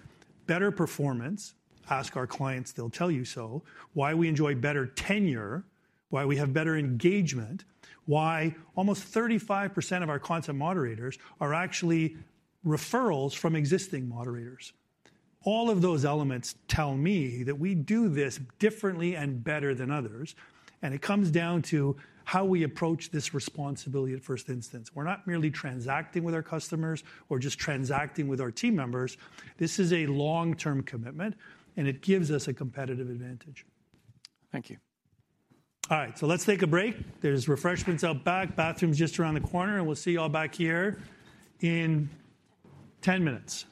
better performance. Ask our clients, they'll tell you so. Why we enjoy better tenure, why we have better engagement, why almost 35% of our content moderators are actually referrals from existing moderators. All of those elements tell me that we do this differently and better than others. It comes down to how we approach this responsibility at first instance. We're not merely transacting with our customers or just transacting with our team members. This is a long-term commitment, and it gives us a competitive advantage. Thank you. All right, let's take a break. There's refreshments out back, bathrooms just around the corner, and we'll see you all back here in 10 minutes.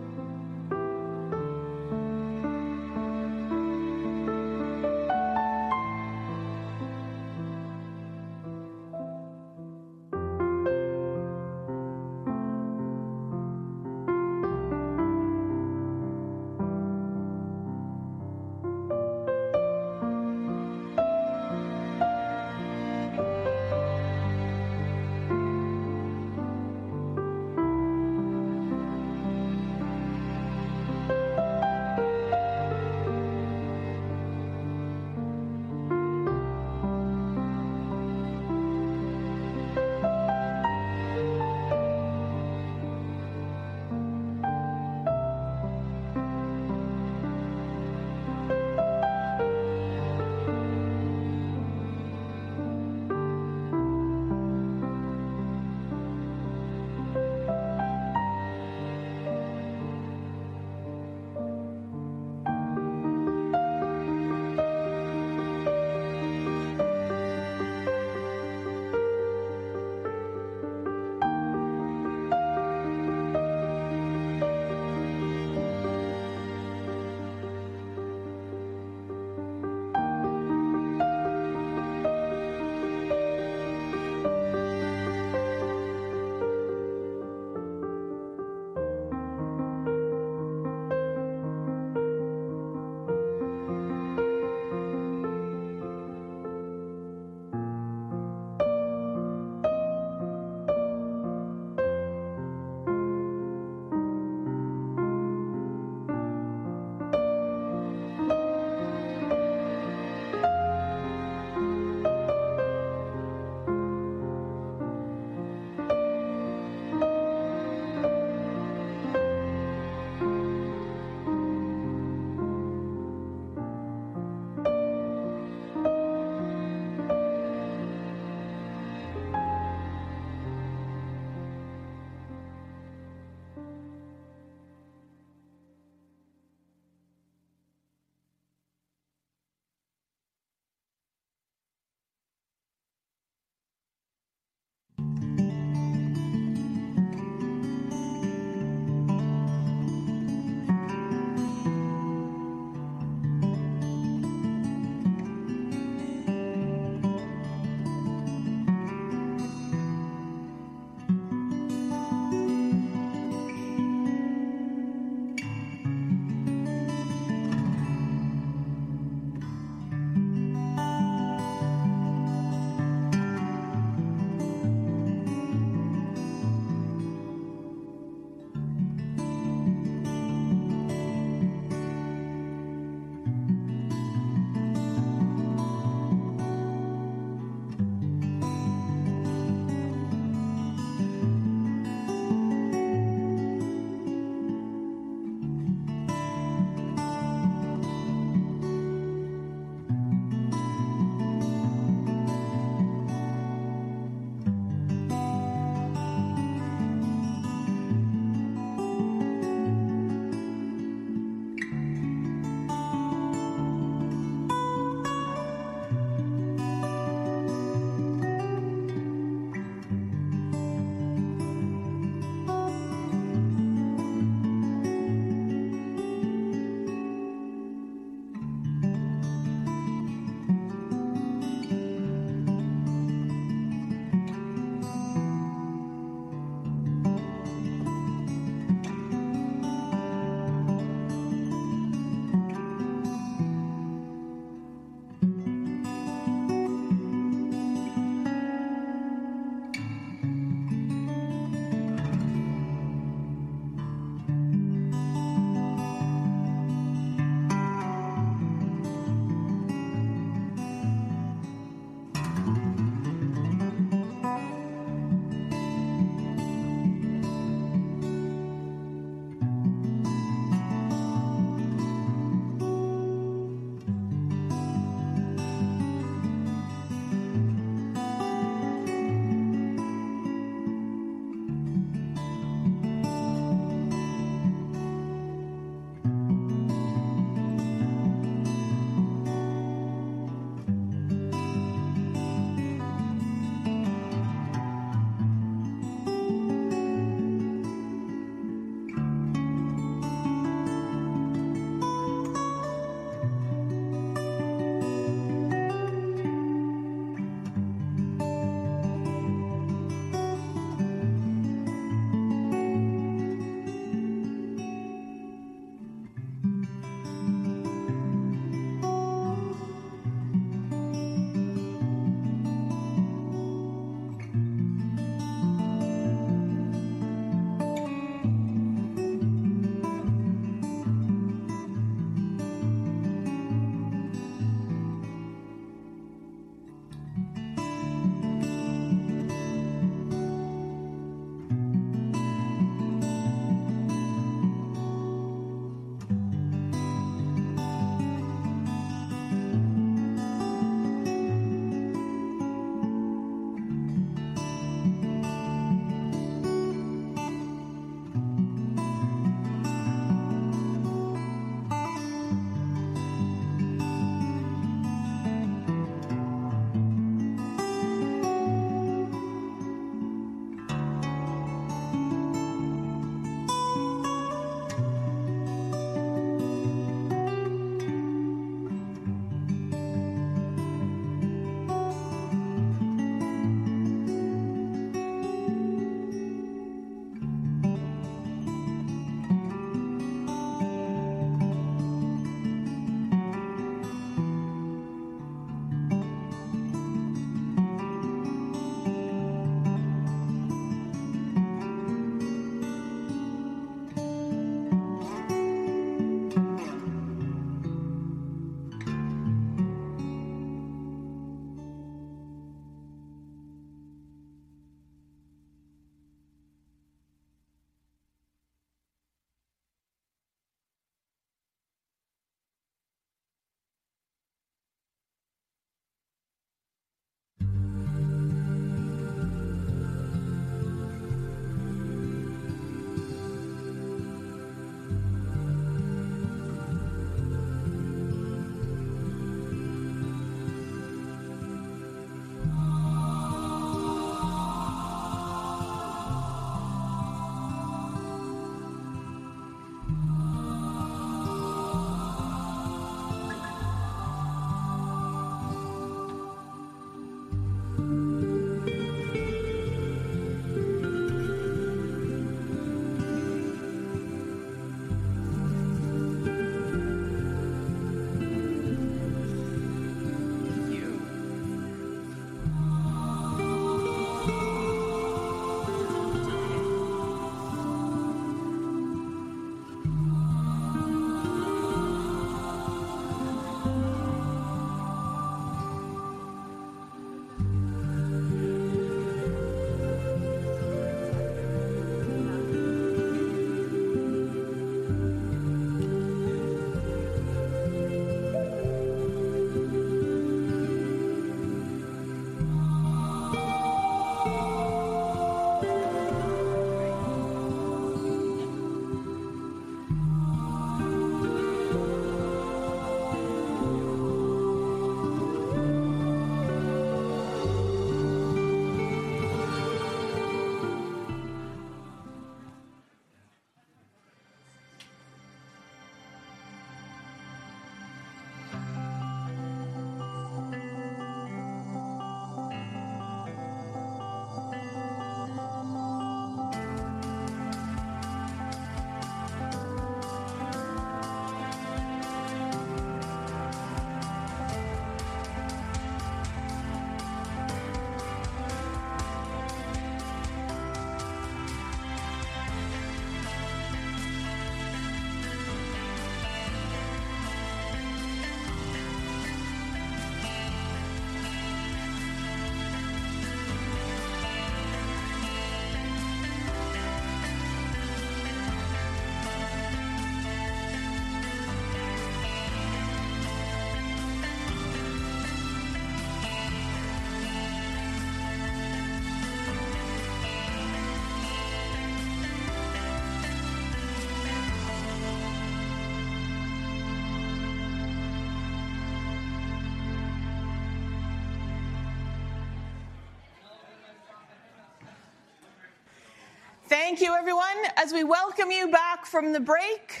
Thank you. Thank you everyone. As we welcome you back from the break,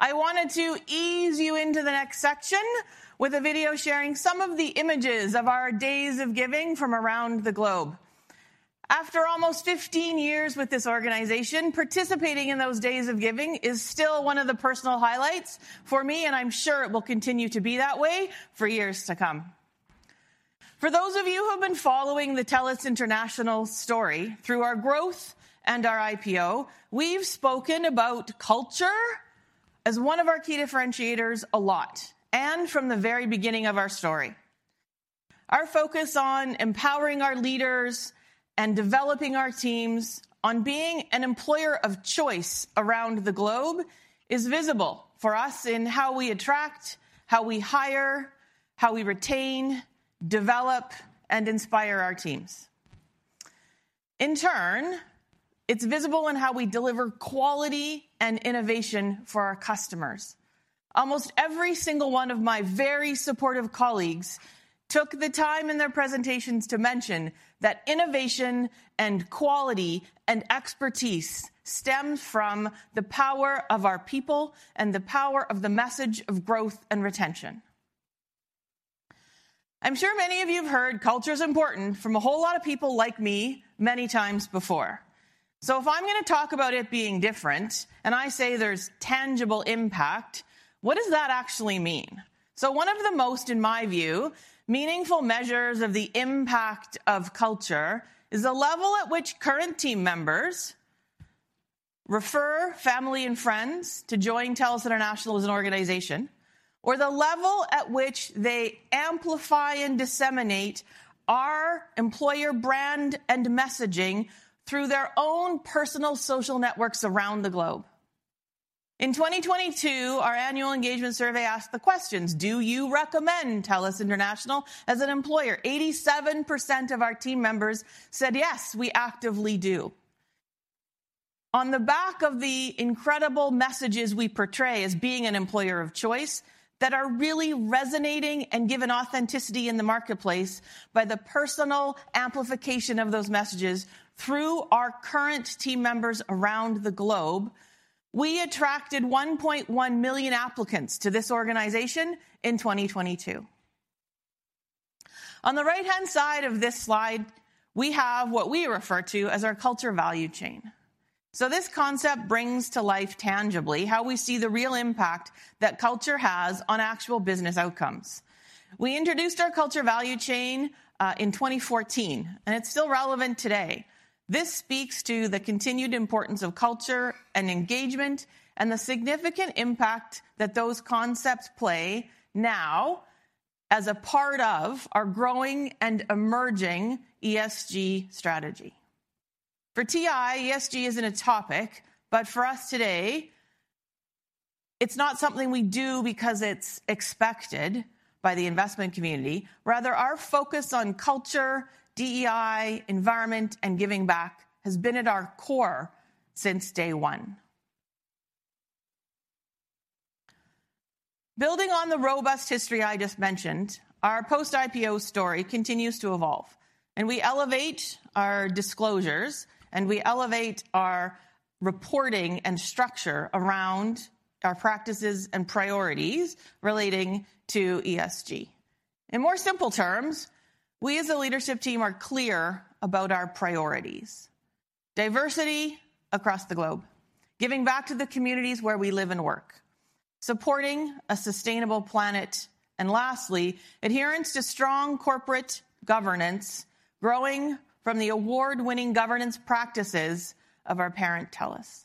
I wanted to ease you into the next section with a video sharing some of the images of our Days of Giving from around the globe. After almost 15 years with this organization, participating in those Days of Giving is still one of the personal highlights for me, and I'm sure it will continue to be that way for years to come. For those of you who have been following the TELUS International story through our growth and our IPO, we've spoken about culture as one of our key differentiators a lot and from the very beginning of our story. Our focus on empowering our leaders and developing our teams on being an employer of choice around the globe is visible for us in how we attract, how we hire, how we retain, develop, and inspire our teams. In turn, it's visible in how we deliver quality and innovation for our customers. Almost every single one of my very supportive colleagues took the time in their presentations to mention that innovation and quality and expertise stems from the power of our people and the power of the message of growth and retention. I'm sure many of you have heard culture is important from a whole lot of people like me many times before. If I'm gonna talk about it being different, and I say there's tangible impact, what does that actually mean? One of the most, in my view, meaningful measures of the impact of culture is the level at which current team members refer family and friends to join TELUS International as an organization, or the level at which they amplify and disseminate our employer brand and messaging through their own personal social networks around the globe. In 2022, our annual engagement survey asked the questions, "Do you recommend TELUS International as an employer?" 87% of our team members said, "Yes, we actively do." On the back of the incredible messages we portray as being an employer of choice that are really resonating and given authenticity in the marketplace by the personal amplification of those messages through our current team members around the globe, we attracted 1.1 million applicants to this organization in 2022. On the right-hand side of this slide, we have what we refer to as our culture value chain. This concept brings to life tangibly how we see the real impact that culture has on actual business outcomes. We introduced our culture value chain in 2014, and it's still relevant today. This speaks to the continued importance of culture and engagement and the significant impact that those concepts play now as a part of our growing and emerging ESG strategy. For TI, ESG isn't a topic, but for us today, it's not something we do because it's expected by the investment community. Rather, our focus on culture, DEI, environment, and giving back has been at our core since day one. Building on the robust history I just mentioned, our post-IPO story continues to evolve, and we elevate our disclosures, and we elevate our reporting and structure around our practices and priorities relating to ESG. In more simple terms, we as a leadership team are clear about our priorities. Diversity across the globe, giving back to the communities where we live and work, supporting a sustainable planet, and lastly, adherence to strong corporate governance growing from the award-winning governance practices of our parent, TELUS.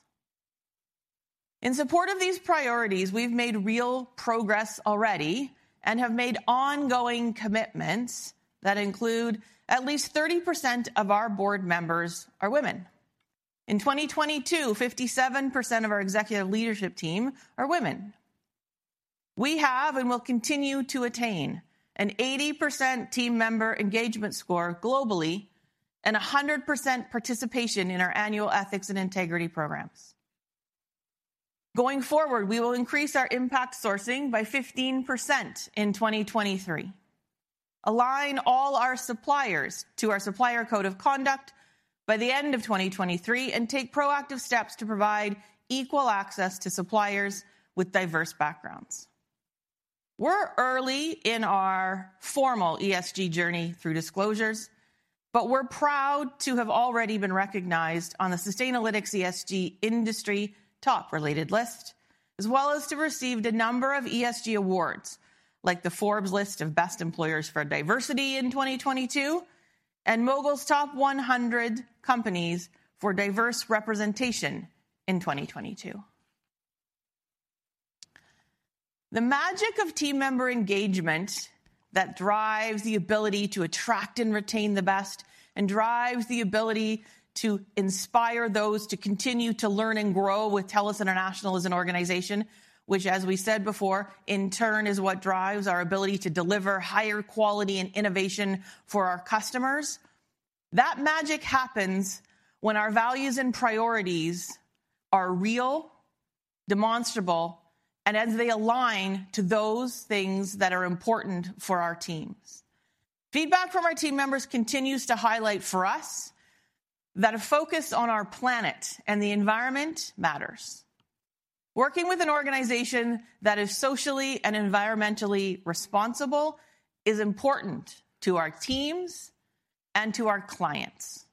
In support of these priorities, we've made real progress already and have made ongoing commitments that include at least 30% of our board members are women. In 2022, 57% of our executive leadership team are women. We have and will continue to attain an 80% team member engagement score globally and 100% participation in our annual ethics and integrity programs. Going forward, we will increase our impact sourcing by 15% in 2023, align all our suppliers to our Supplier Code of Conduct by the end of 2023, and take proactive steps to provide equal access to suppliers with diverse backgrounds. We're early in our formal ESG journey through disclosures, but we're proud to have already been recognized on the Sustainalytics ESG industry Top-Rated list, as well as to received a number of ESG awards, like the Forbes list of best employers for diversity in 2022 and Mogul's top 100 companies for diverse representation in 2022. The magic of team member engagement that drives the ability to attract and retain the best and drives the ability to inspire those to continue to learn and grow with TELUS International as an organization, which as we said before, in turn, is what drives our ability to deliver higher quality and innovation for our customers. That magic happens when our values and priorities are real, demonstrable, and as they align to those things that are important for our teams. Feedback from our team members continues to highlight for us that a focus on our planet and the environment matters. Working with an organization that is socially and environmentally responsible is important to our teams and to our clients.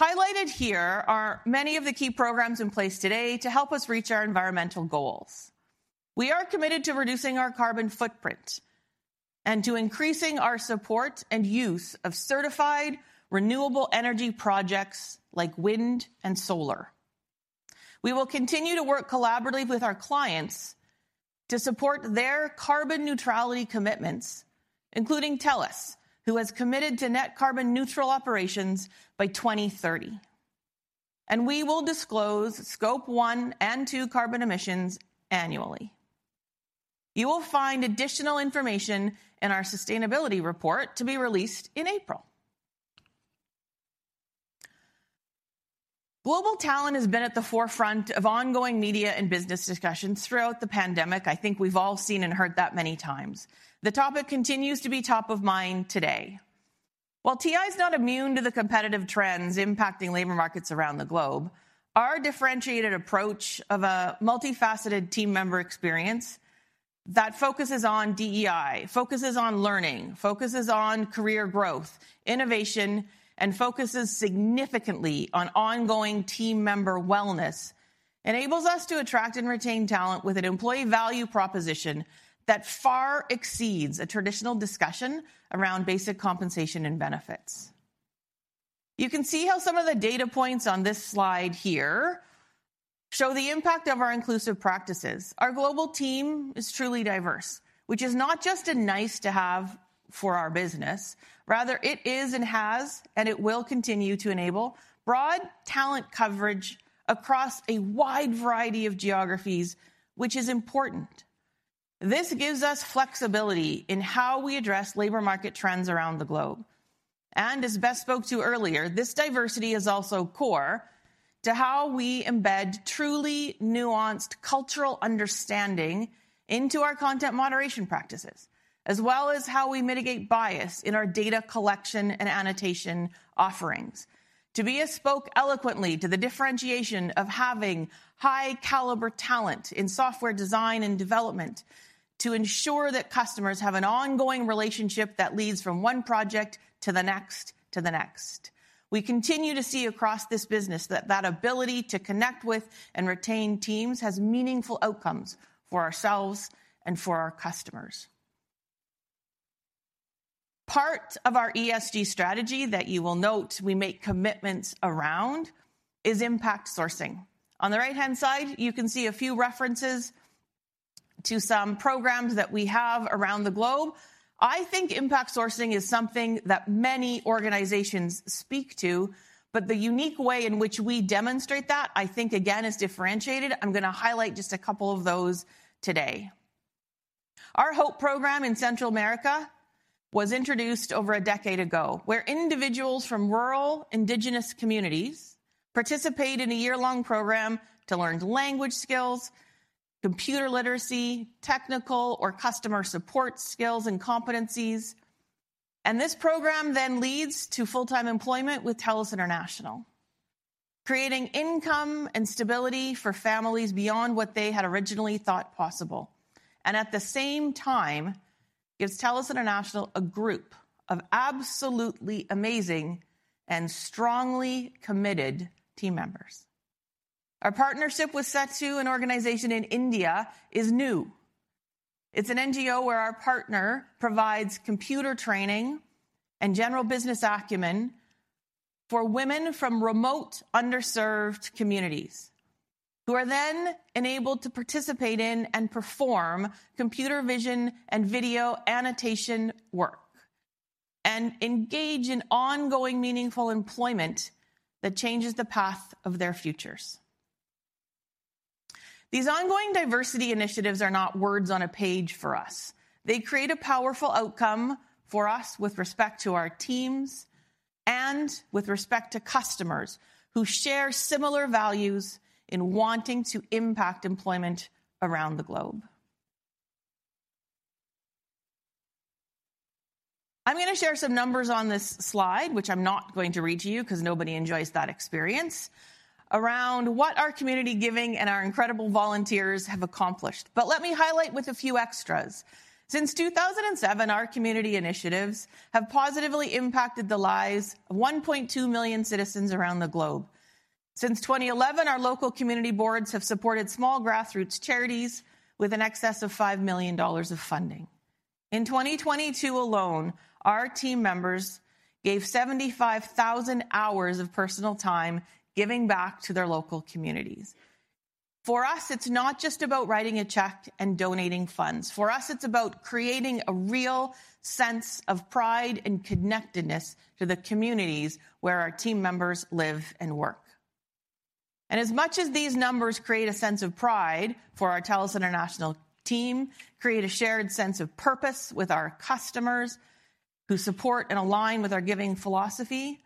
Highlighted here are many of the key programs in place today to help us reach our environmental goals. We are committed to reducing our carbon footprint and to increasing our support and use of certified renewable energy projects like wind and solar. We will continue to work collaboratively with our clients to support their carbon neutrality commitments, including TELUS, who has committed to net carbon neutral operations by 2030, and we will disclose Scope 1 and Scope 2 carbon emissions annually. You will find additional information in our sustainability report to be released in April. Global talent has been at the forefront of ongoing media and business discussions throughout the pandemic. I think we've all seen and heard that many times. The topic continues to be top of mind today. While TI is not immune to the competitive trends impacting labor markets around the globe, our differentiated approach of a multifaceted team member experience that focuses on DEI, focuses on learning, focuses on career growth, innovation, and focuses significantly on ongoing team member wellness, enables us to attract and retain talent with an employee value proposition that far exceeds a traditional discussion around basic compensation and benefits. You can see how some of the data points on this slide here show the impact of our inclusive practices. Our global team is truly diverse, which is not just a nice to have for our business. Rather, it is and has, and it will continue to enable broad talent coverage across a wide variety of geographies, which is important. This gives us flexibility in how we address labor market trends around the globe. As Beth spoke to earlier, this diversity is also core to how we embed truly nuanced cultural understanding into our content moderation practices, as well as how we mitigate bias in our data collection and annotation offerings. Tobias spoke eloquently to the differentiation of having high caliber talent in software design and development to ensure that customers have an ongoing relationship that leads from one project to the next, to the next. We continue to see across this business that that ability to connect with and retain teams has meaningful outcomes for ourselves and for our customers. Part of our ESG strategy that you will note we make commitments around is impact sourcing. On the right-hand side, you can see a few references to some programs that we have around the globe. I think impact sourcing is something that many organizations speak to, but the unique way in which we demonstrate that, I think again, is differentiated. I'm gonna highlight just a couple of those today. Our HOPE program in Central America was introduced over a decade ago, where individuals from rural indigenous communities participate in a year-long program to learn language skills, computer literacy, technical or customer support skills and competencies. This program then leads to full-time employment with TELUS International, creating income and stability for families beyond what they had originally thought possible, and at the same time, gives TELUS International a group of absolutely amazing and strongly committed team members. Our partnership with SETU, an organization in India, is new. It's an NGO where our partner provides computer training and general business acumen for women from remote, underserved communities who are then enabled to participate in and perform computer vision and video annotation work and engage in ongoing meaningful employment that changes the path of their futures. These ongoing diversity initiatives are not words on a page for us. They create a powerful outcome for us with respect to our teams and with respect to customers who share similar values in wanting to impact employment around the globe. I'm gonna share some numbers on this slide, which I'm not going to read to you because nobody enjoys that experience, around what our community giving and our incredible volunteers have accomplished. Let me highlight with a few extras. Since 2007, our community initiatives have positively impacted the lives of 1.2 million citizens around the globe. Since 2011, our local community boards have supported small grassroots charities with an excess of $5 million of funding. In 2022 alone, our team members gave 75,000 hours of personal time giving back to their local communities. For us, it's not just about writing a check and donating funds. For us, it's about creating a real sense of pride and connectedness to the communities where our team members live and work. As much as these numbers create a sense of pride for our TELUS International team, create a shared sense of purpose with our customers who support and align with our giving philosophy.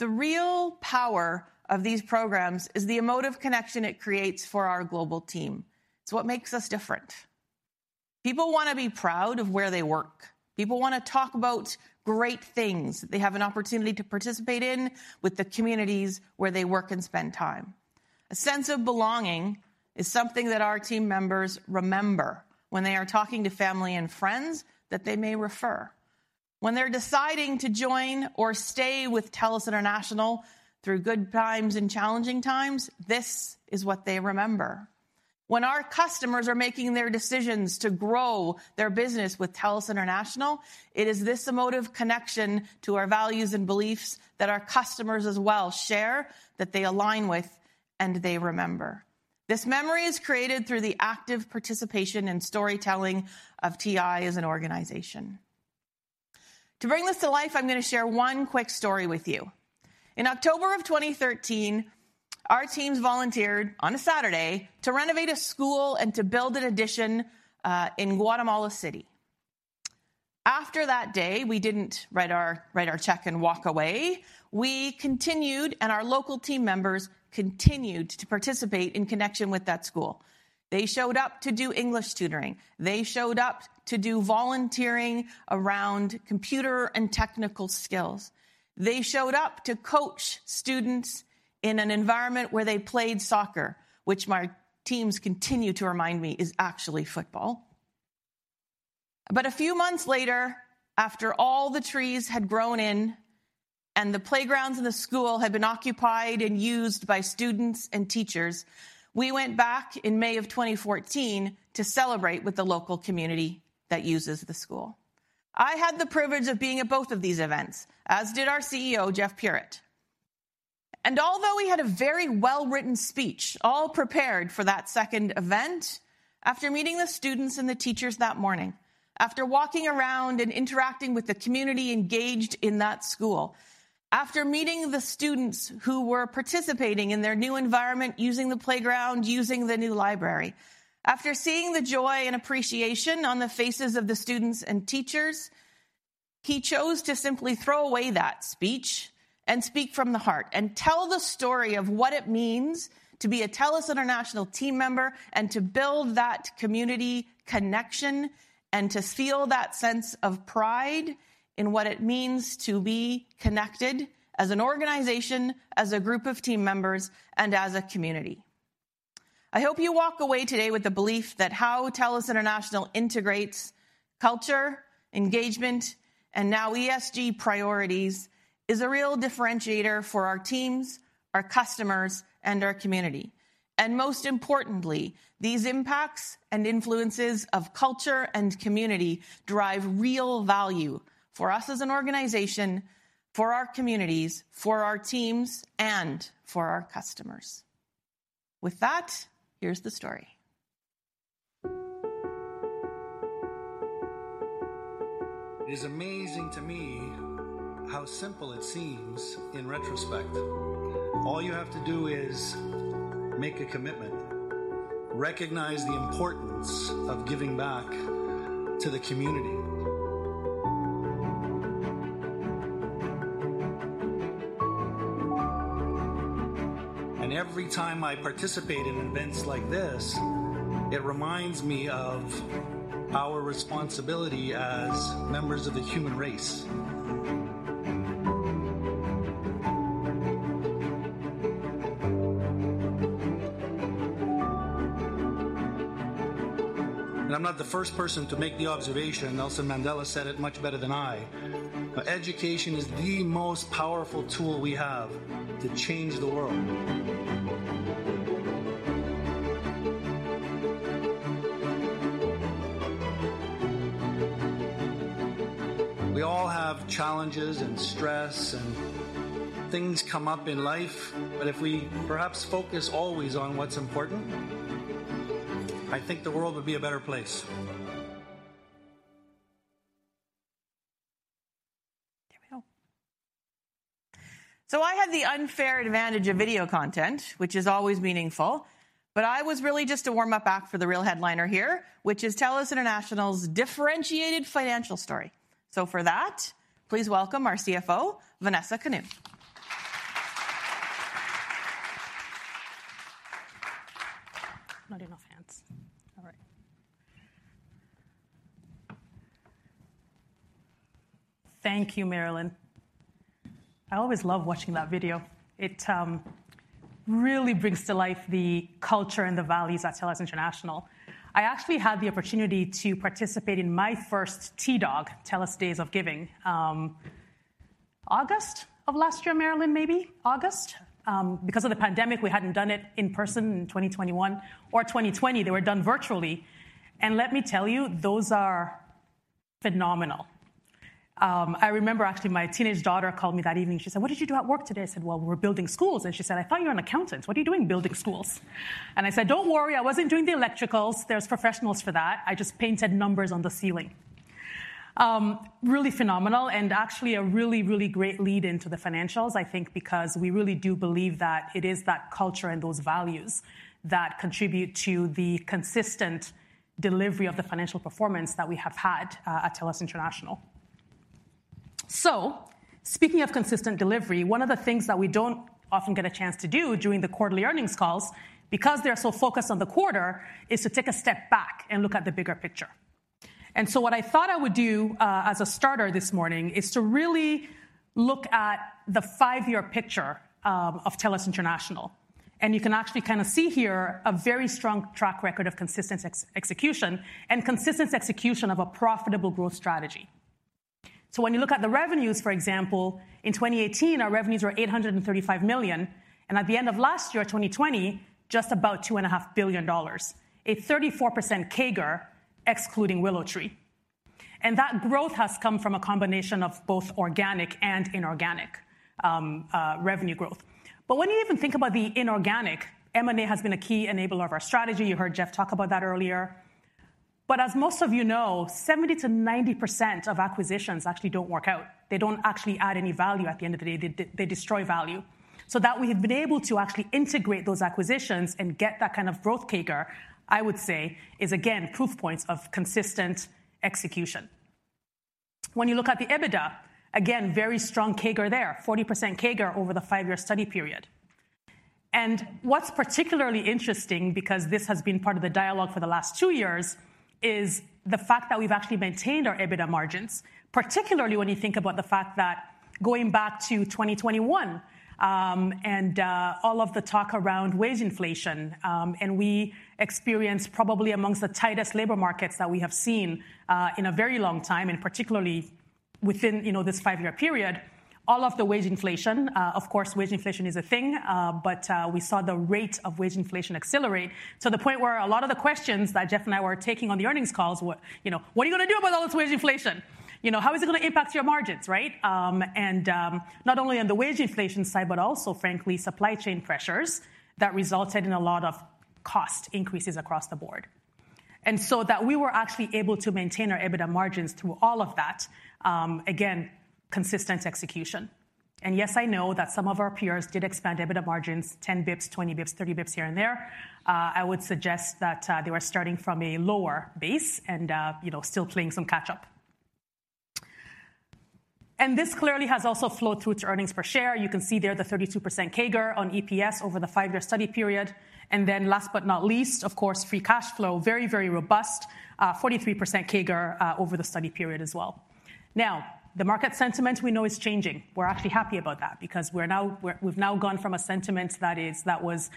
The real power of these programs is the emotive connection it creates for our global team. It's what makes us different. People want to be proud of where they work. People want to talk about great things they have an opportunity to participate in with the communities where they work and spend time. A sense of belonging is something that our team members remember when they are talking to family and friends that they may refer. When they're deciding to join or stay with TELUS International through good times and challenging times, this is what they remember. When our customers are making their decisions to grow their business with TELUS International, it is this emotive connection to our values and beliefs that our customers as well share, that they align with and they remember. This memory is created through the active participation and storytelling of TI as an organization. To bring this to life, I'm going to share one quick story with you. In October of 2013, our teams volunteered on a Saturday to renovate a school and to build an addition in Guatemala City. After that day, we didn't write our check and walk away. We continued, and our local team members continued to participate in connection with that school. They showed up to do English tutoring. They showed up to do volunteering around computer and technical skills. They showed up to coach students in an environment where they played soccer, which my teams continue to remind me is actually football. A few months later, after all the trees had grown in and the playgrounds in the school had been occupied and used by students and teachers, we went back in May of 2014 to celebrate with the local community that uses the school. I had the privilege of being at both of these events, as did our CEO, Jeff Puritt. Although he had a very well-written speech all prepared for that second event, after meeting the students and the teachers that morning, after walking around and interacting with the community engaged in that school, after meeting the students who were participating in their new environment, using the playground, using the new library, after seeing the joy and appreciation on the faces of the students and teachers, he chose to simply throw away that speech and speak from the heart and tell the story of what it means to be a TELUS International team member and to build that community connection and to feel that sense of pride in what it means to be connected as an organization, as a group of team members, and as a community. I hope you walk away today with the belief that how TELUS International integrates culture, engagement, and now ESG priorities is a real differentiator for our teams, our customers, and our community. Most importantly, these impacts and influences of culture and community drive real value for us as an organization, for our communities, for our teams, and for our customers. With that, here's the story. It is amazing to me how simple it seems in retrospect. All you have to do is make a commitment, recognize the importance of giving back to the community. Every time I participate in events like this, it reminds me of our responsibility as members of the human race. I'm not the first person to make the observation. Nelson Mandela said it much better than I, education is the most powerful tool we have to change the world. We all have challenges and stress and things come up in life. If we perhaps focus always on what's important, I think the world would be a better place. Here we go. I have the unfair advantage of video content, which is always meaningful. I was really just a warm-up act for the real headliner here, which is TELUS International's differentiated financial story. For that, please welcome our CFO, Vanessa Kanu. Not enough hands. All right. Thank you, Marilyn. I always love watching that video. It really brings to life the culture and the values at TELUS International. I actually had the opportunity to participate in my first TDOG, TELUS Days of Giving, August of last year, Marilyn, maybe? August? Because of the pandemic, we hadn't done it in person in 2021 or 2020. They were done virtually. Let me tell you, those are phenomenal. I remember actually my teenage daughter called me that evening. She said, "What did you do at work today?" I said, "Well, we're building schools." She said, "I thought you were an accountant. What are you doing building schools?" I said, "Don't worry, I wasn't doing the electricals. There's professionals for that. I just painted numbers on the ceiling." really phenomenal and actually a really, really great lead into the financials, I think, because we really do believe that it is that culture and those values that contribute to the consistent delivery of the financial performance that we have had at TELUS International. Speaking of consistent delivery, one of the things that we don't often get a chance to do during the quarterly earnings calls, because they're so focused on the quarter, is to take a step back and look at the bigger picture. What I thought I would do as a starter this morning is to really look at the five-year picture of TELUS International. You can actually kind of see here a very strong track record of consistent execution of a profitable growth strategy. When you look at the revenues, for example, in 2018, our revenues were $835 million, and at the end of last year, 2020, just about two and a half billion dollars. A 34% CAGR excluding WillowTree. That growth has come from a combination of both organic and inorganic revenue growth. When you even think about the inorganic, M&A has been a key enabler of our strategy. You heard Jeff talk about that earlier. As most of you know, 70%-90% of acquisitions actually don't work out. They don't actually add any value at the end of the day. They, they destroy value. That we have been able to actually integrate those acquisitions and get that kind of growth CAGR, I would say is again proof points of consistent execution. When you look at the EBITDA, again, very strong CAGR there, 40% CAGR over the five-year study period. What's particularly interesting, because this has been part of the dialogue for the last two years, is the fact that we've actually maintained our EBITDA margins. Particularly when you think about the fact that going back to 2021, and all of the talk around wage inflation, and we experienced probably amongst the tightest labor markets that we have seen, in a very long time, and particularly within, you know, this five-year period, all of the wage inflation. Of course, wage inflation is a thing, but we saw the rate of wage inflation accelerate to the point where a lot of the questions that Jeff and I were taking on the earnings calls were, you know, "What are you gonna do about all this wage inflation? You know, how is it gonna impact your margins?" Right? Not only on the wage inflation side, but also frankly, supply chain pressures that resulted in a lot of cost increases across the board. We were actually able to maintain our EBITDA margins through all of that, again, consistent execution. Yes, I know that some of our peers did expand EBITDA margins, 10 bps, 20 bps, 30 bps here and there. I would suggest that they were starting from a lower base and, you know, still playing some catch-up. This clearly has also flowed through to earnings per share. You can see there the 32% CAGR on EPS over the five-year study period. Last but not least, of course, free cash flow, very, very robust, 43% CAGR over the study period as well. Now, the market sentiment we know is changing. We're actually happy about that because we've now gone from a sentiment that is, that was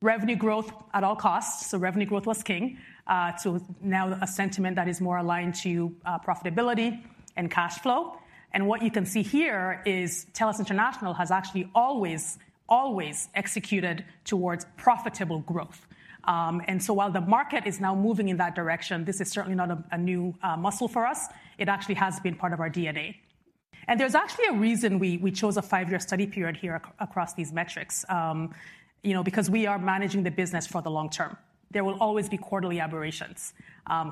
revenue growth at all costs, so revenue growth was king, to now a sentiment that is more aligned to profitability and cash flow. What you can see here is TELUS International has actually always executed towards profitable growth. While the market is now moving in that direction, this is certainly not a new muscle for us. It actually has been part of our DNA. There's actually a reason we chose a five-year study period here across these metrics, you know, because we are managing the business for the long term. There will always be quarterly aberrations.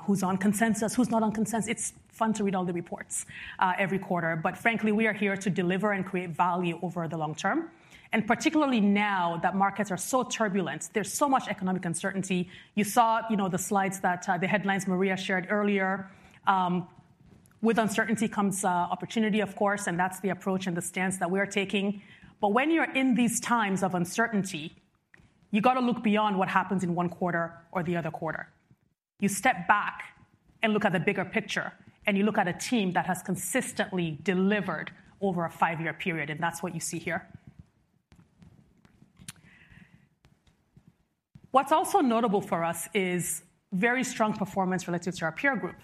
Who's on consensus? Who's not on consensus? It's fun to read all the reports every quarter. Frankly, we are here to deliver and create value over the long term. Particularly now that markets are so turbulent, there's so much economic uncertainty. You saw, you know, the slides that the headlines Maria shared earlier. With uncertainty comes opportunity, of course, and that's the approach and the stance that we're taking. When you're in these times of uncertainty, you gotta look beyond what happens in one quarter or the other quarter. You step back and look at the bigger picture, and you look at a team that has consistently delivered over a five-year period, and that's what you see here. What's also notable for us is very strong performance relative to our peer group.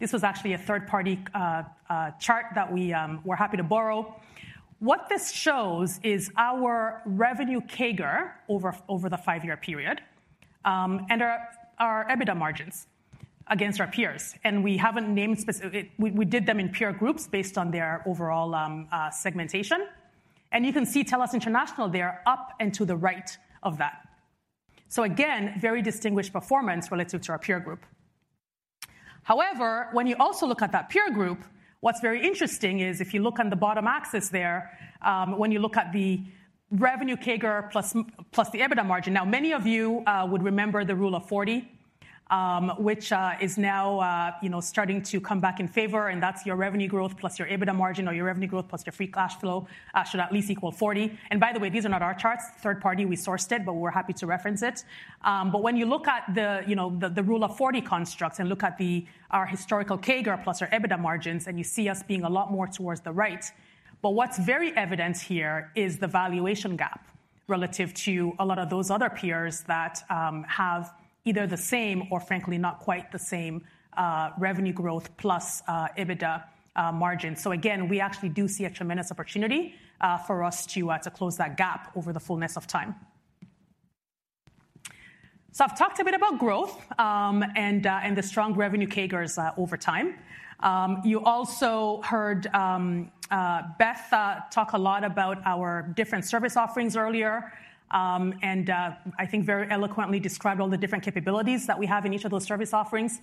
This was actually a third-party chart that we're happy to borrow. What this shows is our revenue CAGR over the five-year period, and our EBITDA margins against our peers, and we haven't named specific. We did them in peer groups based on their overall segmentation. You can see TELUS International there up and to the right of that. Again, very distinguished performance relative to our peer group. However, when you also look at that peer group, what's very interesting is if you look on the bottom axis there, when you look at the revenue CAGR plus the EBITDA margin. Many of you would remember the Rule of Forty, which is now, you know, starting to come back in favor, and that's your revenue growth plus your EBITDA margin or your revenue growth plus your free cash flow should at least equal 40. By the way, these are not our charts. Third party, we sourced it, but we're happy to reference it. When you look at the, you know, the Rule of Forty constructs and look at our historical CAGR plus our EBITDA margins, and you see us being a lot more towards the right. What's very evident here is the valuation gap relative to a lot of those other peers that have either the same or frankly not quite the same revenue growth plus EBITDA margin. Again, we actually do see a tremendous opportunity for us to close that gap over the fullness of time. I've talked a bit about growth and the strong revenue CAGRs over time. You also heard Beth talk a lot about our different service offerings earlier and I think very eloquently described all the different capabilities that we have in each of those service offerings.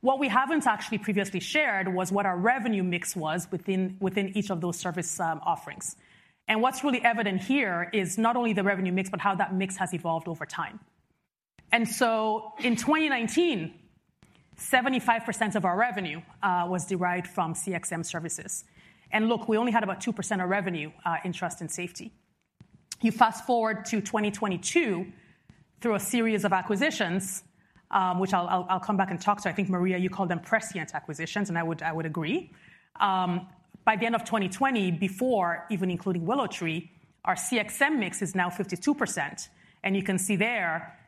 What we haven't actually previously shared was what our revenue mix was within each of those service offerings. What's really evident here is not only the revenue mix, but how that mix has evolved over time. In 2019, 75% of our revenue was derived from CXM services. Look, we only had about 2% of revenue in Trust and Safety. You fast-forward to 2022 through a series of acquisitions, which I'll come back and talk to. I think, Maria, you called them prescient acquisitions, and I would agree. By the end of 2020, before even including WillowTree, our CXM mix is now 52%. You can see there,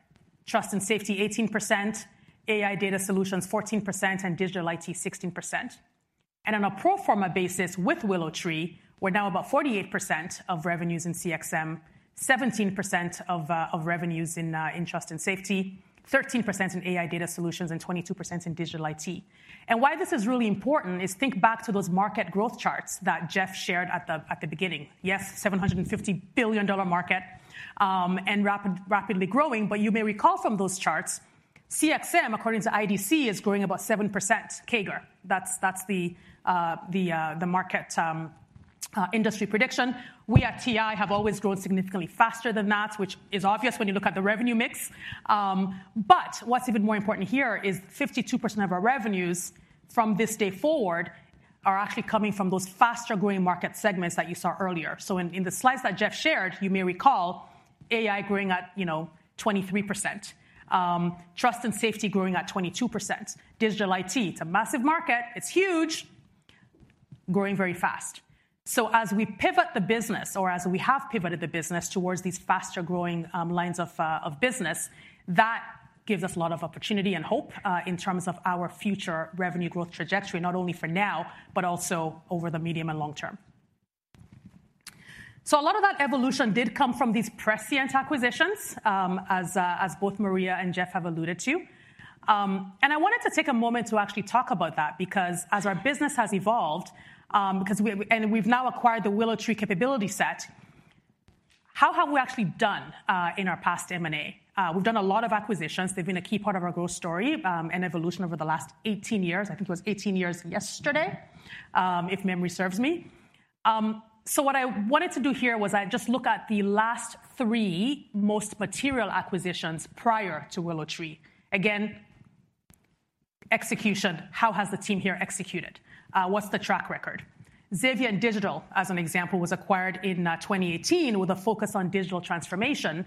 Trust and Safety 18%, AI data solutions 14%, and digital IT 16%. On a pro forma basis with WillowTree, we're now about 48% of revenues in CXM, 17% of revenues in trust and safety, 13% in AI data solutions, and 22% in digital IT. Why this is really important is think back to those market growth charts that Jeff shared at the beginning. Yes, $750 billion market, and rapidly growing. You may recall from those charts, CXM, according to IDC, is growing about 7% CAGR. That's the market industry prediction. We at TI have always grown significantly faster than that, which is obvious when you look at the revenue mix. What's even more important here is 52% of our revenues from this day forward are actually coming from those faster-growing market segments that you saw earlier. In the slides that Jeff shared, you may recall AI growing at, you know, 23%, Trust and Safety growing at 22%. Digital IT, it's a massive market. It's huge, growing very fast. As we pivot the business or as we have pivoted the business towards these faster-growing lines of business, that gives us a lot of opportunity and hope in terms of our future revenue growth trajectory, not only for now, but also over the medium and long term. A lot of that evolution did come from these prescient acquisitions, as both Maria and Jeff have alluded to. I wanted to take a moment to actually talk about that because as our business has evolved, 'cause we've now acquired the WillowTree capability set, how have we actually done in our past M&A? We've done a lot of acquisitions. They've been a key part of our growth story and evolution over the last 18 years. I think it was 18 years yesterday, if memory serves me. What I wanted to do here was just look at the last three most material acquisitions prior to WillowTree. Again, execution. How has the team here executed? What's the track record? Xavient Digital, as an example, was acquired in 2018 with a focus on digital transformation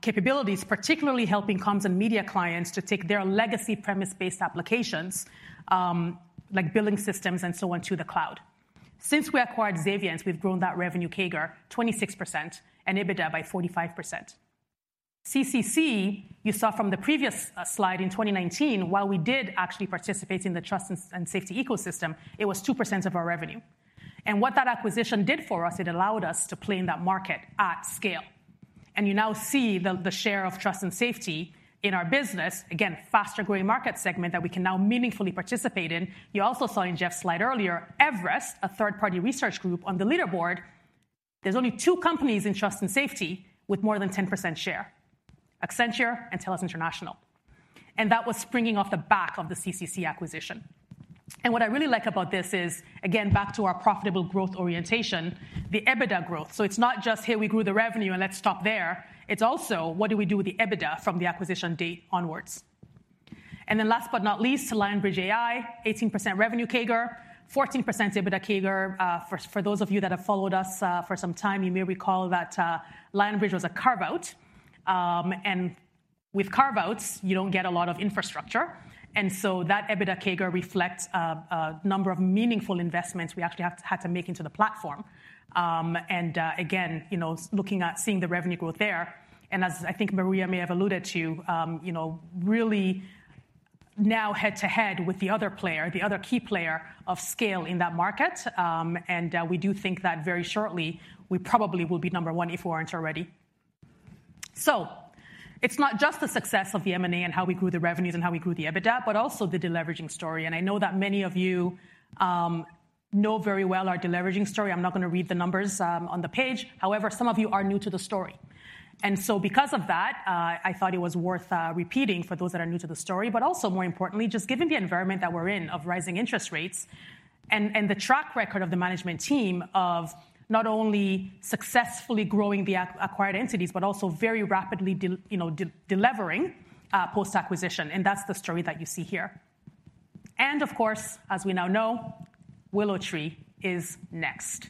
capabilities, particularly helping comms and media clients to take their legacy premise-based applications, like billing systems and so on, to the cloud. Since we acquired Xavient, we've grown that revenue CAGR 26% and EBITDA by 45%. CCC, you saw from the previous slide in 2019, while we did actually participate in the Trust and Safety ecosystem, it was 2% of our revenue. What that acquisition did for us, it allowed us to play in that market at scale. You now see the share of Trust and Safety in our business. Again, faster-growing market segment that we can now meaningfully participate in. You also saw in Jeff's slide earlier, Everest, a third-party research group on the leaderboard. There's only two companies in Trust and Safety with more than 10% share, Accenture and TELUS International. That was springing off the back of the CCC acquisition. What I really like about this is, again, back to our profitable growth orientation, the EBITDA growth. It's not just, "Hey, we grew the revenue, and let's stop there." It's also what do we do with the EBITDA from the acquisition date onwards. Last but not least, Lionbridge AI, 18% revenue CAGR, 14% EBITDA CAGR. For those of you that have followed us for some time, you may recall that Lionbridge was a carve-out. With carve-outs, you don't get a lot of infrastructure. That EBITDA CAGR reflects a number of meaningful investments we actually had to make into the platform. Again, you know, looking at seeing the revenue growth there, and as I think Maria may have alluded to, you know, really now head-to-head with the other player, the other key player of scale in that market. We do think that very shortly we probably will be number one if we aren't already. It's not just the success of the M&A and how we grew the revenues and how we grew the EBITDA, but also the deleveraging story. I know that many of you know very well our deleveraging story. I'm not gonna read the numbers on the page. However, some of you are new to the story. Because of that, I thought it was worth repeating for those that are new to the story. Also more importantly, just given the environment that we're in of rising interest rates and the track record of the management team of not only successfully growing the acquired entities, but also very rapidly you know delevering post-acquisition. That's the story that you see here. Of course, as we now know, WillowTree is next.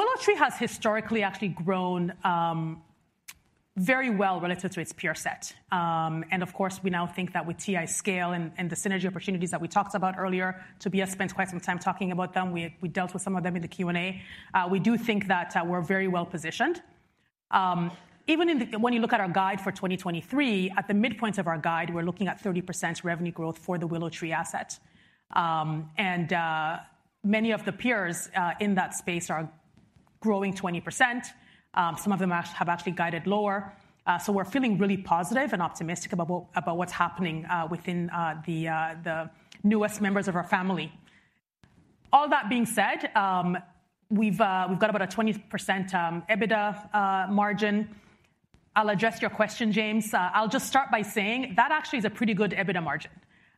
WillowTree has historically actually grown very well relative to its peer set. Of course, we now think that with TI's scale and the synergy opportunities that we talked about earlier, Tobias spent quite some time talking about them. We dealt with some of them in the Q&A. We do think that we're very well positioned. Even in the... When you look at our guide for 2023, at the midpoint of our guide, we're looking at 30% revenue growth for the WillowTree asset. Many of the peers in that space are growing 20%. Some of them have actually guided lower. We're feeling really positive and optimistic about what's happening within the newest members of our family. All that being said, we've got about a 20% EBITDA margin. I'll address your question, James. I'll just start by saying that actually is a pretty good EBITDA margin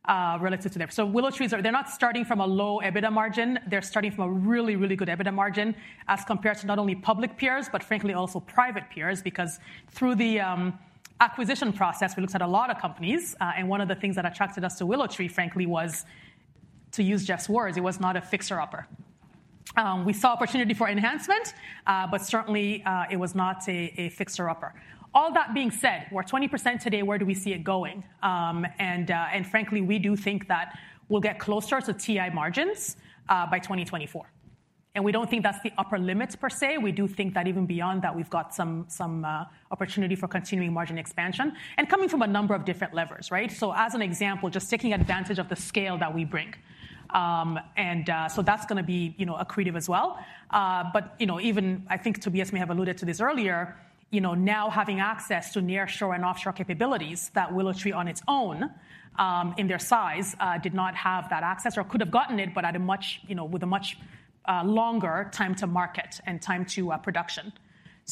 relative to them. WillowTree's are not starting from a low EBITDA margin. They're starting from a really good EBITDA margin as compared to not only public peers, but frankly also private peers. Because through the acquisition process, we looked at a lot of companies, and one of the things that attracted us to WillowTree, frankly, was, to use Jeff's words, it was not a fixer-upper. We saw opportunity for enhancement, but certainly, it was not a fixer-upper. All that being said, we're 20% today, where do we see it going? Frankly, we do think that we'll get closer to TI margins by 2024. We don't think that's the upper limits per se. We do think that even beyond that, we've got some opportunity for continuing margin expansion and coming from a number of different levers, right? As an example, just taking advantage of the scale that we bring. That's gonna be, you know, accretive as well. You know, even I think Tobias may have alluded to this earlier, you know, now having access to nearshore and offshore capabilities that WillowTree on its own, in their size, did not have that access or could have gotten it, but at a much, you know, with a much longer time to market and time to production.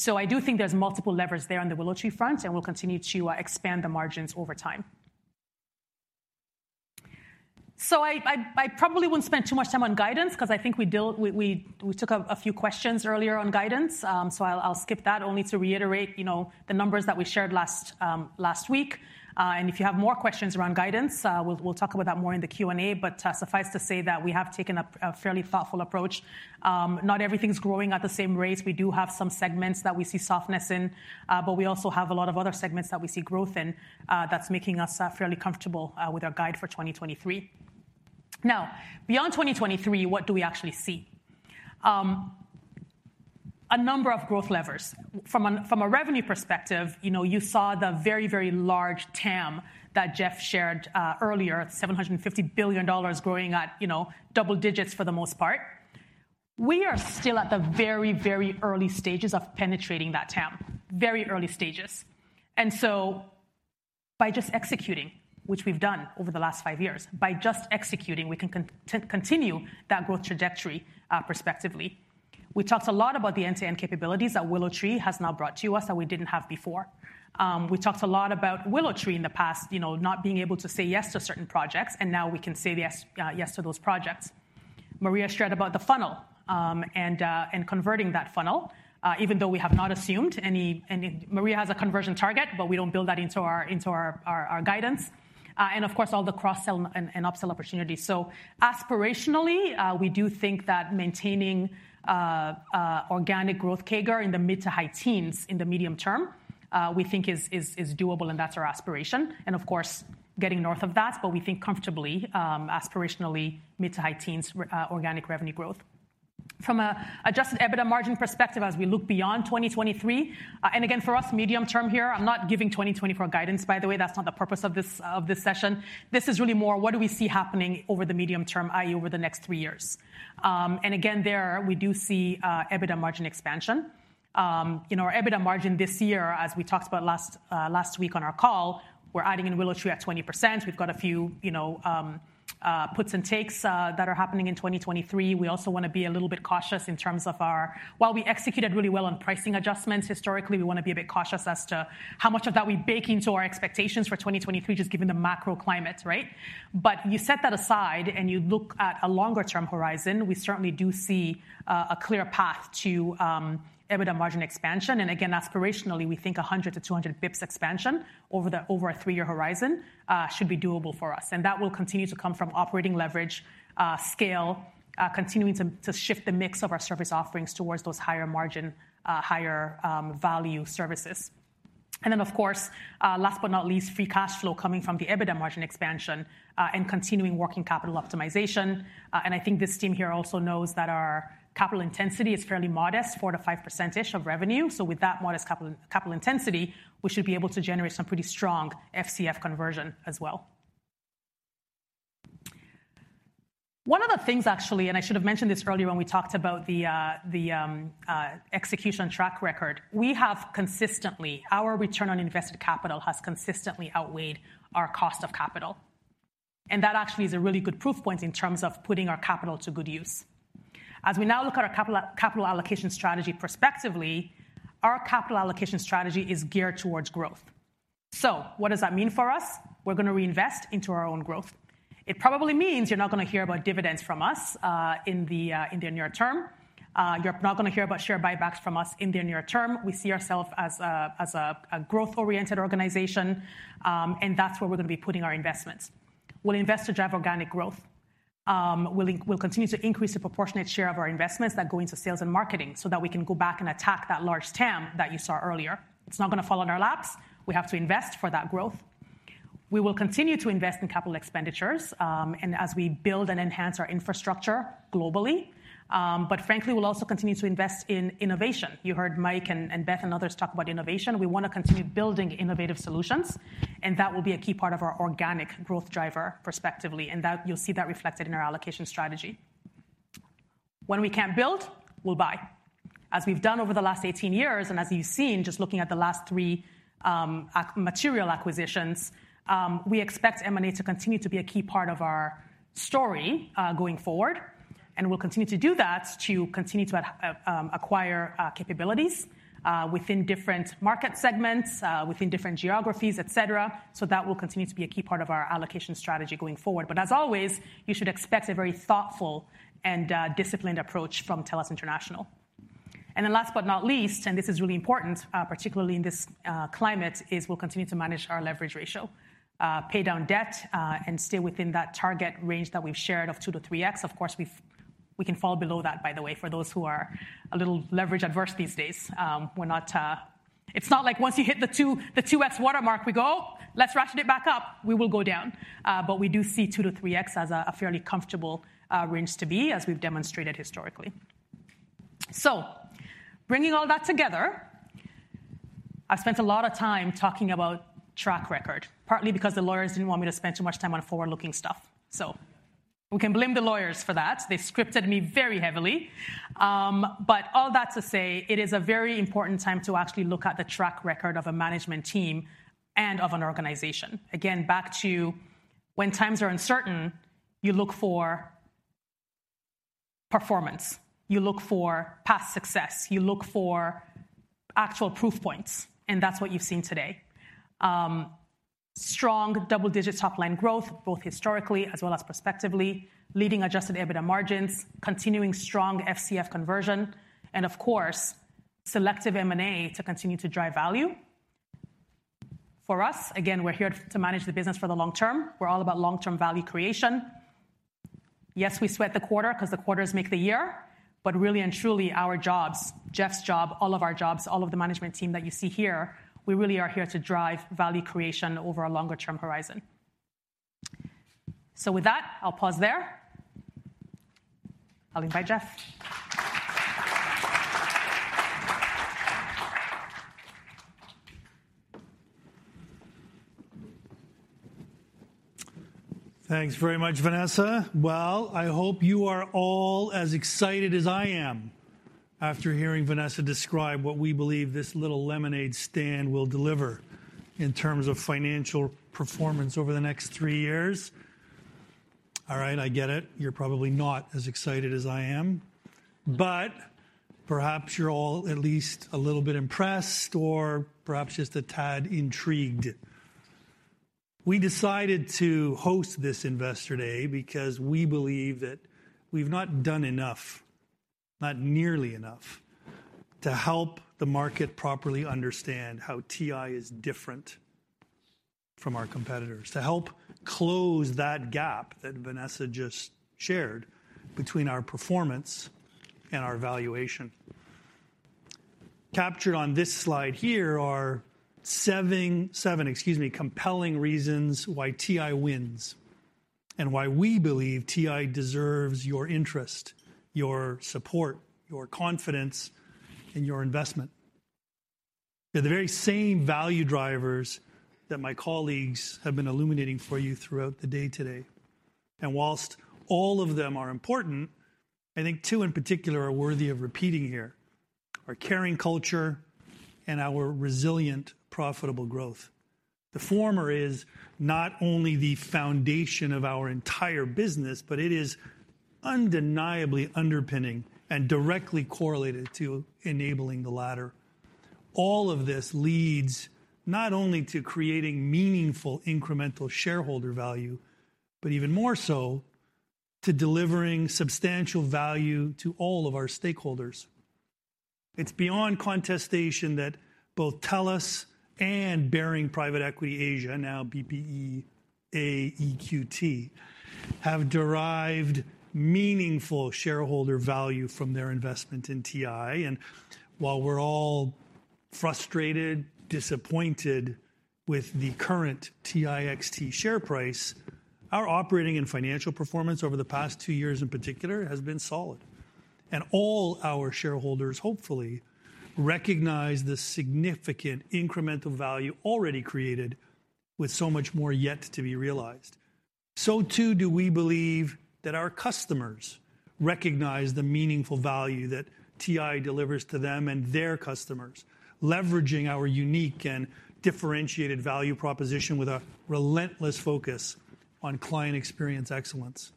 I do think there's multiple levers there on the WillowTree front, and we'll continue to expand the margins over time. I probably wouldn't spend too much time on guidance 'cause I think we took a few questions earlier on guidance. I'll skip that only to reiterate, you know, the numbers that we shared last last week. If you have more questions around guidance, we'll talk about that more in the Q&A. Suffice to say that we have taken a fairly thoughtful approach. Not everything's growing at the same rate. We do have some segments that we see softness in, but we also have a lot of other segments that we see growth in, that's making us fairly comfortable with our guide for 2023. Beyond 2023, what do we actually see? A number of growth levers. From a revenue perspective, you know, you saw the very large TAM that Jeff shared earlier, $750 billion growing at, you know, double-digits for the most part. We are still at the very early stages of penetrating that TAM. Very early stages. By just executing, which we've done over the last five years, by just executing, we can continue that growth trajectory perspectively. We talked a lot about the end-to-end capabilities that WillowTree has now brought to us that we didn't have before. We talked a lot about WillowTree in the past, you know, not being able to say yes to certain projects, and now we can say yes to those projects. Maria shared about the funnel, and converting that funnel, even though we have not assumed any. Maria has a conversion target, but we don't build that into our guidance. Of course, all the cross-sell and upsell opportunities. Aspirationally, we do think that maintaining organic growth CAGR in the mid to high teens in the medium term, we think is doable, and that's our aspiration. Of course, getting north of that, but we think comfortably, aspirationally mid to high teens organic revenue growth. From a adjusted EBITDA margin perspective as we look beyond 2023, and again, for us, medium term here, I'm not giving 2024 guidance, by the way. That's not the purpose of this, of this session. This is really more what do we see happening over the medium term, i.e., over the next three years. And again, there we do see EBITDA margin expansion. You know, our EBITDA margin this year, as we talked about last week on our call, we're adding in WillowTree at 20%. We've got a few, you know, puts and takes that are happening in 2023. We also wanna be a little bit cautious in terms of While we executed really well on pricing adjustments historically, we wanna be a bit cautious as to how much of that we bake into our expectations for 2023, just given the macro climate, right? You set that aside and you look at a longer-term horizon, we certainly do see a clear path to EBITDA margin expansion. Again, aspirationally, we think 100 bips to 200 bips expansion over the, over a three-year horizon should be doable for us. That will continue to come from operating leverage, scale, continuing to shift the mix of our service offerings towards those higher margin, higher value services. Of course, last but not least, free cash flow coming from the EBITDA margin expansion and continuing working capital optimization. I think this team here also knows that our capital intensity is fairly modest, 4%-5% of revenue. With that modest capital intensity, we should be able to generate some pretty strong FCF conversion as well. One of the things actually, I should have mentioned this earlier when we talked about the execution track record, we have consistently our return on invested capital has consistently outweighed our cost of capital. That actually is a really good proof point in terms of putting our capital to good use. We now look at our capital allocation strategy perspectively, our capital allocation strategy is geared towards growth. What does that mean for us? We're gonna reinvest into our own growth. It probably means you're not gonna hear about dividends from us in the near term. You're not gonna hear about share buybacks from us in the near term. We see ourself as a, as a growth-oriented organization, that's where we're gonna be putting our investments. We'll invest to drive organic growth. We'll continue to increase the proportionate share of our investments that go into sales and marketing so that we can go back and attack that large TAM that you saw earlier. It's not gonna fall in our laps. We have to invest for that growth. We will continue to invest in capital expenditures, as we build and enhance our infrastructure globally. Frankly, we'll also continue to invest in innovation. You heard Mike and Beth and others talk about innovation. We wanna continue building innovative solutions, and that will be a key part of our organic growth driver prospectively, and that you'll see that reflected in our allocation strategy. When we can't build, we'll buy. As we've done over the last 18 years and as you've seen just looking at the last three material acquisitions, we expect M&A to continue to be a key part of our story going forward. We'll continue to do that to continue to acquire capabilities within different market segments, within different geographies, et cetera. That will continue to be a key part of our allocation strategy going forward. As always, you should expect a very thoughtful and disciplined approach from TELUS International. Last but not least, and this is really important, particularly in this climate, is we'll continue to manage our leverage ratio, pay down debt, and stay within that target range that we've shared of 2x-x. Of course, we can fall below that, by the way, for those who are a little leverage-averse these days. We're not, It's not like once you hit the 2x watermark, we go, "Let's ratchet it back up." We will go down. We do see 2x-3x as a fairly comfortable range to be, as we've demonstrated historically. Bringing all that together, I've spent a lot of time talking about track record, partly because the lawyers didn't want me to spend too much time on forward-looking stuff. We can blame the lawyers for that. They scripted me very heavily. All that to say it is a very important time to actually look at the track record of a management team and of an organization. Again, back to when times are uncertain, you look for performance, you look for past success, you look for actual proof points, and that's what you've seen today. Strong double-digit top-line growth, both historically as well as prospectively, leading adjusted EBITDA margins, continuing strong FCF conversion, and of course, selective M&A to continue to drive value. For us, again, we're here to manage the business for the long term. We're all about long-term value creation. Yes, we sweat the quarter 'cause the quarters make the year, but really and truly our jobs, Jeff's job, all of our jobs, all of the management team that you see here, we really are here to drive value creation over a longer-term horizon. With that, I'll pause there. I'll invite Jeff. Thanks very much, Vanessa. Well, I hope you are all as excited as I am after hearing Vanessa describe what we believe this little lemonade stand will deliver in terms of financial performance over the next three years. All right, I get it. Perhaps you're all at least a little bit impressed or perhaps just a tad intrigued. We decided to host this investor day because we believe that we've not done enough, not nearly enough, to help the market properly understand how TI is different from our competitors, to help close that gap that Vanessa just shared between our performance and our valuation. Captured on this slide here are seven, excuse me, compelling reasons why TI wins and why we believe TI deserves your interest, your support, your confidence, and your investment. They're the very same value drivers that my colleagues have been illuminating for you throughout the day today. Whilst all of them are important, I think two in particular are worthy of repeating here: our caring culture and our resilient, profitable growth. The former is not only the foundation of our entire business, but it is undeniably underpinning and directly correlated to enabling the latter. All of this leads not only to creating meaningful incremental shareholder value, but even more so to delivering substantial value to all of our stakeholders. It's beyond contestation that both TELUS and Baring Private Equity Asia, now BPEA EQT, have derived meaningful shareholder value from their investment in TI. While we're all frustrated, disappointed with the current TIXT share price, our operating and financial performance over the past two years in particular has been solid. All our shareholders hopefully recognize the significant incremental value already created with so much more yet to be realized. Too do we believe that our customers recognize the meaningful value that TI delivers to them and their customers, leveraging our unique and differentiated value proposition with a relentless focus on client experience excellence.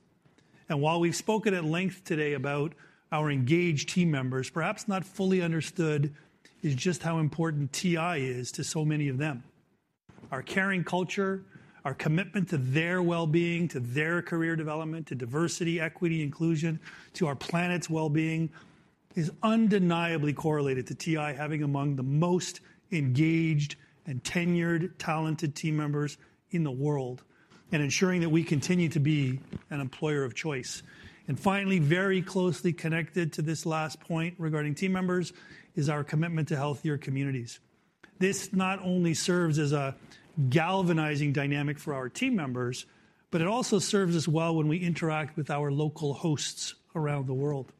While we've spoken at length today about our engaged team members, perhaps not fully understood is just how important TI is to so many of them. Our caring culture, our commitment to their well-being, to their career development, to diversity, equity, inclusion, to our planet's well-being, is undeniably correlated to TI having among the most engaged and tenured talented team members in the world, and ensuring that we continue to be an employer of choice. Finally, very closely connected to this last point regarding team members is our commitment to healthier communities. This not only serves as a galvanizing dynamic for our team members, but it also serves us well when we interact with our local hosts around the world.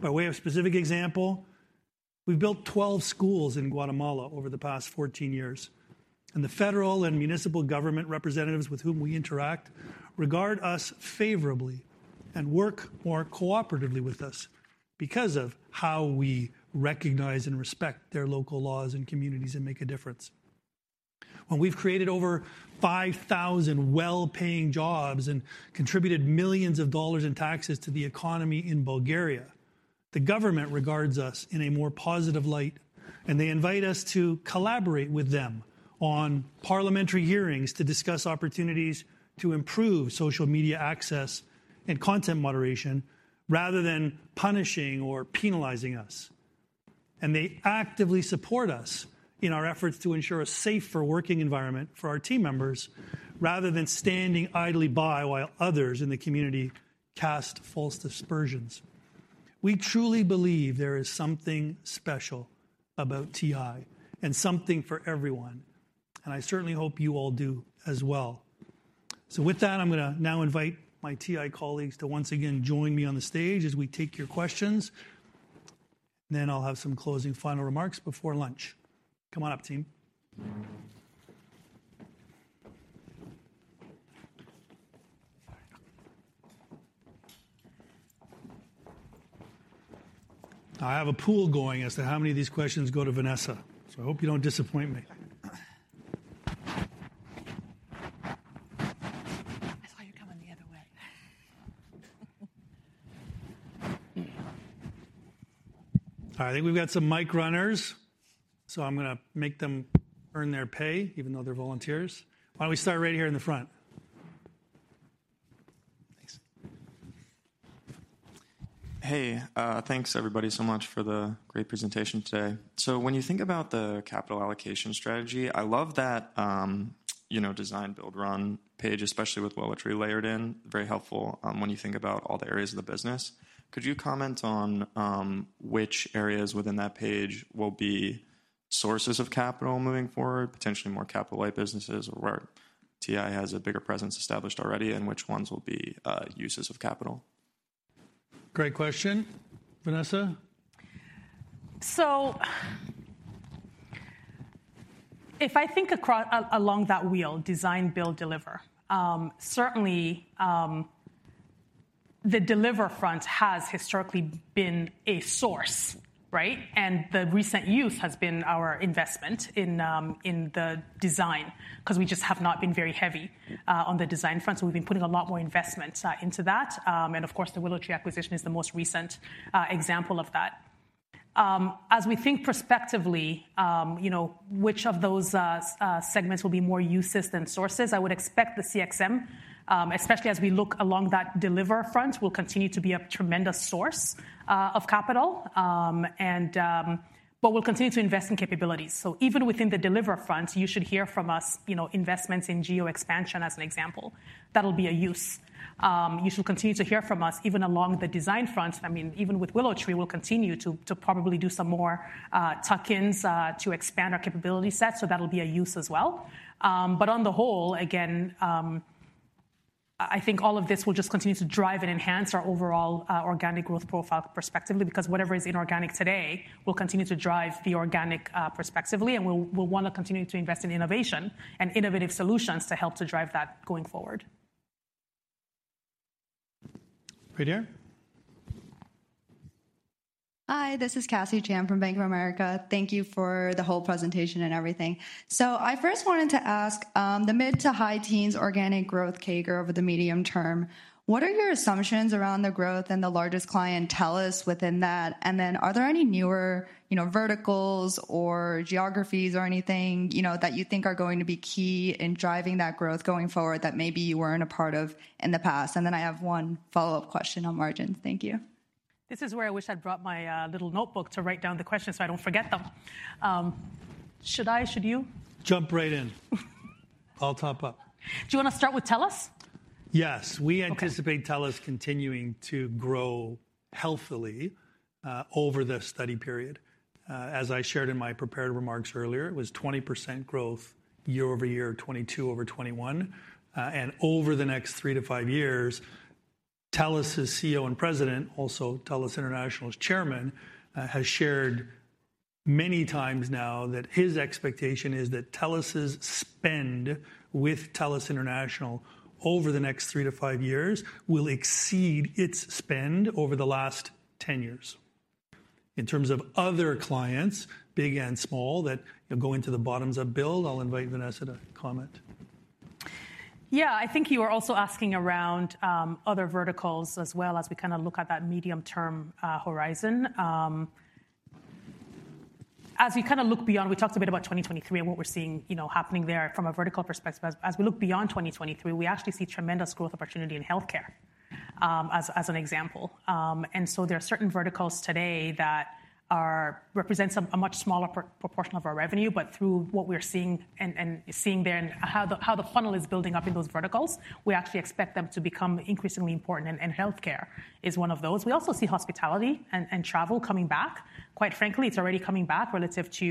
By way of specific example, we've built 12 schools in Guatemala over the past 14 years, and the federal and municipal government representatives with whom we interact regard us favorably and work more cooperatively with us because of how we recognize and respect their local laws and communities and make a difference. When we've created over 5,000 well-paying jobs and contributed millions of dollars in taxes to the economy in Bulgaria, the government regards us in a more positive light, and they invite us to collaborate with them on parliamentary hearings to discuss opportunities to improve social media access and content moderation, rather than punishing or penalizing us. They actively support us in our efforts to ensure a safer working environment for our team members rather than standing idly by while others in the community cast false dispersions. We truly believe there is something special about TI and something for everyone, and I certainly hope you all do as well. With that, I'm gonna now invite my TI colleagues to once again join me on the stage as we take your questions. I'll have some closing final remarks before lunch. Come on up, team. I have a pool going as to how many of these questions go to Vanessa, so I hope you don't disappoint me. I saw you coming the other way. All right. I think we've got some mic runners, I'm gonna make them earn their pay even though they're volunteers. Why don't we start right here in the front? Thanks. Hey, thanks everybody so much for the great presentation today. When you think about the capital allocation strategy, I love that, you know, design, build, run page, especially with WillowTree layered in, very helpful, when you think about all the areas of the business. Could you comment on, which areas within that page will be sources of capital moving forward, potentially more capital light businesses or where TELUS International has a bigger presence established already, and which ones will be, uses of capital? Great question. Vanessa. If I think along that wheel, design, build, deliver, certainly, the deliver front has historically been a source, right. The recent use has been our investment in the design 'cause we just have not been very heavy on the design front, so we've been putting a lot more investment into that. Of course, the WillowTree acquisition is the most recent example of that. As we think prospectively, which of those segments will be more uses than sources, I would expect the CXM, especially as we look along that deliver front, will continue to be a tremendous source of capital. We'll continue to invest in capabilities. Even within the deliver front, you should hear from us investments in geo expansion as an example. That'll be a use. You should continue to hear from us even along the design front. I mean, even with WillowTree, we'll continue to probably do some more tuck-ins to expand our capability set, so that'll be a use as well. On the whole, again, I think all of this will just continue to drive and enhance our overall organic growth profile perspectively because whatever is inorganic today will continue to drive the organic perspectively and we'll wanna continue to invest in innovation and innovative solutions to help to drive that going forward. Right here. Hi, this is Cassie Chan from Bank of America. Thank you for the whole presentation and everything. I first wanted to ask, the mid to high teens organic growth CAGR over the medium term, what are your assumptions around the growth and the largest client, TELUS, within that? Are there any newer, you know, verticals or geographies or anything, you know, that you think are going to be key in driving that growth going forward that maybe you weren't a part of in the past? I have one follow-up question on margins. Thank you. This is where I wish I'd brought my little notebook to write down the questions so I don't forget them. Should I, should you? Jump right in. I'll top up. Do you wanna start with TELUS? Yes. Okay. We anticipate TELUS continuing to grow healthily over the study period. As I shared in my prepared remarks earlier, it was 20% growth year-over-year, 2022 over 2021. Over the next three years to five years, TELUS' CEO and President, also TELUS International's Chairman, has shared many times now that his expectation is that TELUS' spend with TELUS International over the next three years to five years will exceed its spend over the last 10 years. In terms of other clients, big and small, that, you know, going to the bottoms up build, I'll invite Vanessa to comment. I think you were also asking around other verticals as well as we kinda look at that medium-term horizon. As we kinda look beyond, we talked a bit about 2023 and what we're seeing, you know, happening there from a vertical perspective. As we look beyond 2023, we actually see tremendous growth opportunity in healthcare as an example. There are certain verticals today that represent some, a much smaller proportion of our revenue, but through what we're seeing and seeing there and how the funnel is building up in those verticals, we actually expect them to become increasingly important, and healthcare is one of those. We also see hospitality and travel coming back. Quite frankly, it's already coming back relative to,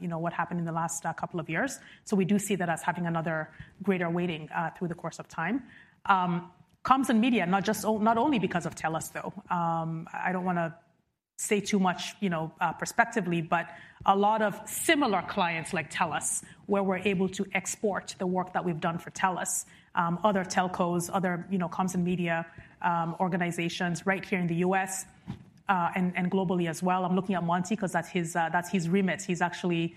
you know, what happened in the last couple of years. We do see that as having another greater weighting through the course of time. Comms and media, not just not only because of TELUS, though. I don't wanna say too much, you know, perspectively, but a lot of similar clients like TELUS, where we're able to export the work that we've done for TELUS, other telcos, other, you know, comms and media organizations right here in the U.S. Globally as well. I'm looking at Monty 'cause that's his, that's his remit. He's actually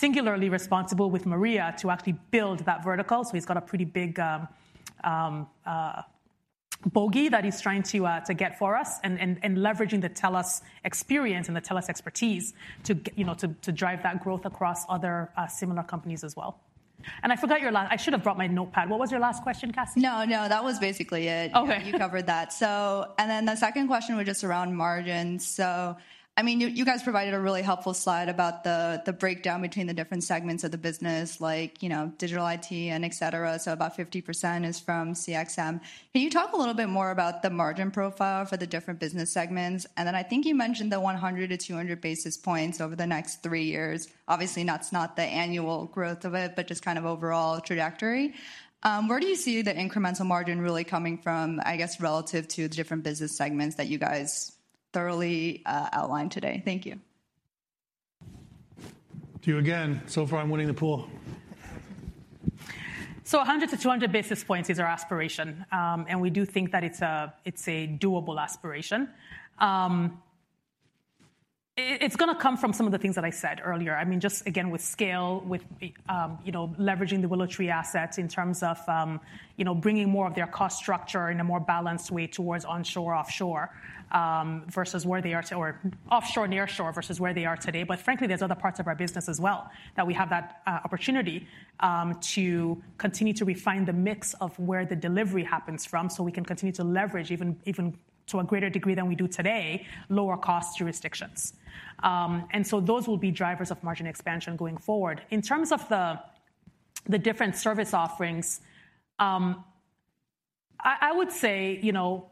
singularly responsible with Maria to actually build that vertical, so he's got a pretty big bogey that he's trying to get for us and leveraging the TELUS experience and the TELUS expertise you know, to drive that growth across other similar companies as well. I forgot your last. I should have brought my notepad. What was your last question, Cassie? No, no, that was basically it. Okay. You covered that. The second question was just around margins. I mean, you guys provided a really helpful slide about the breakdown between the different segments of the business like, you know, digital IT and et cetera. About 50% is from CXM. Can you talk a little bit more about the margin profile for the different business segments? I think you mentioned the 100 basis points-200 basis points over the next three years. Obviously not the annual growth of it, but just kind of overall trajectory. Where do you see the incremental margin really coming from, I guess, relative to the different business segments that you guys thoroughly outlined today? Thank you. To you again. Far I'm winning the pool. 100 basis points-200 basis points is our aspiration. We do think that it's a doable aspiration. It's gonna come from some of the things that I said earlier. I mean, just again, with scale, with, you know, leveraging the WillowTree assets in terms of, you know, bringing more of their cost structure in a more balanced way towards offshore, nearshore versus where they are today. Frankly, there's other parts of our business as well that we have that opportunity to continue to refine the mix of where the delivery happens from, so we can continue to leverage even to a greater degree than we do today, lower cost jurisdictions. Those will be drivers of margin expansion going forward. In terms of the different service offerings, I would say, you know,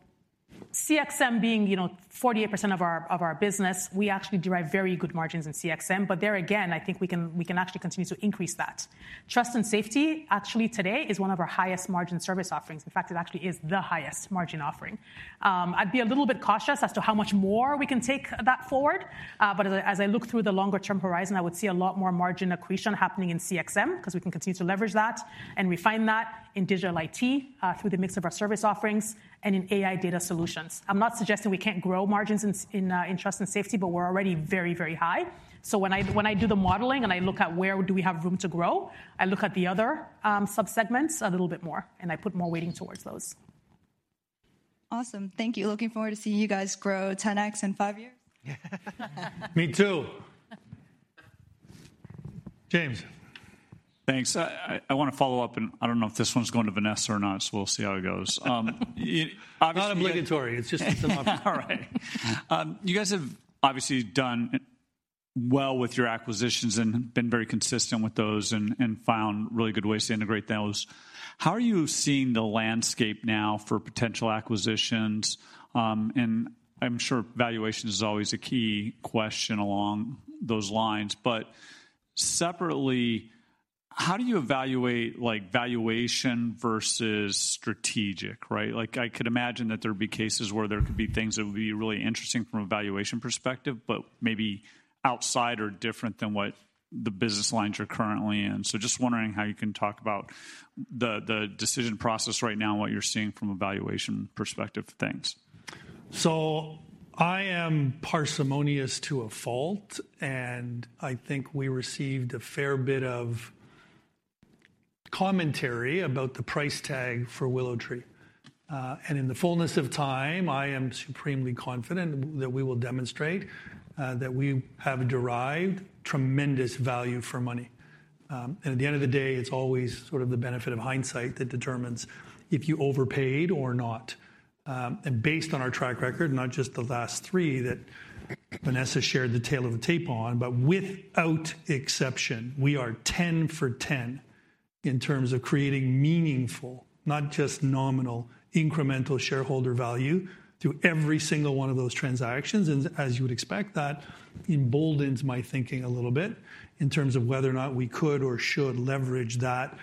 CXM being, you know, 48% of our business, we actually derive very good margins in CXM. There again, I think we can actually continue to increase that. Trust and Safety actually today is one of our highest margin service offerings. In fact, it actually is the highest margin offering. I'd be a little bit cautious as to how much more we can take that forward. As I look through the longer term horizon, I would see a lot more margin accretion happening in CXM 'cause we can continue to leverage that and refine that in digital IT, through the mix of our service offerings and in AI data solutions. I'm not suggesting we can't grow margins in Trust and Safety, but we're already very, very high. When I, when I do the modeling and I look at where do we have room to grow, I look at the other sub-segments a little bit more, and I put more weighting towards those. Awesome. Thank you. Looking forward to seeing you guys grow 10x in five years. Me too. James. Thanks. I wanna follow up. I don't know if this one's going to Vanessa or not. We'll see how it goes. Not obligatory. It's just an option. All right. You guys have obviously done well with your acquisitions and been very consistent with those and found really good ways to integrate those. How are you seeing the landscape now for potential acquisitions? I'm sure valuation is always a key question along those lines, but separately, how do you evaluate like valuation versus strategic, right? Like, I could imagine that there'd be cases where there could be things that would be really interesting from a valuation perspective, but maybe outside or different than what the business lines are currently in. Just wondering how you can talk about the decision process right now and what you're seeing from a valuation perspective of things. I am parsimonious to a fault, and I think we received a fair bit of commentary about the price tag for WillowTree. And in the fullness of time, I am supremely confident that we will demonstrate that we have derived tremendous value for money. At the end of the day, it's always sort of the benefit of hindsight that determines if you overpaid or not. Based on our track record, not just the last three that Vanessa shared the tale of the tape on, but without exception, we are 10 for 10 in terms of creating meaningful, not just nominal, incremental shareholder value through every single one of those transactions. As you would expect, that emboldens my thinking a little bit in terms of whether or not we could or should leverage that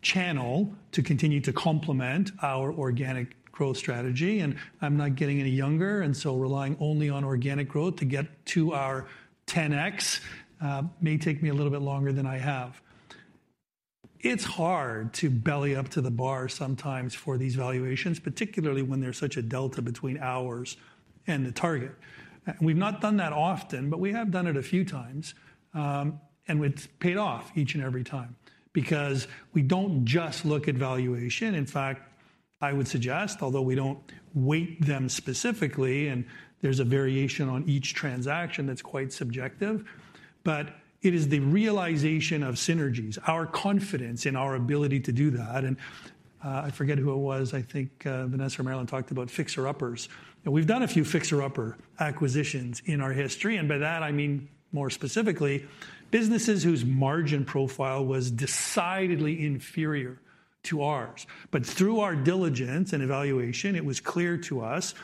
channel to continue to complement our organic growth strategy. I'm not getting any younger, relying only on organic growth to get to our 10x may take me a little bit longer than I have. It's hard to belly up to the bar sometimes for these valuations, particularly when there's such a delta between ours and the target. We've not done that often, but we have done it a few times, and it's paid off each and every time because we don't just look at valuation. In fact, I would suggest, although we don't weight them specifically, and there's a variation on each transaction that's quite subjective, but it is the realization of synergies, our confidence in our ability to do that. I forget who it was, I think Vanessa or Marilyn talked about fixer-uppers, and we've done a few fixer-upper acquisitions in our history, and by that I mean more specifically, businesses whose margin profile was decidedly inferior to ours. Through our diligence and evaluation, it was clear to us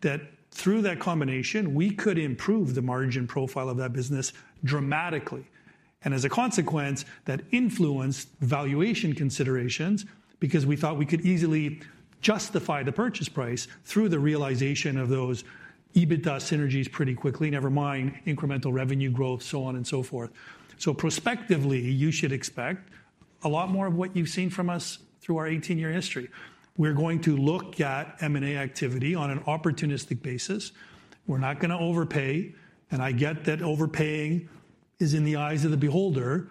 that through that combination, we could improve the margin profile of that business dramatically. As a consequence, that influenced valuation considerations because we thought we could easily justify the purchase price through the realization of those EBITDA synergies pretty quickly, never mind incremental revenue growth, so on and so forth. Prospectively, you should expect a lot more of what you've seen from us through our 18-year history. We're going to look at M&A activity on an opportunistic basis. We're not gonna overpay, I get that overpaying is in the eyes of the beholder.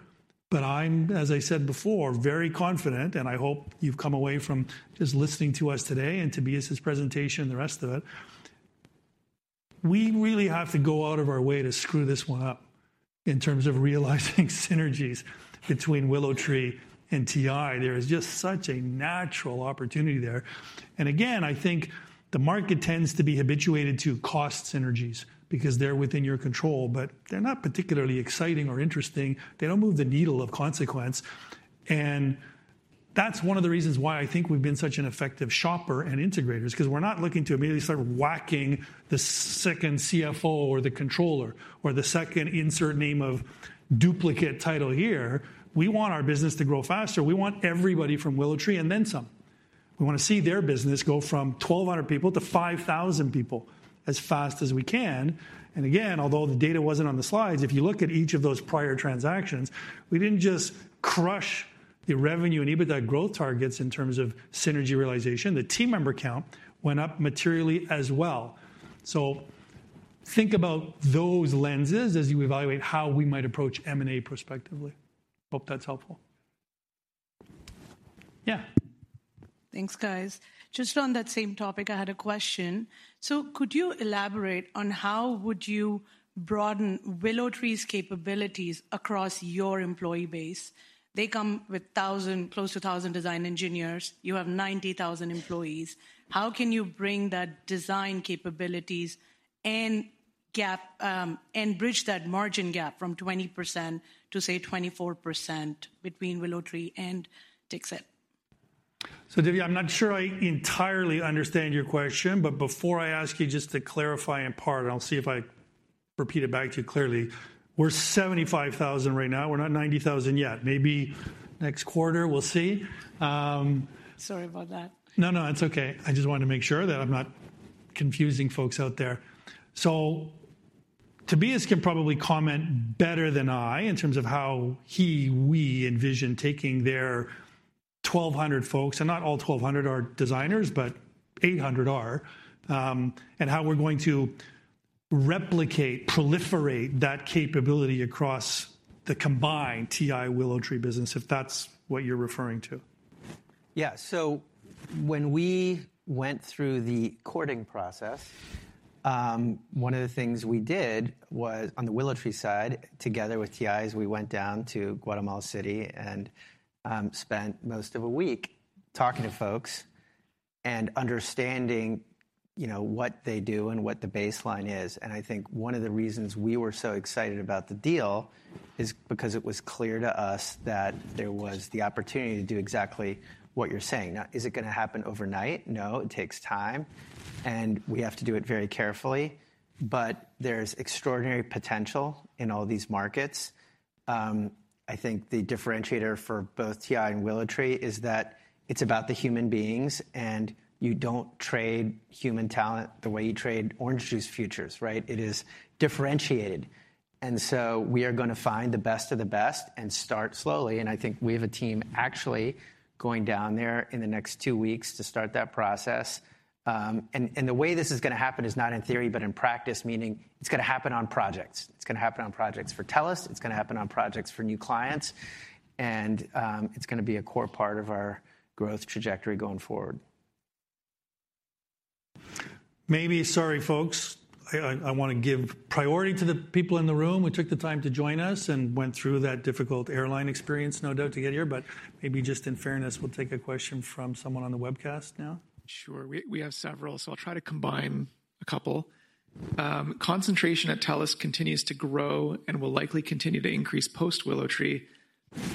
I'm, as I said before, very confident, and I hope you've come away from just listening to us today and Tobias' presentation and the rest of it. We really have to go out of our way to screw this one up in terms of realizing synergies between WillowTree and TI. There is just such a natural opportunity there. Again, I think the market tends to be habituated to cost synergies because they're within your control, but they're not particularly exciting or interesting. They don't move the needle of consequence. That's one of the reasons why I think we've been such an effective shopper and integrators because we're not looking to immediately start whacking the second CFO or the controller or the second insert name of duplicate title here. We want our business to grow faster. We want everybody from WillowTree and then some. We want to see their business go from 1,200 people to 5,000 people as fast as we can. Again, although the data wasn't on the slides, if you look at each of those prior transactions, we didn't just crush the revenue and EBITDA growth targets in terms of synergy realization. The team member count went up materially as well. Think about those lenses as you evaluate how we might approach M&A prospectively. Hope that's helpful. Yeah. Thanks, guys. Just on that same topic, I had a question. Could you elaborate on how would you broaden WillowTree's capabilities across your employee base? They come with close to 1,000 design engineers. You have 90,000 employees. How can you bring that design capabilities and gap and bridge that margin gap from 20% to, say, 24% between WillowTree and TIXT? Divya, I'm not sure I entirely understand your question, but before I ask you just to clarify in part, I'll see if I repeat it back to you clearly. We're 75,000 right now. We're not 90,000 yet. Maybe next quarter, we'll see. Sorry about that. No, no, it's okay. I just wanted to make sure that I'm not confusing folks out there. Tobias can probably comment better than I in terms of how he, we envision taking their 1,200 folks, and not all 1,200 are designers, but 800 are, and how we're going to replicate, proliferate that capability across the combined TI-WillowTree business, if that's what you're referring to. Yeah. When we went through the courting process, one of the things we did was on the WillowTree side, together with TI's, we went down to Guatemala City and spent most of a week talking to folks and understanding, you know, what they do and what the baseline is. I think one of the reasons we were so excited about the deal is because it was clear to us that there was the opportunity to do exactly what you're saying. Now, is it gonna happen overnight? No, it takes time, and we have to do it very carefully. There's extraordinary potential in all these markets. I think the differentiator for both TI and WillowTree is that it's about the human beings, and you don't trade human talent the way you trade orange juice futures, right? It is differentiated. We are gonna find the best of the best and start slowly. I think we have a team actually going down there in the next two weeks to start that process. The way this is gonna happen is not in theory, but in practice, meaning it's gonna happen on projects. It's gonna happen on projects for TELUS. It's gonna happen on projects for new clients. It's gonna be a core part of our growth trajectory going forward. Maybe, sorry, folks, I wanna give priority to the people in the room who took the time to join us and went through that difficult airline experience, no doubt, to get here. Maybe just in fairness, we'll take a question from someone on the webcast now. Sure. We have several, I'll try to combine a couple. Concentration at TELUS International continues to grow and will likely continue to increase post-WillowTree.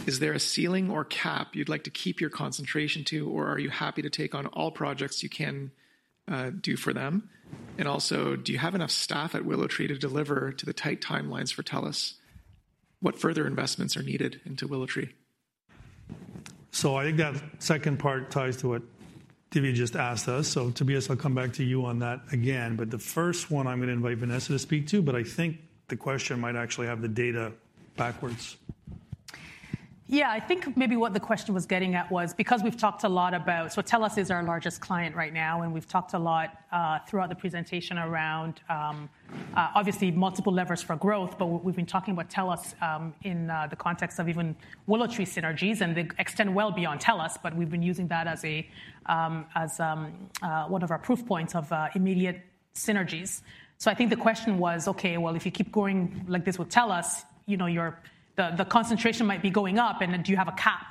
Is there a ceiling or cap you'd like to keep your concentration to, or are you happy to take on all projects you can do for them? Also, do you have enough staff at WillowTree to deliver to the tight timelines for TELUS International? What further investments are needed into WillowTree? I think that second part ties to what Divya just asked us. Tobias, I'll come back to you on that again. The first one, I'm gonna invite Vanessa to speak to, but I think the question might actually have the data backwards. Yeah. I think maybe what the question was getting at was because we've talked a lot about... TELUS is our largest client right now, and we've talked a lot throughout the presentation around obviously multiple levers for growth. We've been talking about TELUS in the context of even WillowTree synergies, and they extend well beyond TELUS, but we've been using that as a one of our proof points of immediate synergies. I think the question was, okay, well, if you keep going like this with TELUS, you know, the concentration might be going up, and then do you have a cap?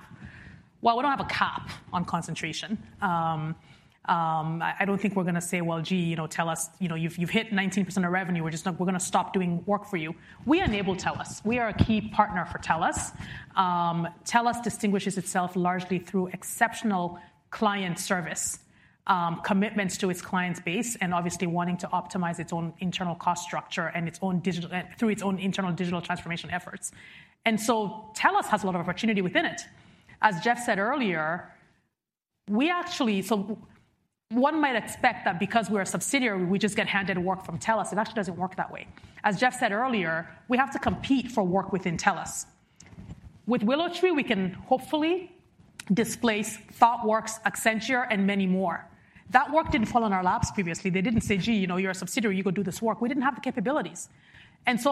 We don't have a cap on concentration. I don't think we're gonna say, "Well, gee, you know, TELUS, you know, you've hit 19% of revenue. We're just We're gonna stop doing work for you." We enable TELUS. We are a key partner for TELUS. TELUS distinguishes itself largely through exceptional client service, commitments to its client base, and obviously wanting to optimize its own internal cost structure and its own through its own internal digital transformation efforts. TELUS has a lot of opportunity within it. As Jeff said earlier. We actually One might expect that because we're a subsidiary, we just get handed work from TELUS. It actually doesn't work that way. As Jeff said earlier, we have to compete for work within TELUS. With WillowTree, we can hopefully displace Thoughtworks, Accenture, and many more. That work didn't fall on our laps previously. They didn't say, "Gee, you know, you're a subsidiary, you go do this work." We didn't have the capabilities.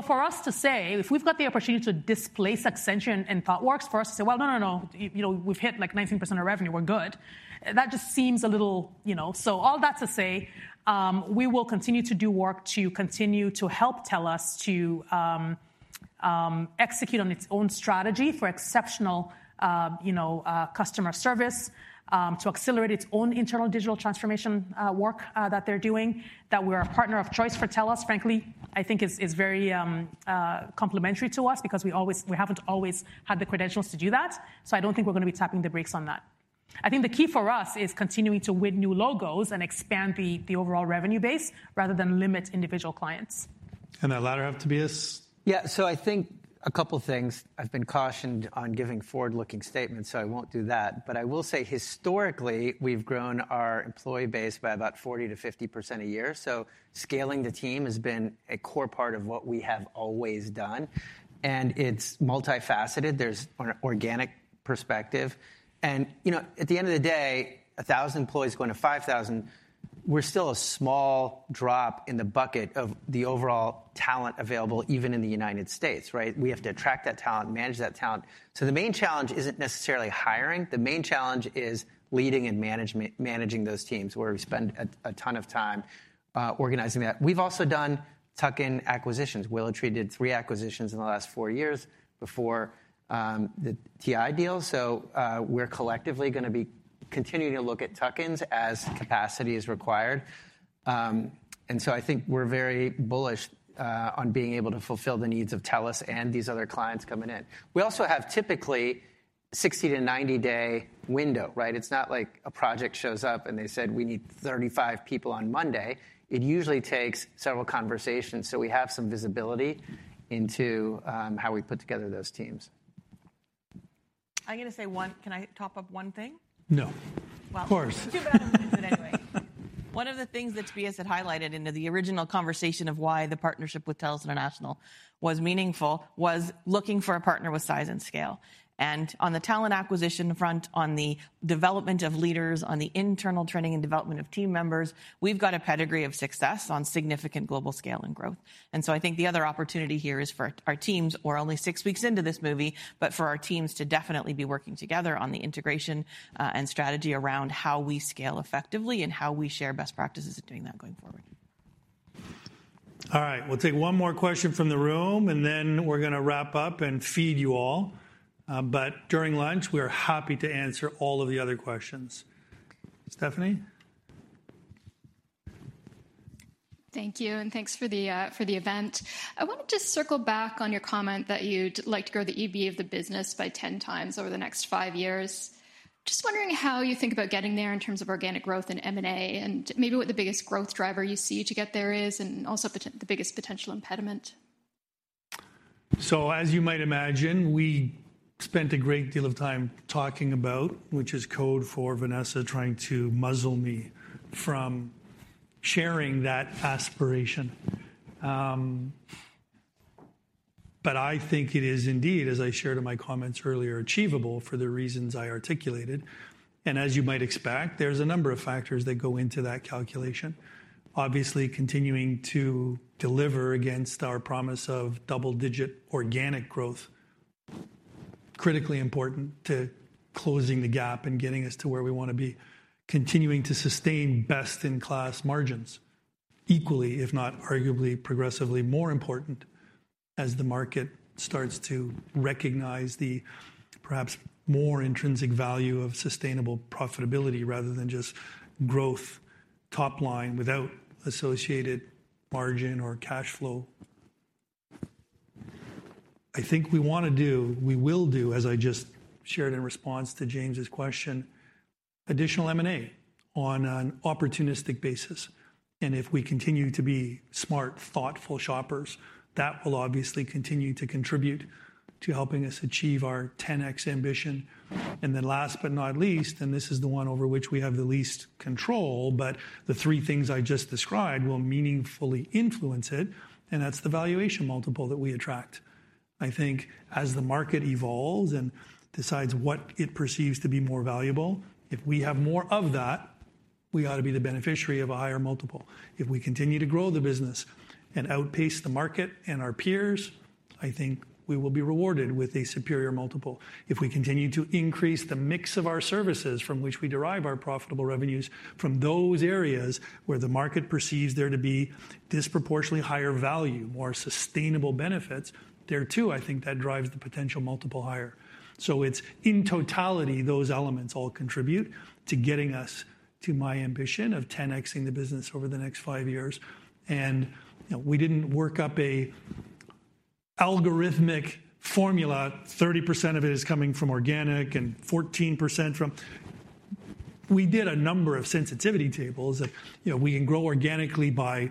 For us to say, if we've got the opportunity to displace Accenture and Thoughtworks, for us to say, "Well, no, no, you know, we've hit, like, 19% of revenue, we're good," that just seems a little, you know. All that to say, we will continue to do work to continue to help TELUS to execute on its own strategy for exceptional, you know, customer service, to accelerate its own internal digital transformation work that they're doing, that we're a partner of choice for TELUS, frankly, I think is very complimentary to us because we haven't always had the credentials to do that. I don't think we're gonna be tapping the brakes on that. I think the key for us is continuing to win new logos and expand the overall revenue base rather than limit individual clients. Now ladder up, Tobias. I think a couple things. I've been cautioned on giving forward-looking statements, so I won't do that. I will say historically, we've grown our employee base by about 40%-50% a year. Scaling the team has been a core part of what we have always done, and it's multifaceted. There's an organic perspective. You know, at the end of the day, 1,000 employees going to 5,000 employees, we're still a small drop in the bucket of the overall talent available even in the United States, right? We have to attract that talent, manage that talent. The main challenge isn't necessarily hiring. The main challenge is leading and managing those teams, where we spend a ton of time organizing that. We've also done tuck-in acquisitions. WillowTree did three acquisitions in the last four years before the TI deal. We're collectively gonna be continuing to look at tuck-ins as capacity is required. I think we're very bullish on being able to fulfill the needs of TELUS Corporation and these other clients coming in. We also have typically 60-day-90-day window, right? It's not like a project shows up and they said, "We need 35 people on Monday." It usually takes several conversations, so we have some visibility into how we put together those teams. I'm going to say. Can I top up one thing? No. Well. Of course. Too bad. Anyway, one of the things that Tobias had highlighted into the original conversation of why the partnership with TELUS International was meaningful was looking for a partner with size and scale. On the talent acquisition front, on the development of leaders, on the internal training and development of team members, we've got a pedigree of success on significant global scale and growth. I think the other opportunity here is for our teams, we're only six weeks into this movie, but for our teams to definitely be working together on the integration, and strategy around how we scale effectively and how we share best practices of doing that going forward. All right. We'll take one more question from the room, and then we're going to wrap up and feed you all. During lunch, we're happy to answer all of the other questions. Stephanie? Thank you, and thanks for the event. I want to just circle back on your comment that you'd like to grow the EBITDA of the business by 10x over the next five years. Just wondering how you think about getting there in terms of organic growth and M&A, and maybe what the biggest growth driver you see to get there is, and also the biggest potential impediment. As you might imagine, we spent a great deal of time talking about, which is code for Vanessa trying to muzzle me from sharing that aspiration. I think it is indeed, as I shared in my comments earlier, achievable for the reasons I articulated. As you might expect, there's a number of factors that go into that calculation. Obviously, continuing to deliver against our promise of double-digit organic growth, critically important to closing the gap and getting us to where we wanna be. Continuing to sustain best-in-class margins equally, if not arguably progressively more important as the market starts to recognize the perhaps more intrinsic value of sustainable profitability rather than just growth top line without associated margin or cash flow. I think we wanna do, we will do, as I just shared in response to James' question, additional M&A on an opportunistic basis. If we continue to be smart, thoughtful shoppers, that will obviously continue to contribute to helping us achieve our 10x ambition. Last but not least, and this is the one over which we have the least control, but the three things I just described will meaningfully influence it, and that's the valuation multiple that we attract. I think as the market evolves and decides what it perceives to be more valuable, if we have more of that, we ought to be the beneficiary of a higher multiple. If we continue to grow the business and outpace the market and our peers, I think we will be rewarded with a superior multiple. If we continue to increase the mix of our services from which we derive our profitable revenues from those areas where the market perceives there to be disproportionately higher value, more sustainable benefits, there too, I think that drives the potential multiple higher. It's in totality, those elements all contribute to getting us to my ambition of 10x-ing the business over the next five years. You know, we didn't work up a algorithmic formula, 30% of it is coming from organic and 14% from... We did a number of sensitivity tables that, you know, we can grow organically by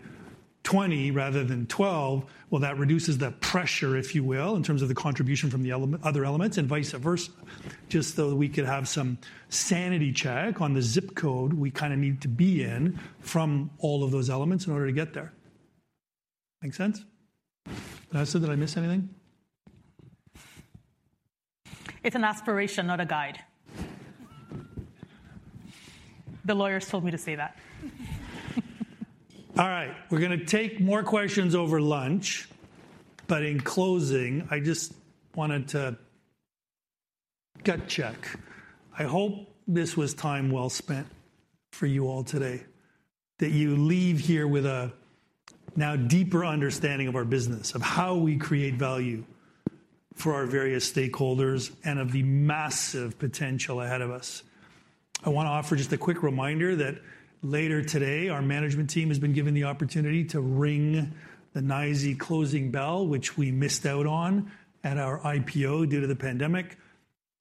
20 rather than 12. Well, that reduces the pressure, if you will, in terms of the contribution from the other elements and vice versa, just so we could have some sanity check on the zip code we kinda need to be in from all of those elements in order to get there. Make sense? Vanessa, did I miss anything? It's an aspiration, not a guide. The lawyers told me to say that. All right. We're gonna take more questions over lunch. But in closing, I just wanted to gut check. I hope this was time well spent for you all today, that you leave here with a now deeper understanding of our business, of how we create value for our various stakeholders, and of the massive potential ahead of us. I wanna offer just a quick reminder that later today, our management team has been given the opportunity to ring the NYSE closing bell, which we missed out on at our IPO due to the pandemic.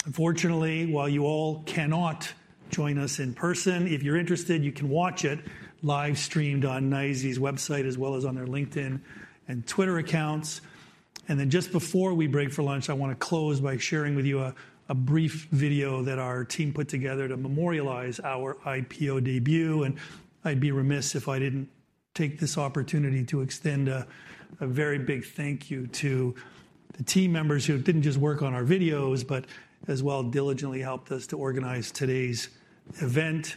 Unfortunately, while you all cannot join us in person, if you're interested, you can watch it live streamed on NYSE's website as well as on their LinkedIn and Twitter accounts. Just before we break for lunch, I wanna close by sharing with you a brief video that our team put together to memorialize our IPO debut. I'd be remiss if I didn't take this opportunity to extend a very big thank you to the team members who didn't just work on our videos, but as well diligently helped us to organize today's event.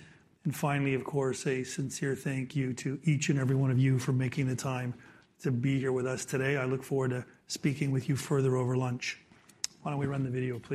Finally, of course, a sincere thank you to each and every one of you for making the time to be here with us today. I look forward to speaking with you further over lunch. Why don't we run the video, please?